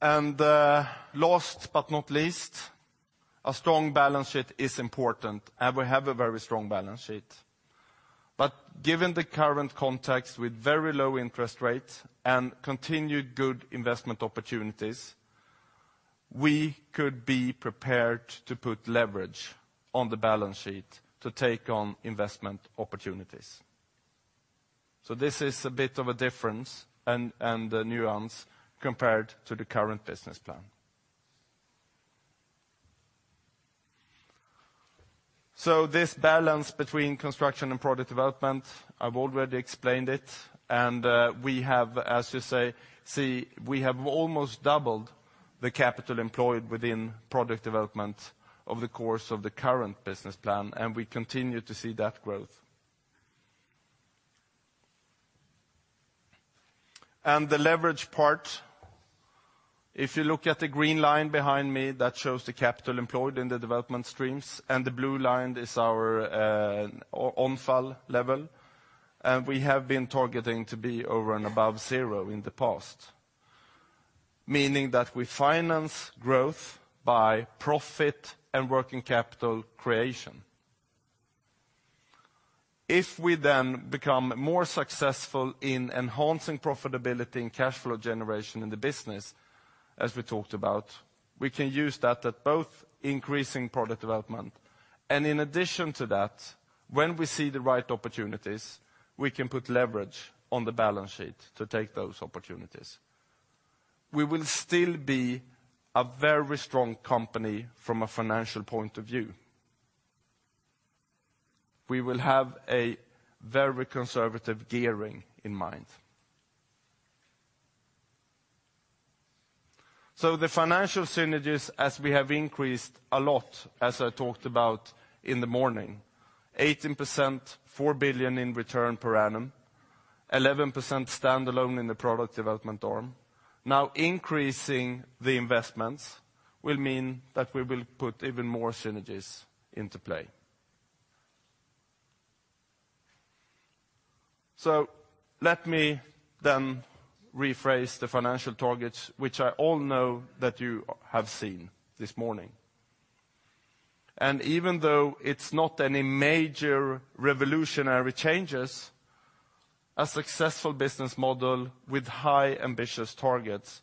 And last but not least, a strong balance sheet is important, and we have a very strong balance sheet. But given the current context with very low interest rates and continued good investment opportunities, we could be prepared to put leverage on the balance sheet to take on investment opportunities. So this is a bit of a difference and a nuance compared to the current business plan. So this balance between construction and product development, I've already explained it, and we have, as you say, we have almost doubled the capital employed within product development over the course of the current business plan, and we continue to see that growth. And the leverage part, if you look at the green line behind me, that shows the capital employed in the development streams, and the blue line is our ONFAL level, and we have been targeting to be over and above zero in the past, meaning that we finance growth by profit and working capital creation. If we then become more successful in enhancing profitability and cash flow generation in the business, as we talked about, we can use that at both increasing product development. And in addition to that, when we see the right opportunities, we can put leverage on the balance sheet to take those opportunities. We will still be a very strong company from a financial point of view. We will have a very conservative gearing in mind. So the financial synergies, as we have increased a lot, as I talked about in the morning, 18%, 4 billion in return per annum, 11% standalone in the product development arm. Now, increasing the investments will mean that we will put even more synergies into play. So let me then rephrase the financial targets, which I all know that you have seen this morning. And even though it's not any major revolutionary changes, a successful business model with high ambitious targets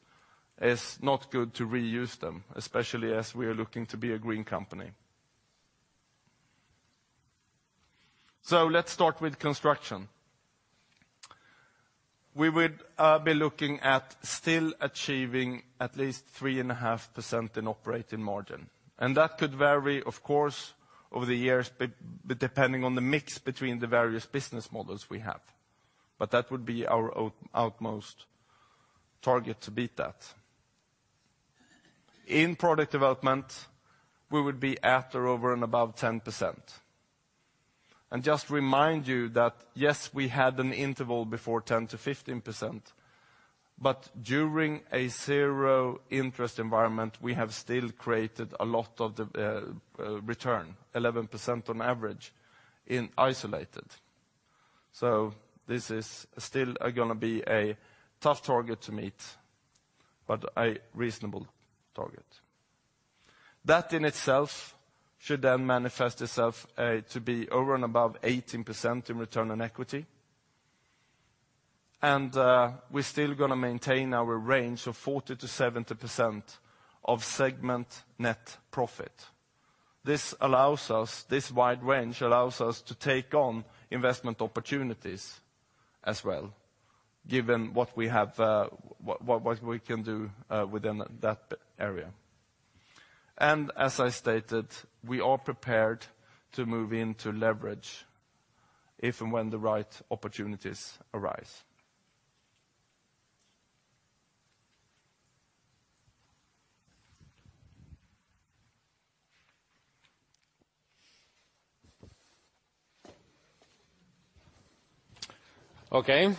is not good to reuse them, especially as we are looking to be a green company. So let's start with construction. We would be looking at still achieving at least 3.5% in operating margin. And that could vary, of course, over the years, depending on the mix between the various business models we have. But that would be our utmost target to beat that. In product development, we would be after over and above 10%. And just to remind you that, yes, we had an interval before 10%-15%, but during a zero interest environment, we have still created a lot of the return, 11% on average in isolated. So this is still going to be a tough target to meet, but a reasonable target. That in itself should then manifest itself to be over and above 18% in return on equity. And we're still going to maintain our range of 40%-70% of segment net profit. This wide range allows us to take on investment opportunities as well, given what we have, what we can do within that area. As I stated, we are prepared to move in to leverage if and when the right opportunities arise. Okay,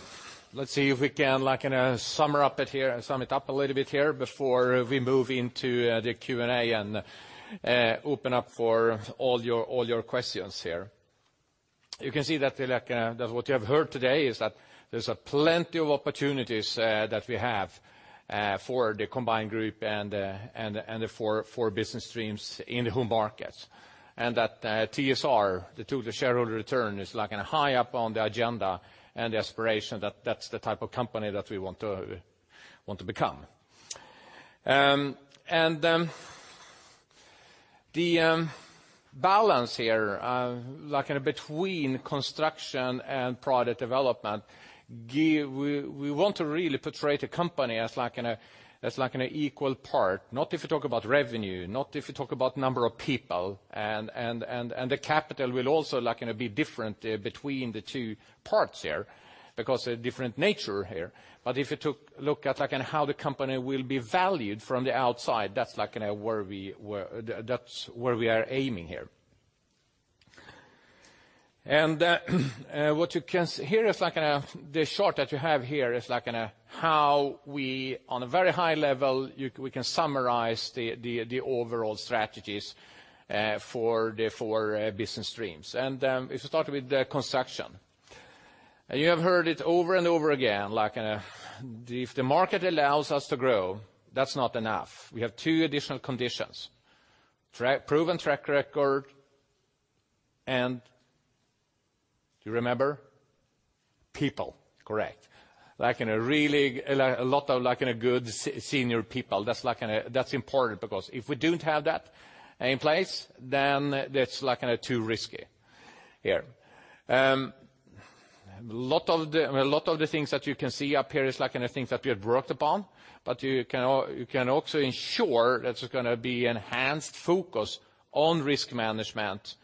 let's see if we can, like, sum it up a little bit here before we move into the Q&A and open up for all your, all your questions here.... You can see that, like, that what you have heard today is that there's plenty of opportunities that we have for the combined group and for business streams in the home markets. And that TSR, the total shareholder return, is, like, high up on the agenda, and the aspiration that that's the type of company that we want to become. And the balance here, like in a between construction and product development, we want to really portray the company as like in a equal part. Not if you talk about revenue, not if you talk about number of people, and the capital will also, like, gonna be different between the two parts here, because a different nature here. If you look at, like, in how the company will be valued from the outside, that's, like, in a where we were-- that's where we are aiming here. What you can-- here is, like, in a, the chart that you have here is, like, in a how we, on a very high level, you- we can summarize the, the, the overall strategies, for the four, business streams. If you start with the construction, and you have heard it over and over again, like, the, if the market allows us to grow, that's not enough. We have two additional conditions: tra- proven track record, and do you remember? People, correct. Like, in a really, a lot of, like, in a good se-senior people. That's, like, that's important, because if we don't have that in place, then that's, like, too risky here. A lot of the things that you can see up here is, like, the things that we have worked upon, but you can also ensure that there's gonna be enhanced focus on risk management.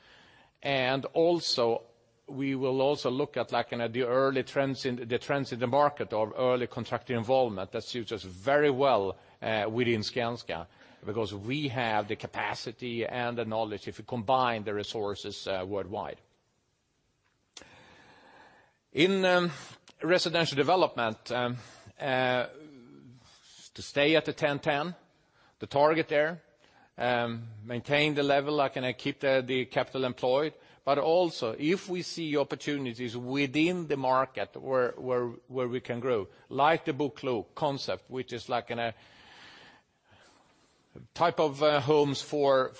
And also, we will also look at, like, the trends in the market of early contractor involvement. That suits us very well within Skanska, because we have the capacity and the knowledge if we combine the resources worldwide. In residential development, to stay at the 10 10, the target there, maintain the level, like, and keep the capital employed. But also, if we see opportunities within the market where we can grow, like the BoKlok concept, which is like in a type of homes for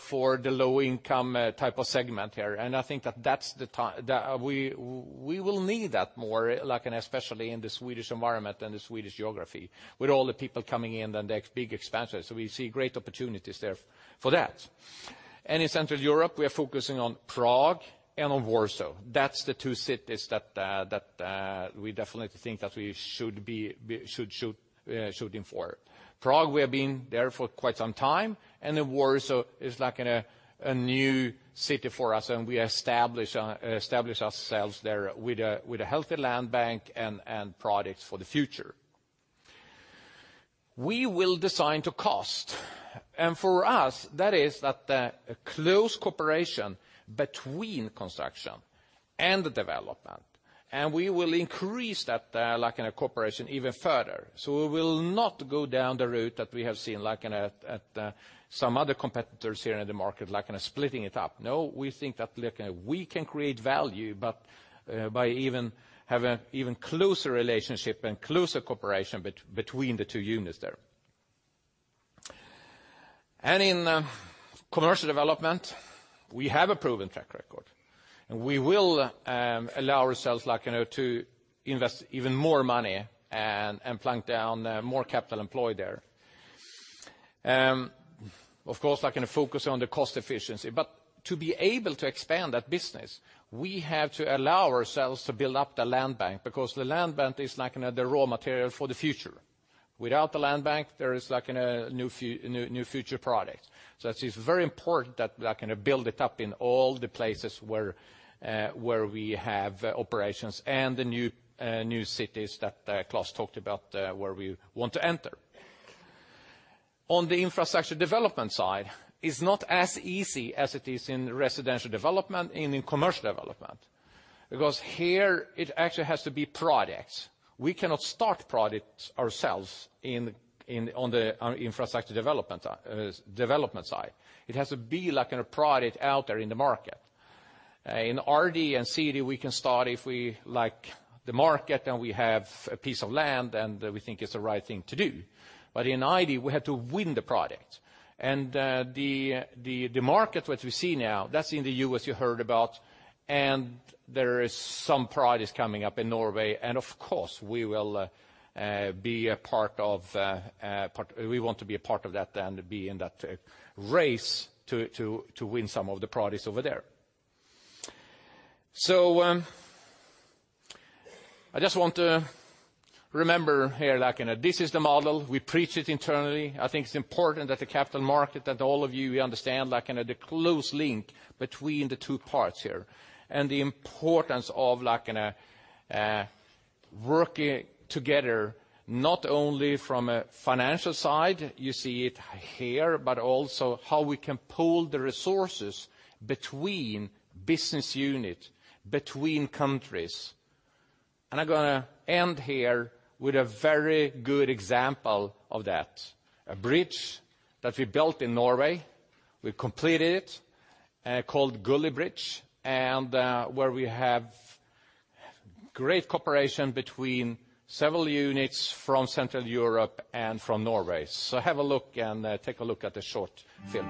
the low-income type of segment here. And I think that that's the type we will need that more, like in especially in the Swedish environment and the Swedish geography, with all the people coming in and the big expansions. So we see great opportunities there for that. And in Central Europe, we are focusing on Prague and on Warsaw. That's the two cities that we definitely think that we should aim for. Prague, we have been there for quite some time, and then Warsaw is like a new city for us, and we establish ourselves there with a healthy land bank and products for the future. We will design to cost, and for us, that is a close cooperation between construction and the development, and we will increase that like in a cooperation even further. So we will not go down the route that we have seen, like, in, at some other competitors here in the market, like in a splitting it up. No, we think that, like, we can create value, but by even have an even closer relationship and closer cooperation between the two units there. And in commercial development, we have a proven track record. We will allow ourselves, like, you know, to invest even more money and plunk down more capital employed there. Of course, like, in a focus on the cost efficiency. To be able to expand that business, we have to allow ourselves to build up the land bank, because the land bank is like in the raw material for the future. Without the land bank, there is, like, in a new fu- new, new future products. It is very important that, like, in a build it up in all the places where we have operations and the new, new cities that Claes talked about, where we want to enter. On the infrastructure development side, it's not as easy as it is in residential development and in commercial development, because here it actually has to be products. We cannot start products ourselves in infrastructure development side. It has to be like a product out there in the market. In RD and CD, we can start if we like the market, and we have a piece of land, and we think it's the right thing to do. But in ID, we have to win the product. And the market which we see now, that's in the U.S., you heard about, and there is some products coming up in Norway. And of course, we will be a part of that. We want to be a part of that and be in that race to win some of the products over there. So, I just want to remember here, like, you know, this is the model. We preach it internally. I think it's important that the capital market, that all of you, you understand, like, you know, the close link between the two parts here, and the importance of, like, in a working together, not only from a financial side, you see it here, but also how we can pool the resources between business unit, between countries.... And I'm gonna end here with a very good example of that. A bridge that we built in Norway, we completed it, called Gulli Bridge, and where we have great cooperation between several units from Central Europe and from Norway. So have a look and take a look at the short film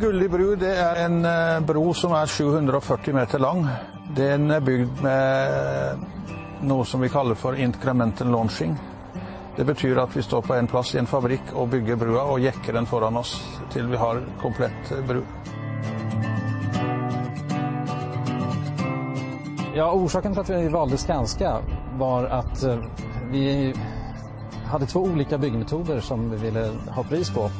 here. Gulli bru is a bridge that is 740 meters long. It is built with what we call incremental launching. It means that we stand in one place in a factory and build the bridge, and jack it in front of us until we have a complete bridge. The reason we chose Skanska was that we had two different construction methods that we wanted to have priced, and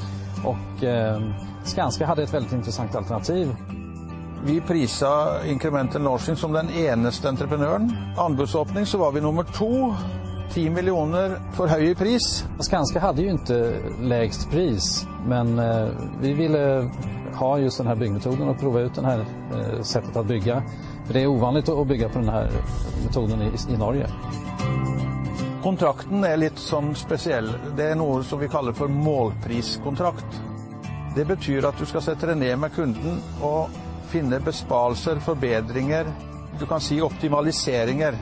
Skanska had a very interesting alternative. We priced incremental launching as the only entrepreneur. At the tender opening, we were number 2, SEK 10 million too high in price. Skanska did not have the lowest price, but we wanted to have this construction method and try out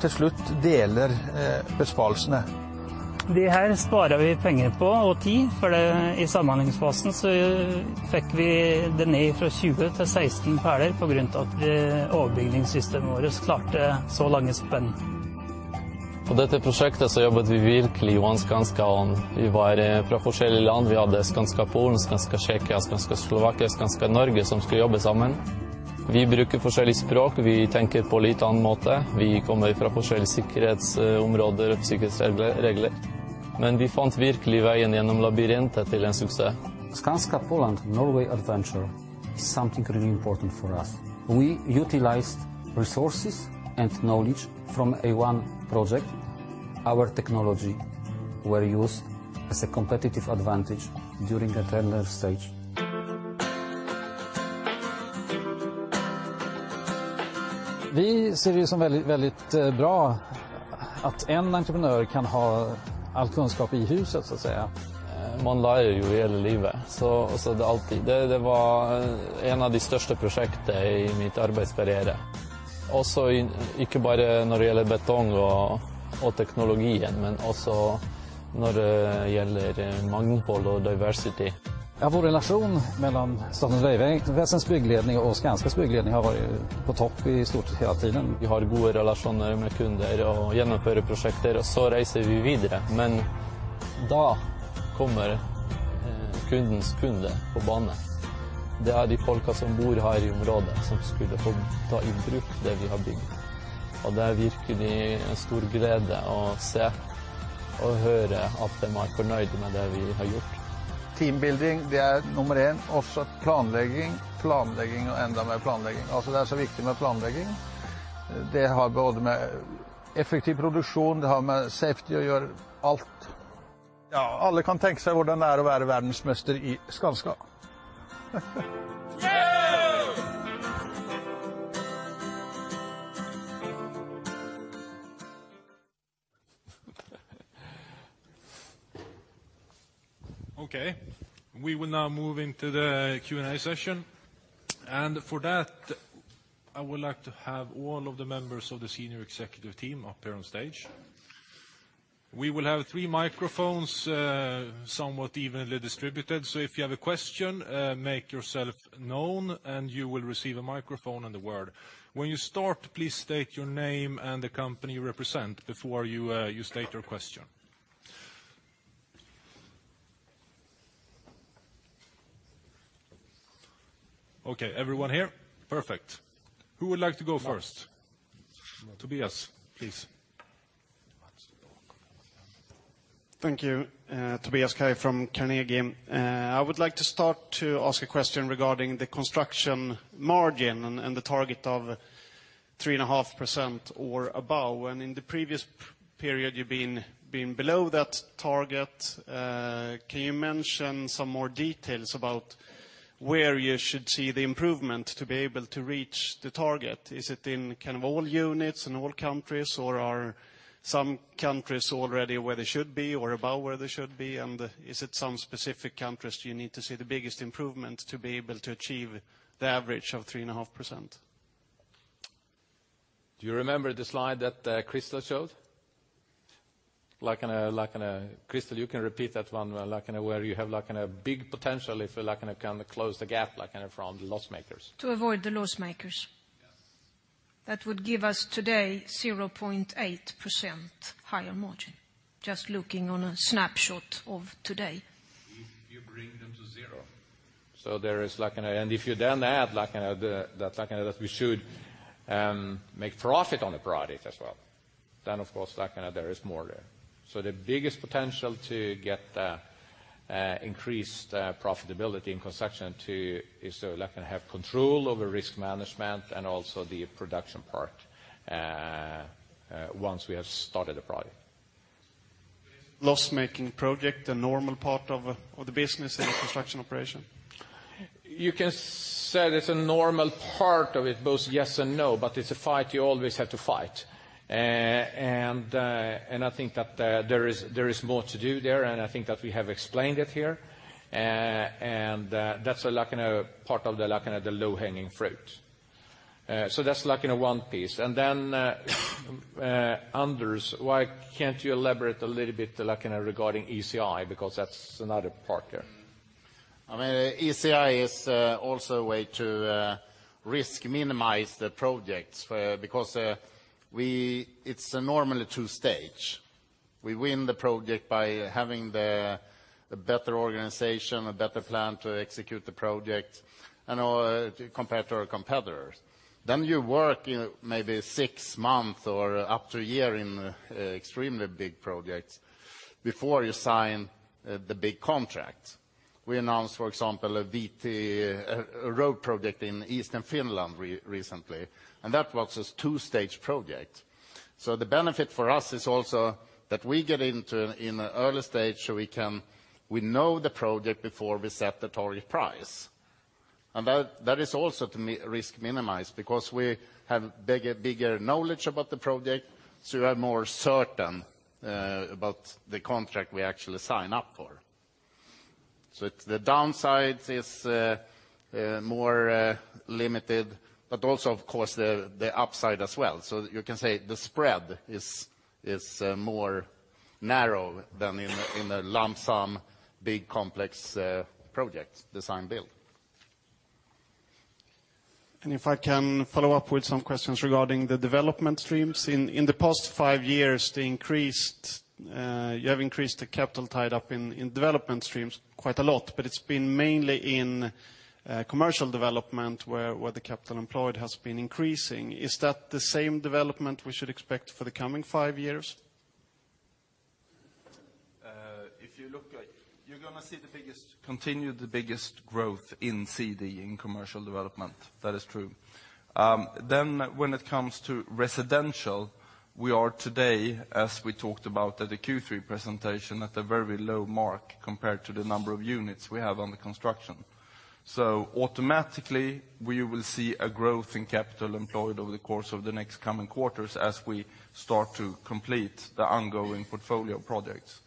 this way of building. It is unusual to build with this method in Norway. The contract is a bit special. It is what we call a target price contract. This means that you will sit down with the customer and find savings, improvements, you can say optimizations, where we then finally share the savings. Here we save money and time, because in the design phase, we got it down from 20 to 16 piles due to the fact that our superstructure system handled such long spans. In this project, we really worked One Skanska. We were from different countries. We had Skanska Poland, Skanska Czechia, Skanska Slovakia, Skanska Norway, who were to work together. We use different languages, we think in a slightly different way. We come from different safety areas and safety rules, but we really found our way through the labyrinth to a success. Skanska Poland Norway adventure is something really important for us. We utilized resources and knowledge from a one project. Our technology were used as a competitive advantage during the tender stage. We see it as very, very good that an entrepreneur can have all the knowledge in-house, so to speak. You learn throughout your whole life, so it's always... It was one of the biggest projects in my career. Also, not just when it comes to concrete and technology, but also when it comes to diversity. The relationship between Statens vegvesen's project management and Skanska's project management has been at the top almost the whole time. We have good relations with customers and implement projects, and then we move on. But then the customer's customer comes on the scene. These are the people who live here in the area, who are to use what we have built. And it is really a great pleasure to see and hear that they are happy with what we have done. Team building, that is number one. Also, planning, planning, and even more planning. It is so important with planning. It has to do with efficient production, it has to do with safety, everything. Yes, everyone can imagine what it is like to be a world champion in Skanska. Yeah! Okay, we will now move into the Q&A session. For that, I would like to have all of the members of the Senior Executive Team up here on stage. We will have three microphones, somewhat evenly distributed, so if you have a question, make yourself known, and you will receive a microphone and the word. When you start, please state your name and the company you represent before you, you state your question. Okay, everyone here? Perfect. Who would like to go first? Tobias, please. Thank you. Tobias Kaj from Carnegie. I would like to start to ask a question regarding the construction margin and, and the target of 3.5% or above. When in the previous period you've been, been below that target, can you mention some more details about where you should see the improvement to be able to reach the target? Is it in kind of all units and all countries, or are some countries already where they should be or above where they should be? And is it some specific countries you need to see the biggest improvement to be able to achieve the average of 3.5%? Do you remember the slide that Christel showed? Like in a, like in a... Christel, you can repeat that one, like in a where you have like in a big potential if you like in a kind of close the gap, like kind of from the loss makers. To avoid the loss makers? Yes. That would give us today 0.8% higher margin, just looking on a snapshot of today. If you bring them to zero. So there is like in a... And if you then add, like in a, we should make profit on the product as well, then, of course, like in a, there is more there. So the biggest potential to get the increased profitability in construction too is to like in a have control over risk management and also the production part once we have started the project.... loss-making project a normal part of the business in the construction operation? You can say it's a normal part of it, both yes and no, but it's a fight you always have to fight. And I think that there is more to do there, and I think that we have explained it here. And that's like in a part of the, like, in the low-hanging fruit. So that's like in one piece. And then, Anders, why can't you elaborate a little bit, like, in regarding ECI? Because that's another part there. I mean, ECI is also a way to risk minimize the projects, because it's normally two stage. We win the project by having the better organization, a better plan to execute the project, and compared to our competitors. Then you work in maybe six months or up to a year in extremely big projects before you sign the big contract. We announced, for example, a VT, a road project in eastern Finland recently, and that was a two-stage project. So the benefit for us is also that we get into in an early stage, so we can... We know the project before we set the target price. And that is also to me risk minimized, because we have bigger knowledge about the project, so we are more certain about the contract we actually sign up for. So it's the downside is more limited, but also, of course, the upside as well. So you can say the spread is more narrow than in a lump sum, big, complex project design build. If I can follow up with some questions regarding the development streams. In the past five years, you have increased the capital tied up in development streams quite a lot, but it's been mainly in commercial development where the capital employed has been increasing. Is that the same development we should expect for the coming five years? If you look at, you're going to see the biggest growth in CD, in commercial development. That is true. Then when it comes to residential, we are today, as we talked about at the Q3 presentation, at a very low mark compared to the number of units we have on the construction. So automatically, we will see a growth in capital employed over the course of the next coming quarters as we start to complete the ongoing portfolio projects.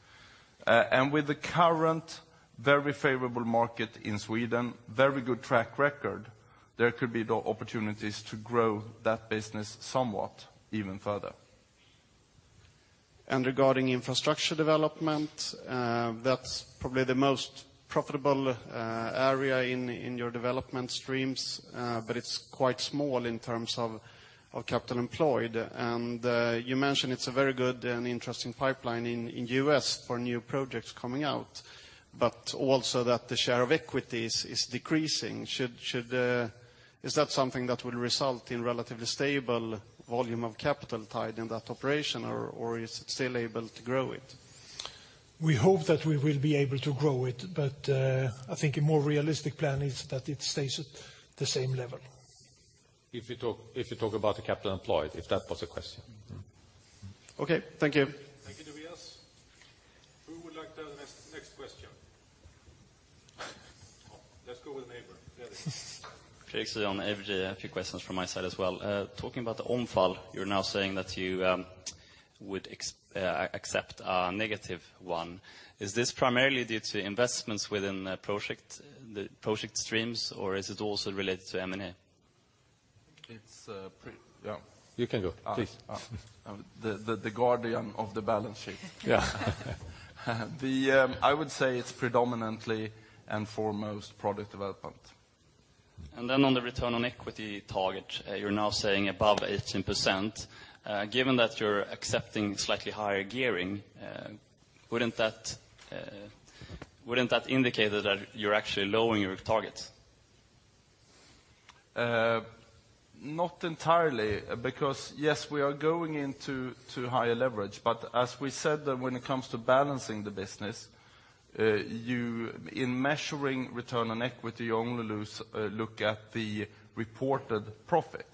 And with the current very favorable market in Sweden, very good track record, there could be the opportunities to grow that business somewhat even further. Regarding infrastructure development, that's probably the most profitable area in your development streams, but it's quite small in terms of capital employed. You mentioned it's a very good and interesting pipeline in the U.S. for new projects coming out, but also that the share of equities is decreasing. Is that something that will result in relatively stable volume of capital tied in that operation- Yeah... or is it still able to grow it? We hope that we will be able to grow it, but I think a more realistic plan is that it stays at the same level. If you talk, if you talk about the capital employed, if that was the question? Mm-hmm. Okay, thank you. Thank you, Tobias. Who would like the next, next question? Let's go with the neighbor. Jeremy. Fred Cyon on ABG, a few questions from my side as well. Talking about the ONFAL, you're now saying that you would expect a negative one. Is this primarily due to investments within the project, the project streams, or is it also related to M&A? It's pre- Yeah. You can go, please. The guardian of the balance sheet. Yeah. I would say it's predominantly and foremost product development. Then on the return on equity target, you're now saying above 18%. Given that you're accepting slightly higher gearing, wouldn't that indicate that you're actually lowering your targets? Not entirely, because, yes, we are going into higher leverage, but as we said, that when it comes to balancing the business, you in measuring return on equity, you only look at the reported profit.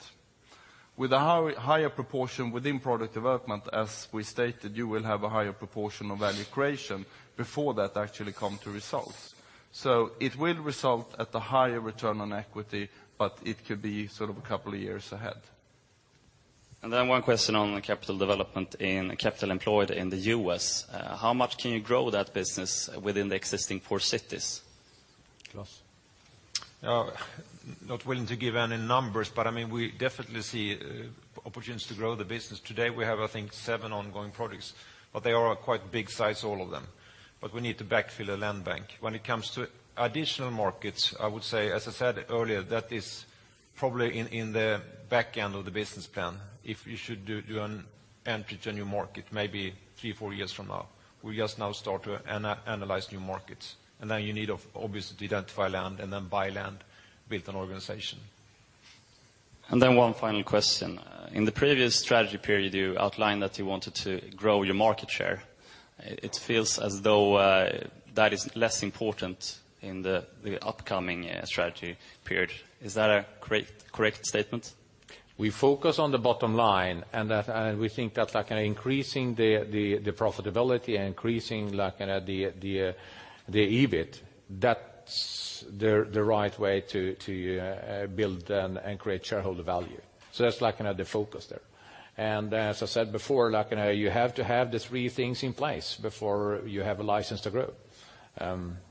With a higher proportion within product development, as we stated, you will have a higher proportion of value creation before that actually come to results. So it will result at a higher return on equity, but it could be sort of a couple of years ahead. Then one question on the Commercial Development in capital employed in the U.S. How much can you grow that business within the existing core cities? Claes? Not willing to give any numbers, but, I mean, we definitely see opportunities to grow the business. Today, we have, I think, seven ongoing projects, but they are quite big size, all of them. But we need to backfill a land bank. When it comes to additional markets, I would say, as I said earlier, that is probably in the back end of the business plan. If you should do an entry to a new market, maybe three, four years from now. We just now start to analyze new markets, and then you need obviously to identify land and then buy land, build an organization. Then one final question. In the previous strategy period, you outlined that you wanted to grow your market share. It feels as though that is less important in the upcoming strategy period. Is that a correct statement? ...We focus on the bottom line, and that, and we think that, like, in increasing the profitability and increasing, like, the EBIT, that's the right way to build and create shareholder value. So that's like, kind of, the focus there. And as I said before, like, you know, you have to have the three things in place before you have a License to Grow,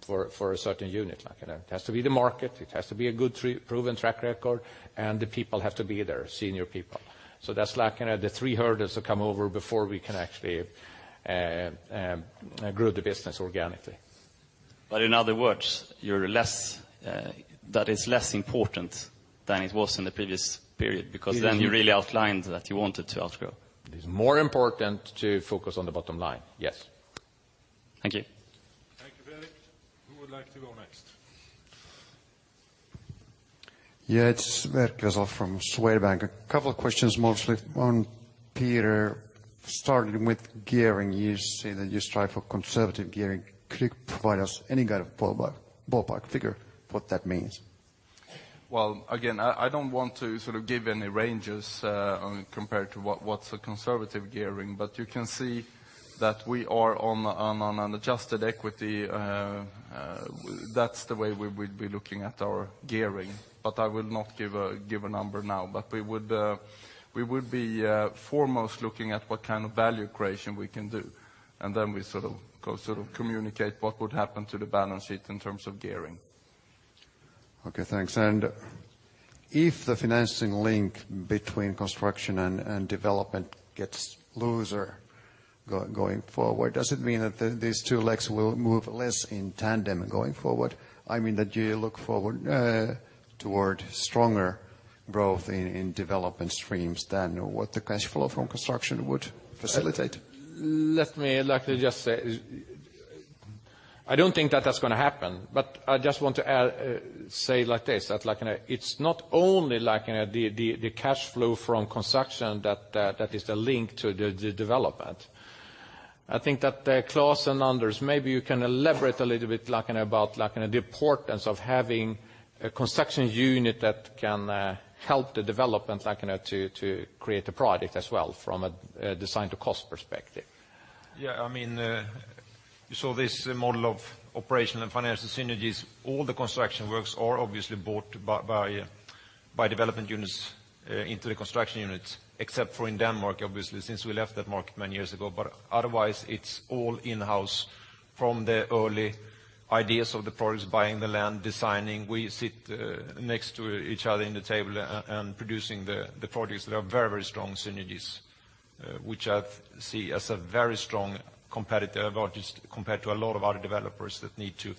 for a certain unit. Like, you know, it has to be the market, it has to be a good proven track record, and the people have to be there, senior people. So that's like, you know, the three hurdles to come over before we can actually grow the business organically. But in other words, you're less. That is, less important than it was in the previous period, because then you really outlined that you wanted to outgrow. It is more important to focus on the bottom line, yes. Thank you. Thank you, Fred. Who would like to go next? Yeah, it's [Bert Gesel] from Swedbank. A couple of questions, mostly on Peter. Starting with gearing, you say that you strive for conservative gearing. Could you provide us any kind of ballpark, ballpark figure what that means? Well, again, I don't want to sort of give any ranges on compared to what, what's a conservative gearing. But you can see that we are on an adjusted equity, that's the way we would be looking at our gearing. But I will not give a number now. But we would be foremost looking at what kind of value creation we can do, and then we sort of go sort of communicate what would happen to the balance sheet in terms of gearing. Okay, thanks. And if the financing link between construction and development gets looser going forward, does it mean that these two legs will move less in tandem going forward? I mean, that you look forward toward stronger growth in development streams than what the cash flow from construction would facilitate. Let me likely just say, I don't think that that's going to happen. But I just want to add, say like this, that like in a, it's not only like in the cash flow from construction, that that is the link to the development. I think that Claes and Anders, maybe you can elaborate a little bit, like, about, like, the importance of having a construction unit that can help the development, like, you know, to, to create a product as well from a design to cost perspective. Yeah, I mean, so this model of operational and financial synergies, all the construction works are obviously bought by, by, by development units into the construction units. Except for in Denmark, obviously, since we left that market many years ago. But otherwise, it's all in-house from the early ideas of the products, buying the land, designing. We sit next to each other in the table and, and producing the, the products that are very, very strong synergies, which I see as a very strong competitive advantage compared to a lot of other developers that need to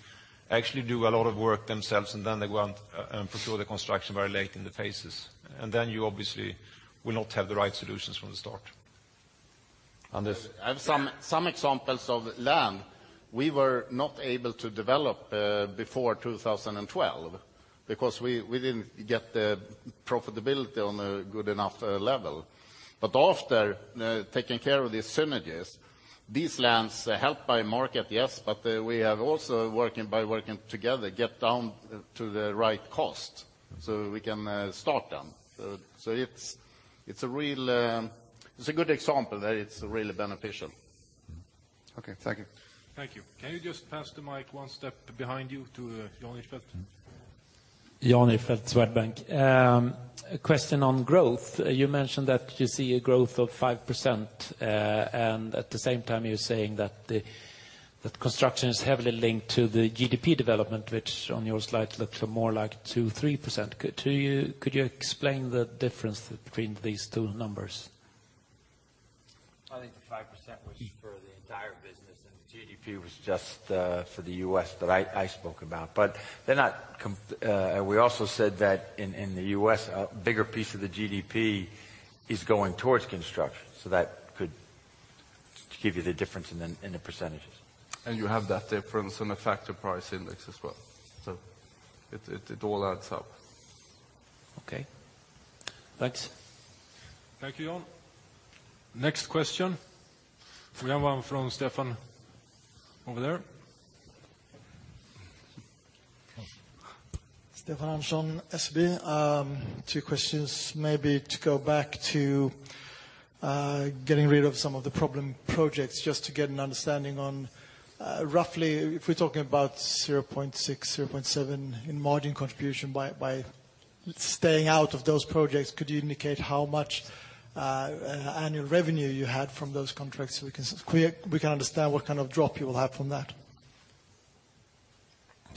actually do a lot of work themselves, and then they go out and pursue the construction very late in the phases. And then you obviously will not have the right solutions from the start. Anders. I have some examples of land we were not able to develop before 2012, because we didn't get the profitability on a good enough level. But after taking care of these synergies, these lands, helped by market, yes, but we have also working, by working together, get down to the right cost so we can start them. So it's a real... It's a good example that it's really beneficial. Okay, thank you. Thank you. Can you just pass the mic one step behind you to Johnny Forsberg? Johnny Forsberg, Swedbank. A question on growth. You mentioned that you see a growth of 5%, and at the same time, you're saying that the construction is heavily linked to the GDP development, which on your slide looked for more like 2%-3%. Could you explain the difference between these two numbers? I think the 5% was for the entire business, and the GDP was just for the U.S. that I spoke about. But they're not, we also said that in the U.S., a bigger piece of the GDP is going towards construction, so that could give you the difference in the percentages. You have that difference in the factor price index as well. So it all adds up. Okay, thanks. Thank you, Johnny. Next question. We have one from Stefan over there. Stefan Andersson, SEB. Two questions. Maybe to go back to getting rid of some of the problem projects, just to get an understanding on roughly if we're talking about 0.6, 0.7 in margin contribution by staying out of those projects, could you indicate how much annual revenue you had from those contracts so we can understand what kind of drop you will have from that?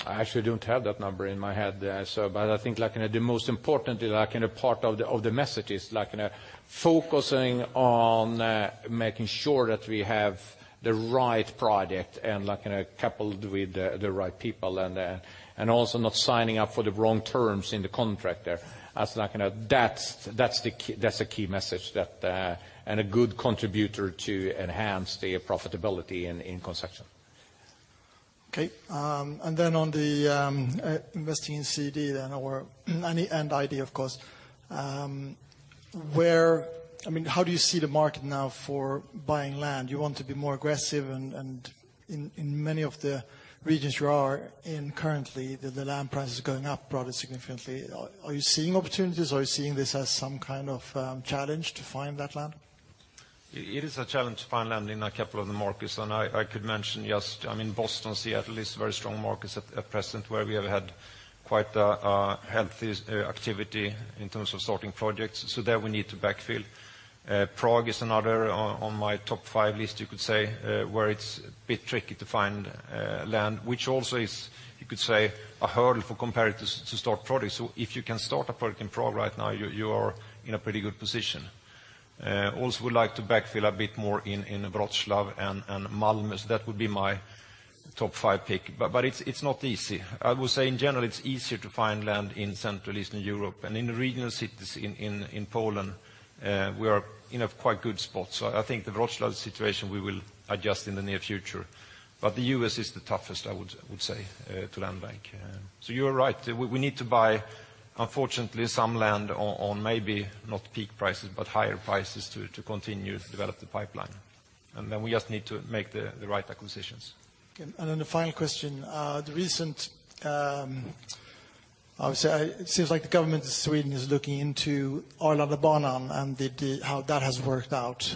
I actually don't have that number in my head there, so... But I think, like, in the most importantly, like, in a part of the, of the message is, like, in a focusing on making sure that we have the right product and, like, you know, coupled with the, the right people and, and also not signing up for the wrong terms in the contract there. As like, you know, that's, that's the key, that's a key message that, and a good contributor to enhance the profitability in construction. Okay, and then on the investing in CD then, or any, and ID, of course. I mean, how do you see the market now for buying land? You want to be more aggressive, and in many of the regions you are in currently, the land price is going up rather significantly. Are you seeing opportunities, or are you seeing this as some kind of challenge to find that land? It is a challenge to find land in a couple of the markets, and I could mention just, I mean, Boston, Seattle is very strong markets at present, where we have had quite a healthy activity in terms of starting projects, so there we need to backfill. Prague is another on my top five list, you could say, where it's a bit tricky to find land, which also is, you could say, a hurdle for competitors to start projects. So if you can start a project in Prague right now, you are in a pretty good position. Also would like to backfill a bit more in Wrocław and Malmö, so that would be my top five pick. But it's not easy. I would say in general, it's easier to find land in Central Eastern Europe, and in the regional cities in Poland, we are in a quite good spot. So I think the Wrocław situation we will adjust in the near future. But the U.S. is the toughest, I would say, to land bank. So you are right, we need to buy, unfortunately, some land on maybe not peak prices, but higher prices to continue to develop the pipeline. And then we just need to make the right acquisitions. Okay, and then the final question. The recent, obviously, it seems like the government of Sweden is looking into Arlandabanan and how that has worked out.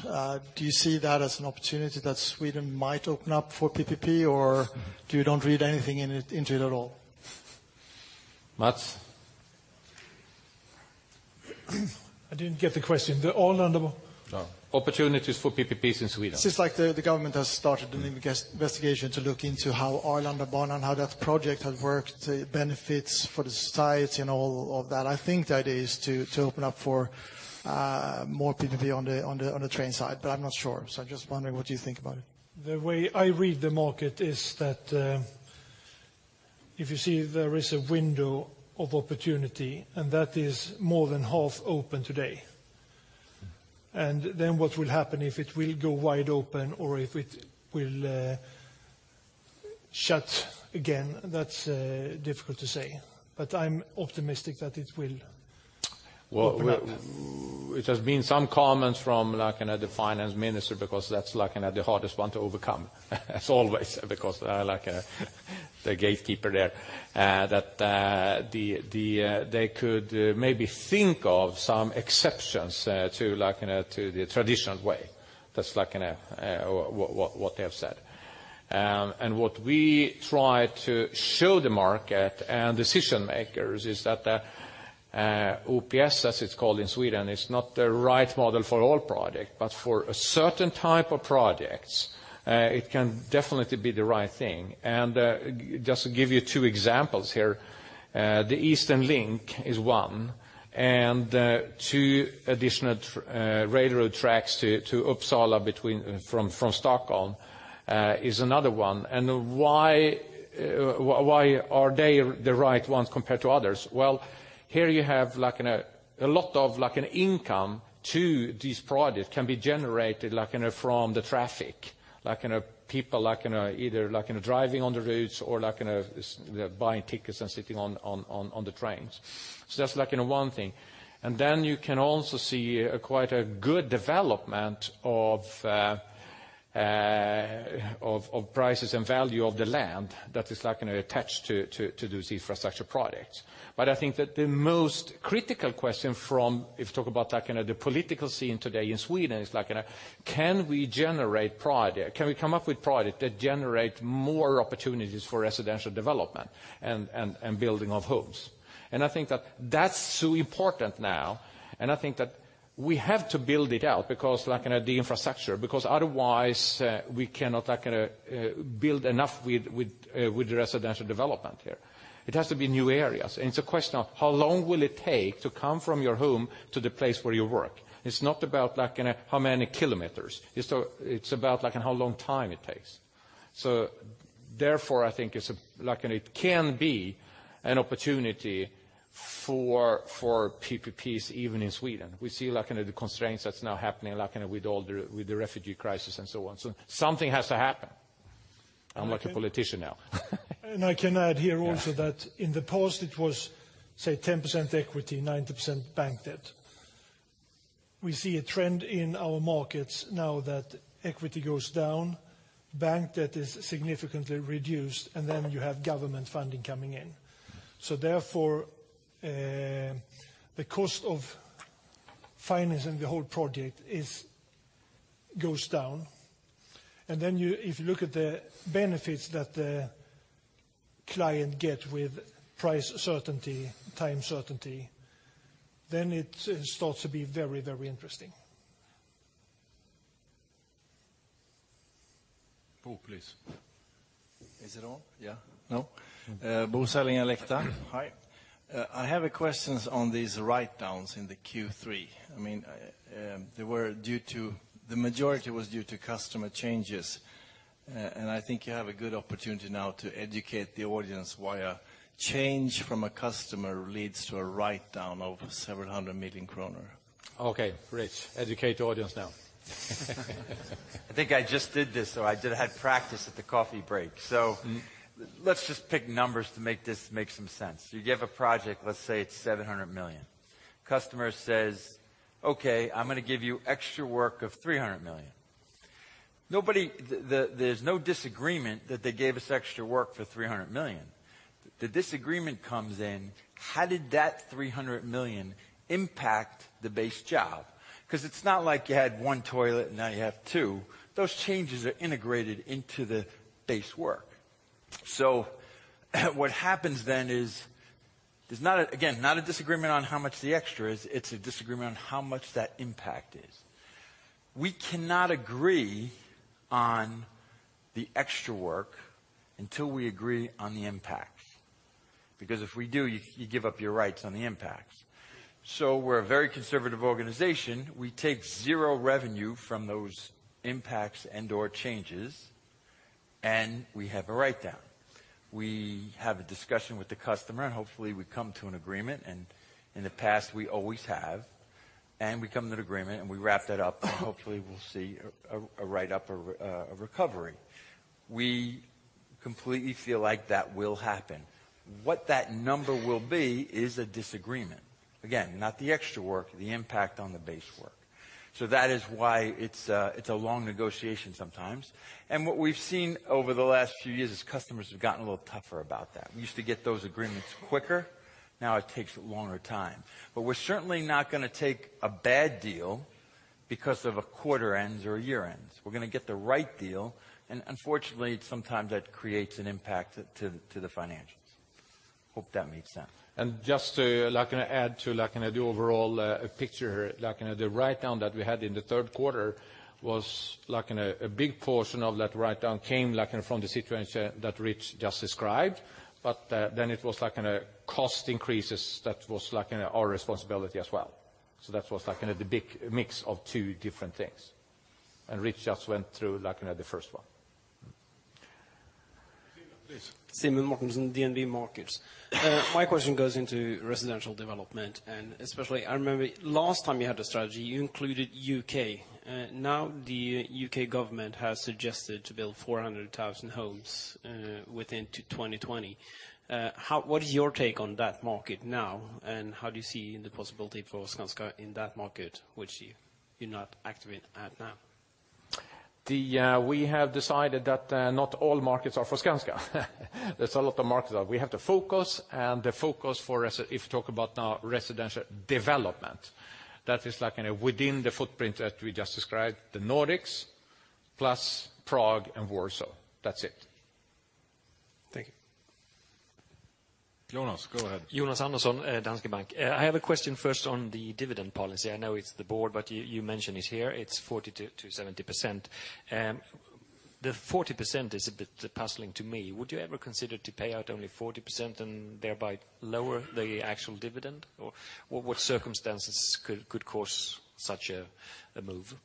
Do you see that as an opportunity that Sweden might open up for PPP, or do you don't read anything into it at all? Mats? I didn't get the question. The Arlandabanan? opportunities for PPPs in Sweden. Seems like the government has started an investigation to look into how Arlandabanan, how that project has worked, the benefits for the society and all of that. I think the idea is to open up for more PPP on the train side, but I'm not sure. So I'm just wondering, what do you think about it? The way I read the market is that, if you see there is a window of opportunity, and that is more than half open today. And then what will happen, if it will go wide open or if it will, shut again, that's, difficult to say. But I'm optimistic that it will open up. Well, it has been some comments from, like, you know, the finance minister, because that's like, you know, the hardest one to overcome, as always, because, like, the gatekeeper there. That they could maybe think of some exceptions to like, you know, to the traditional way. That's like, you know, what they have said. And what we try to show the market and decision makers is that the OPS, as it's called in Sweden, is not the right model for all projects, but for a certain type of projects, it can definitely be the right thing. And just to give you two examples here, the Eastern Link is one, and two additional railroad tracks to Uppsala between from Stockholm is another one. Why are they the right ones compared to others? Well, here you have, like, you know, a lot of, like, an income to these projects can be generated, like, you know, from the traffic. Like, you know, people, like, you know, either, like, you know, driving on the roads or, like, you know, buying tickets and sitting on the trains. So that's like, you know, one thing. And then you can also see quite a good development of prices and value of the land that is, like, you know, attached to those infrastructure projects. But I think that the most critical question from, if you talk about, like, you know, the political scene today in Sweden, is like, you know, can we generate project- can we come up with project that generate more opportunities for residential development and, and, and building of homes? And I think that that's so important now, and I think that we have to build it out, because, like, you know, the infrastructure, because otherwise, we cannot, like, you know, build enough with, with, with the residential development here. It has to be new areas. And it's a question of how long will it take to come from your home to the place where you work? It's not about, like, you know, how many kilometers. It's so, it's about, like, how long time it takes. So therefore, I think it's, like, and it can be an opportunity for, for PPPs even in Sweden. We see, like, you know, the constraints that's now happening, like, you know, with all the, with the refugee crisis and so on. So something has to happen. I'm like a politician now. I can add here also- Yeah... that in the past it was, say, 10% equity, 90% bank debt. We see a trend in our markets now that equity goes down, bank debt is significantly reduced, and then you have government funding coming in. So therefore, the cost of financing the whole project is, goes down. And then you, if you look at the benefits that the client get with price certainty, time certainty, then it starts to be very, very interesting. Bo, please. Is it on? Yeah. No? Bo Sälliner, Elekta. Hi. I have a question on these write-downs in the Q3. I mean, they were due to, the majority was due to customer changes. And I think you have a good opportunity now to educate the audience why a change from a customer leads to a write-down of several hundred million kronor. Okay, great. Educate the audience now. I think I just did this, so I did have practice at the coffee break. So let's just pick numbers to make this make some sense. You have a project, let's say it's 700 million. Customer says, "Okay, I'm gonna give you extra work of 300 million." Nobody... The, the- there's no disagreement that they gave us extra work for 300 million. The disagreement comes in, how did that 300 million impact the base job? Because it's not like you had one toilet, and now you have two. Those changes are integrated into the base work. So, what happens then is, there's not a, again, not a disagreement on how much the extra is, it's a disagreement on how much that impact is. We cannot agree on the extra work until we agree on the impacts, because if we do, you give up your rights on the impacts. So we're a very conservative organization. We take zero revenue from those impacts and/or changes, and we have a write-down. We have a discussion with the customer, and hopefully we come to an agreement, and in the past, we always have. And we come to an agreement, and we wrap that up, and hopefully we'll see a write-up, a recovery. We completely feel like that will happen. What that number will be is a disagreement. Again, not the extra work, the impact on the base work. So that is why it's a long negotiation sometimes. And what we've seen over the last few years is customers have gotten a little tougher about that. We used to get those agreements quicker, now it takes a longer time. But we're certainly not gonna take a bad deal because of a quarter ends or a year ends. We're gonna get the right deal, and unfortunately, sometimes that creates an impact to the financials. Hope that makes sense. Just to, like, add to, like, the overall picture here. Like, the write-down that we had in the third quarter was, like, a, a big portion of that write-down came, like, from the situation that Rich just described. But, then it was like, cost increases that was, like, our responsibility as well. So that was, like, the big mix of two different things. Rich just went through, like, the first one. Please. Simen Mortensen, DNB Markets. My question goes into residential development, and especially, I remember last time you had a strategy, you included U.K. Now the U.K. government has suggested to build 400,000 homes within 2020. What is your take on that market now, and how do you see the possibility for Skanska in that market, which you, you're not active in at now? We have decided that not all markets are for Skanska. There's a lot of markets that we have to focus, and the focus for residential development, that is, like, within the footprint that we just described, the Nordics, plus Prague and Warsaw. That's it. Thank you. Jonas, go ahead. Jonas Andersson, Danske Bank. I have a question first on the dividend policy. I know it's the board, but you mentioned it here. It's 40%-70%. The 40% is a bit puzzling to me. Would you ever consider to pay out only 40% and thereby lower the actual dividend? Or what circumstances could cause such a move?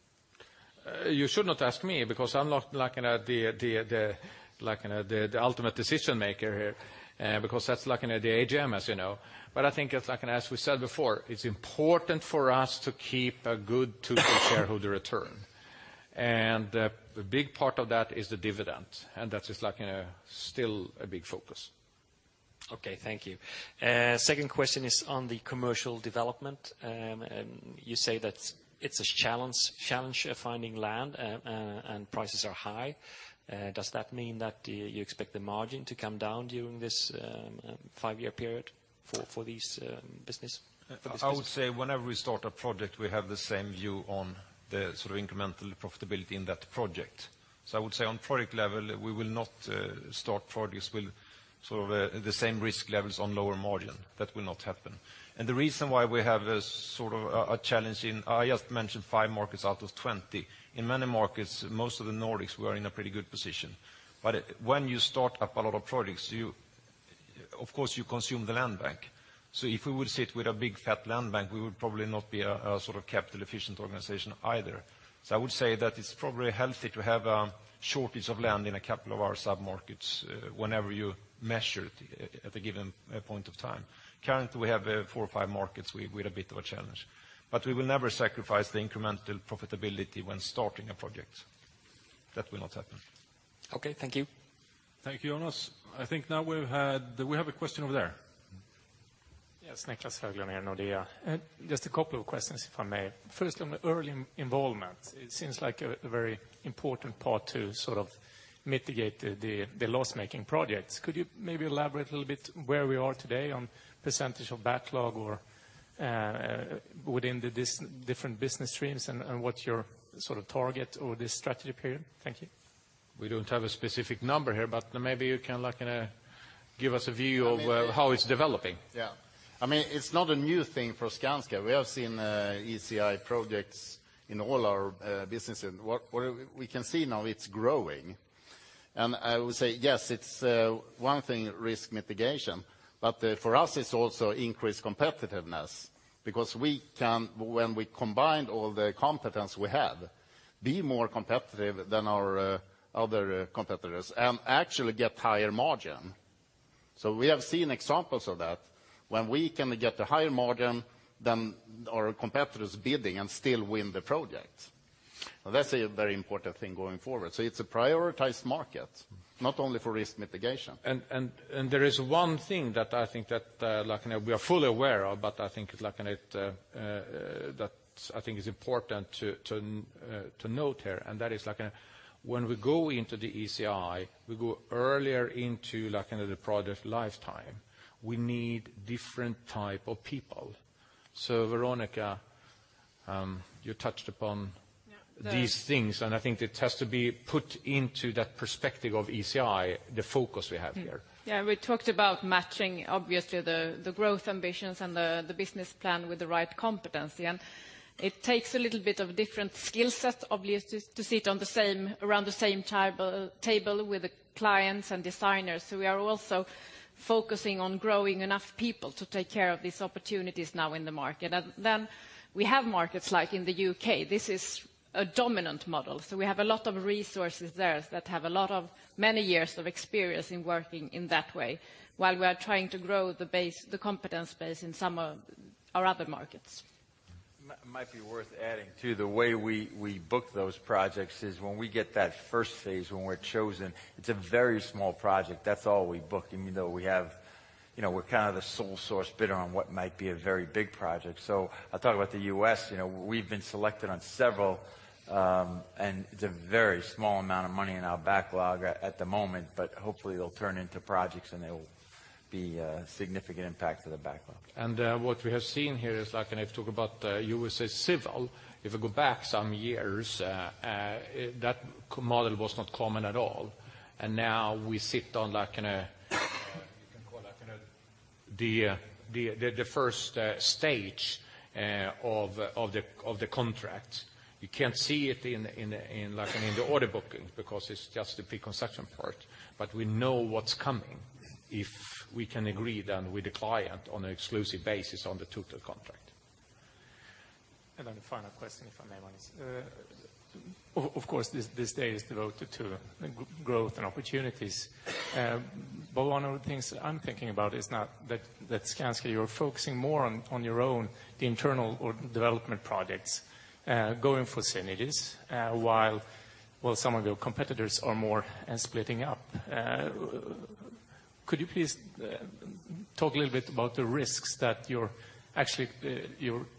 You should not ask me, because I'm not, like, you know, the, like, you know, the ultimate decision maker here, because that's, like, you know, the AGM, as you know. But I think it's, like, as we said before, it's important for us to keep a good total shareholder return. And a big part of that is the dividend, and that is, like, still a big focus. Okay, thank you. Second question is on the commercial development. You say that it's a challenge finding land, and prices are high. Does that mean that you expect the margin to come down during this five-year period for these businesses? I would say whenever we start a project, we have the same view on the sort of incremental profitability in that project. So I would say on project level, we will not start projects with sort of the same risk levels on lower margin. That will not happen. And the reason why we have a sort of a challenge in, I just mentioned 5 markets out of 20. In many markets, most of the Nordics, we are in a pretty good position. But when you start up a lot of projects, you, of course, consume the land bank. So if we would sit with a big, fat land bank, we would probably not be a sort of capital-efficient organization either. So I would say that it's probably healthy to have a shortage of land in a couple of our sub-markets, whenever you measure it at a given point of time. Currently, we have four or five markets with a bit of a challenge, but we will never sacrifice the incremental profitability when starting a project. That will not happen. Okay, thank you. Thank you, Jonas. I think now we've had... Do we have a question over there? Yes, Niclas Höglund here, Nordea. Just a couple of questions, if I may. First, on the early involvement, it seems like a very important part to sort of mitigate the loss-making projects. Could you maybe elaborate a little bit where we are today on percentage of backlog or within the different business streams, and what's your sort of target over this strategy period? Thank you. We don't have a specific number here, but maybe you can, like, give us a view of how it's developing. Yeah. I mean, it's not a new thing for Skanska. We have seen ECI projects in all our businesses. What we can see now, it's growing. And I would say, yes, it's one thing, risk mitigation, but for us, it's also increased competitiveness, because we can, when we combine all the competence we have, be more competitive than our other competitors, and actually get higher margin.... So we have seen examples of that, when we can get a higher margin than our competitors bidding and still win the project. Now, that's a very important thing going forward. So it's a prioritized market, not only for risk mitigation. There is one thing that I think that, like, you know, we are fully aware of, but I think, like, in it, that I think is important to note here, and that is, like, when we go into the ECI, we go earlier into, like, into the project lifetime. We need different type of people. So Veronica, you touched upon- Yeah, the- These things, and I think it has to be put into that perspective of ECI, the focus we have here. Mm. Yeah, we talked about matching, obviously, the growth ambitions and the business plan with the right competency, and it takes a little bit of different skill sets, obviously, to sit around the same table with the clients and designers. So we are also focusing on growing enough people to take care of these opportunities now in the market. And then we have markets, like in the U.K., this is a dominant model, so we have a lot of resources there that have a lot of many years of experience in working in that way, while we are trying to grow the competence base in some of our other markets. Might be worth adding, too, the way we book those projects is when we get that first phase, when we're chosen, it's a very small project. That's all we book, even though we have, you know, we're kind of the sole source bidder on what might be a very big project. So I'll talk about the U.S., you know, we've been selected on several, and it's a very small amount of money in our backlog at the moment, but hopefully it'll turn into projects, and it'll be a significant impact to the backlog. What we have seen here is, like, and I've talked about USA Civil. If I go back some years, that model was not common at all, and now we sit on, like, in a—you can call, like, you know, the first stage of the contract. You can't see it in, like, in the order booking, because it's just the pre-construction part, but we know what's coming if we can agree then with the client on an exclusive basis on the total contract. And then a final question, if I may, one is, of course, this day is devoted to growth and opportunities. But one of the things I'm thinking about is now that Skanska, you're focusing more on your own internal or development projects, going for synergies, while, well, some of your competitors are more and splitting up. Could you please talk a little bit about the risks that you're actually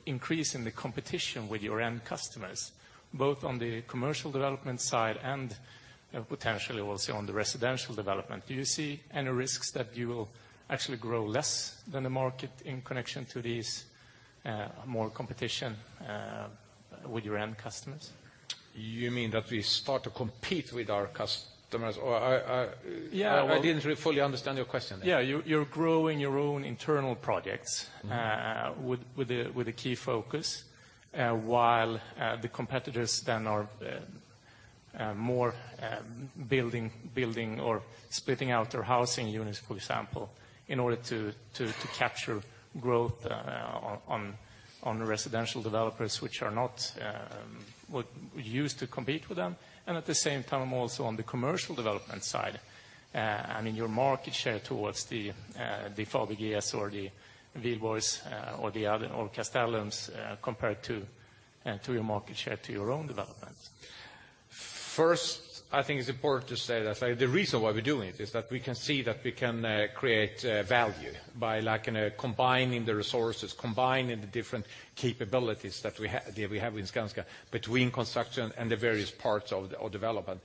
increasing the competition with your end customers, both on the commercial development side and potentially also on the residential development? Do you see any risks that you will actually grow less than the market in connection to these more competition with your end customers? You mean that we start to compete with our customers? Or I- Yeah, well- I didn't really fully understand your question. Yeah, you're growing your own internal projects- Mm-hmm. with a key focus while the competitors then are more building or splitting out their housing units, for example, in order to capture growth on residential developers, which are not what we used to compete with them. And at the same time, also on the commercial development side, I mean, your market share toward the Fabege or the Wihlborgs, or the other, or Castellum, compared to your market share, to your own developments. First, I think it's important to say that, like, the reason why we're doing it is that we can see that we can create value by, like, in a combining the resources, combining the different capabilities that we have in Skanska, between construction and the various parts of development.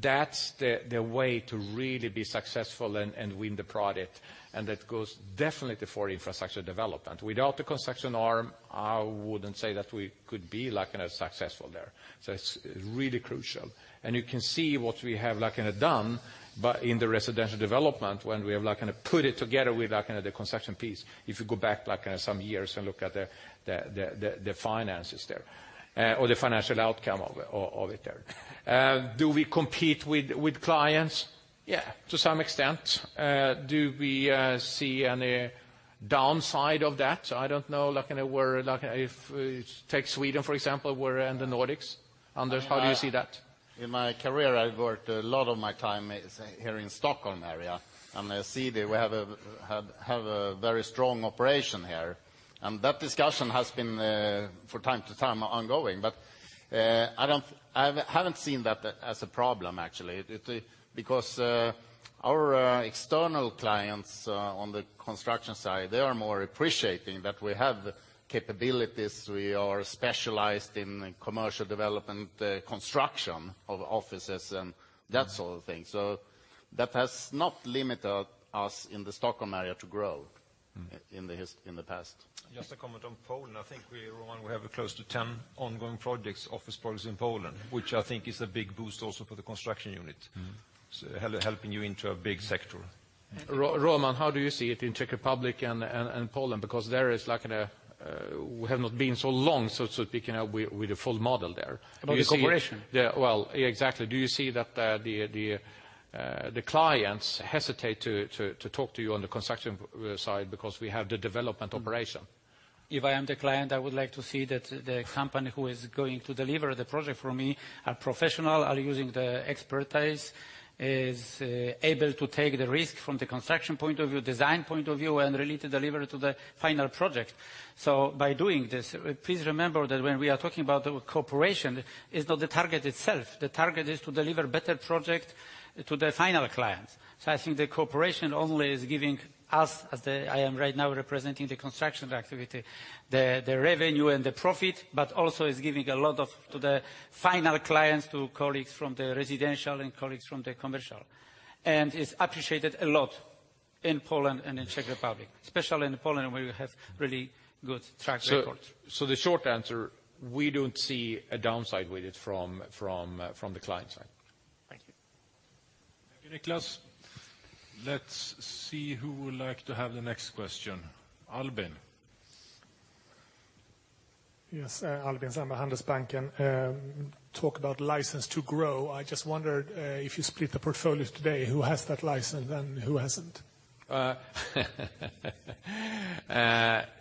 That's the way to really be successful and win the project, and that goes definitely for infrastructure development. Without the construction arm, I wouldn't say that we could be, like, you know, successful there, so it's really crucial. You can see what we have, like, in a done, but in the residential development, when we have, like, kind of put it together with, like, you know, the construction piece, if you go back, like, some years and look at the finances there, or the financial outcome of it there. Do we compete with clients? Yeah, to some extent. Do we see any downside of that? I don't know, like, in a where, like if take Sweden, for example, we're in the Nordics. Anders, how do you see that? In my career, I've worked a lot of my time is here in the Stockholm area, and I see that we have a very strong operation here. And that discussion has been from time to time ongoing, but I don't... I haven't seen that as a problem, actually. Because our external clients on the construction side, they are more appreciating that we have capabilities. We are specialized in commercial development, construction of offices and that sort of thing. So that has not limited us in the Stockholm area to grow- Mm. in the past. Just a comment on Poland. I think we, Roman, we have close to 10 ongoing projects, office projects, in Poland, which I think is a big boost also for the construction unit. Mm-hmm. Helping you into a big sector. Roman, how do you see it in Czech Republic and Poland? Because there is, like, in a, we have not been so long, so speaking with the full model there. Do you see- About the corporation? Yeah, well, exactly. Do you see that the clients hesitate to talk to you on the construction side because we have the development operation?... If I am the client, I would like to see that the company who is going to deliver the project for me are professional, are using the expertise, is able to take the risk from the construction point of view, design point of view, and really to deliver to the final project. So by doing this, please remember that when we are talking about the cooperation, it's not the target itself. The target is to deliver better project to the final clients. So I think the cooperation only is giving us, as I am right now representing the construction activity, the revenue and the profit, but also is giving a lot of to the final clients, to colleagues from the residential and colleagues from the commercial. It's appreciated a lot in Poland and in Czech Republic, especially in Poland, where we have really good track record. So, the short answer, we don't see a downside with it from the client side. Thank you. Thank you, Niclas. Let's see who would like to have the next question. Albin? Yes, Albin Sandberg, Handelsbanken. Talk about License to Grow. I just wondered, if you split the portfolios today, who has that license and who hasn't?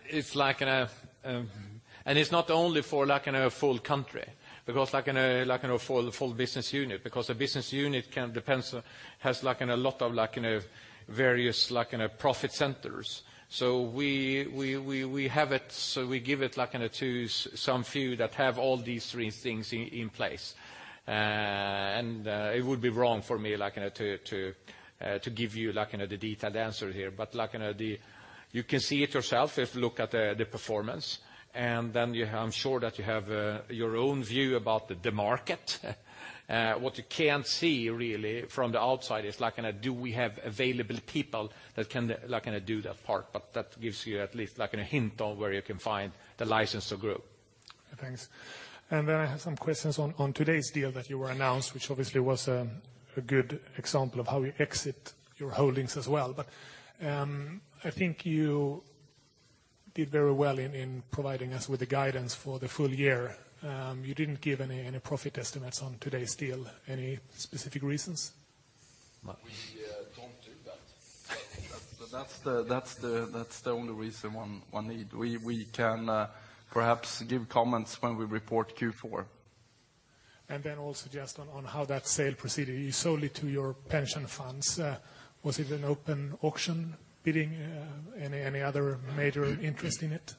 It's like in a, and it's not only for like in a full country, because like in a, like in a full, full business unit, because a business unit can depends, has like in a lot of like in a various like in a profit centers. So we, we, we have it, so we give it like in a to some few that have all these three things in, in place. It would be wrong for me, like in a, to, to give you like in the detailed answer here. But like in a the, you can see it yourself if you look at the, the performance, and then you have, I'm sure that you have, your own view about the, the market. What you can't see really from the outside is, like, do we have available people that can, like, do that part, but that gives you at least, like, a hint on where you can find the License to Grow. Thanks. Then I have some questions on today's deal that was announced, which obviously was a good example of how you exit your holdings as well. But I think you did very well in providing us with the guidance for the full year. You didn't give any profit estimates on today's deal. Any specific reasons? Matts? We don't do that. That's the only reason one need. We can perhaps give comments when we report Q4. Then also just on how that sale proceeded, you sold it to your pension funds. Was it an open auction bidding? Any other major interest in it?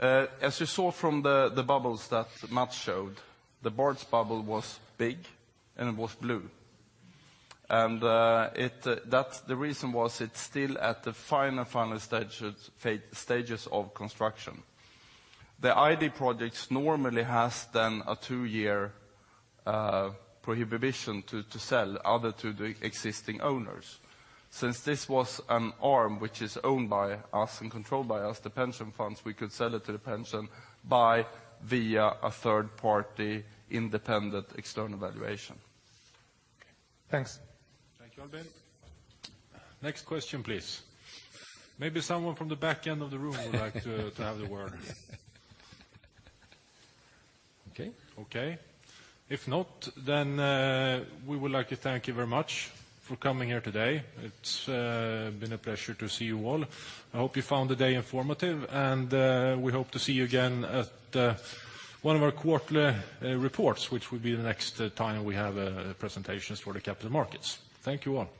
As you saw from the bubbles that Mats showed, the ID's bubble was big and it was blue. That's the reason it's still at the final stages of construction. The ID projects normally has then a two-year prohibition to sell to other than the existing owners. Since this was an arm which is owned by us and controlled by us, the pension funds, we could sell it to the pension funds via a third-party, independent, external valuation. Okay. Thanks. Thank you, Albin. Next question, please. Maybe someone from the back end of the room would like to, to have the word. Okay. Okay. If not, then, we would like to thank you very much for coming here today. It's been a pleasure to see you all. I hope you found the day informative, and we hope to see you again at one of our quarterly reports, which will be the next time we have presentations for the capital markets. Thank you, all.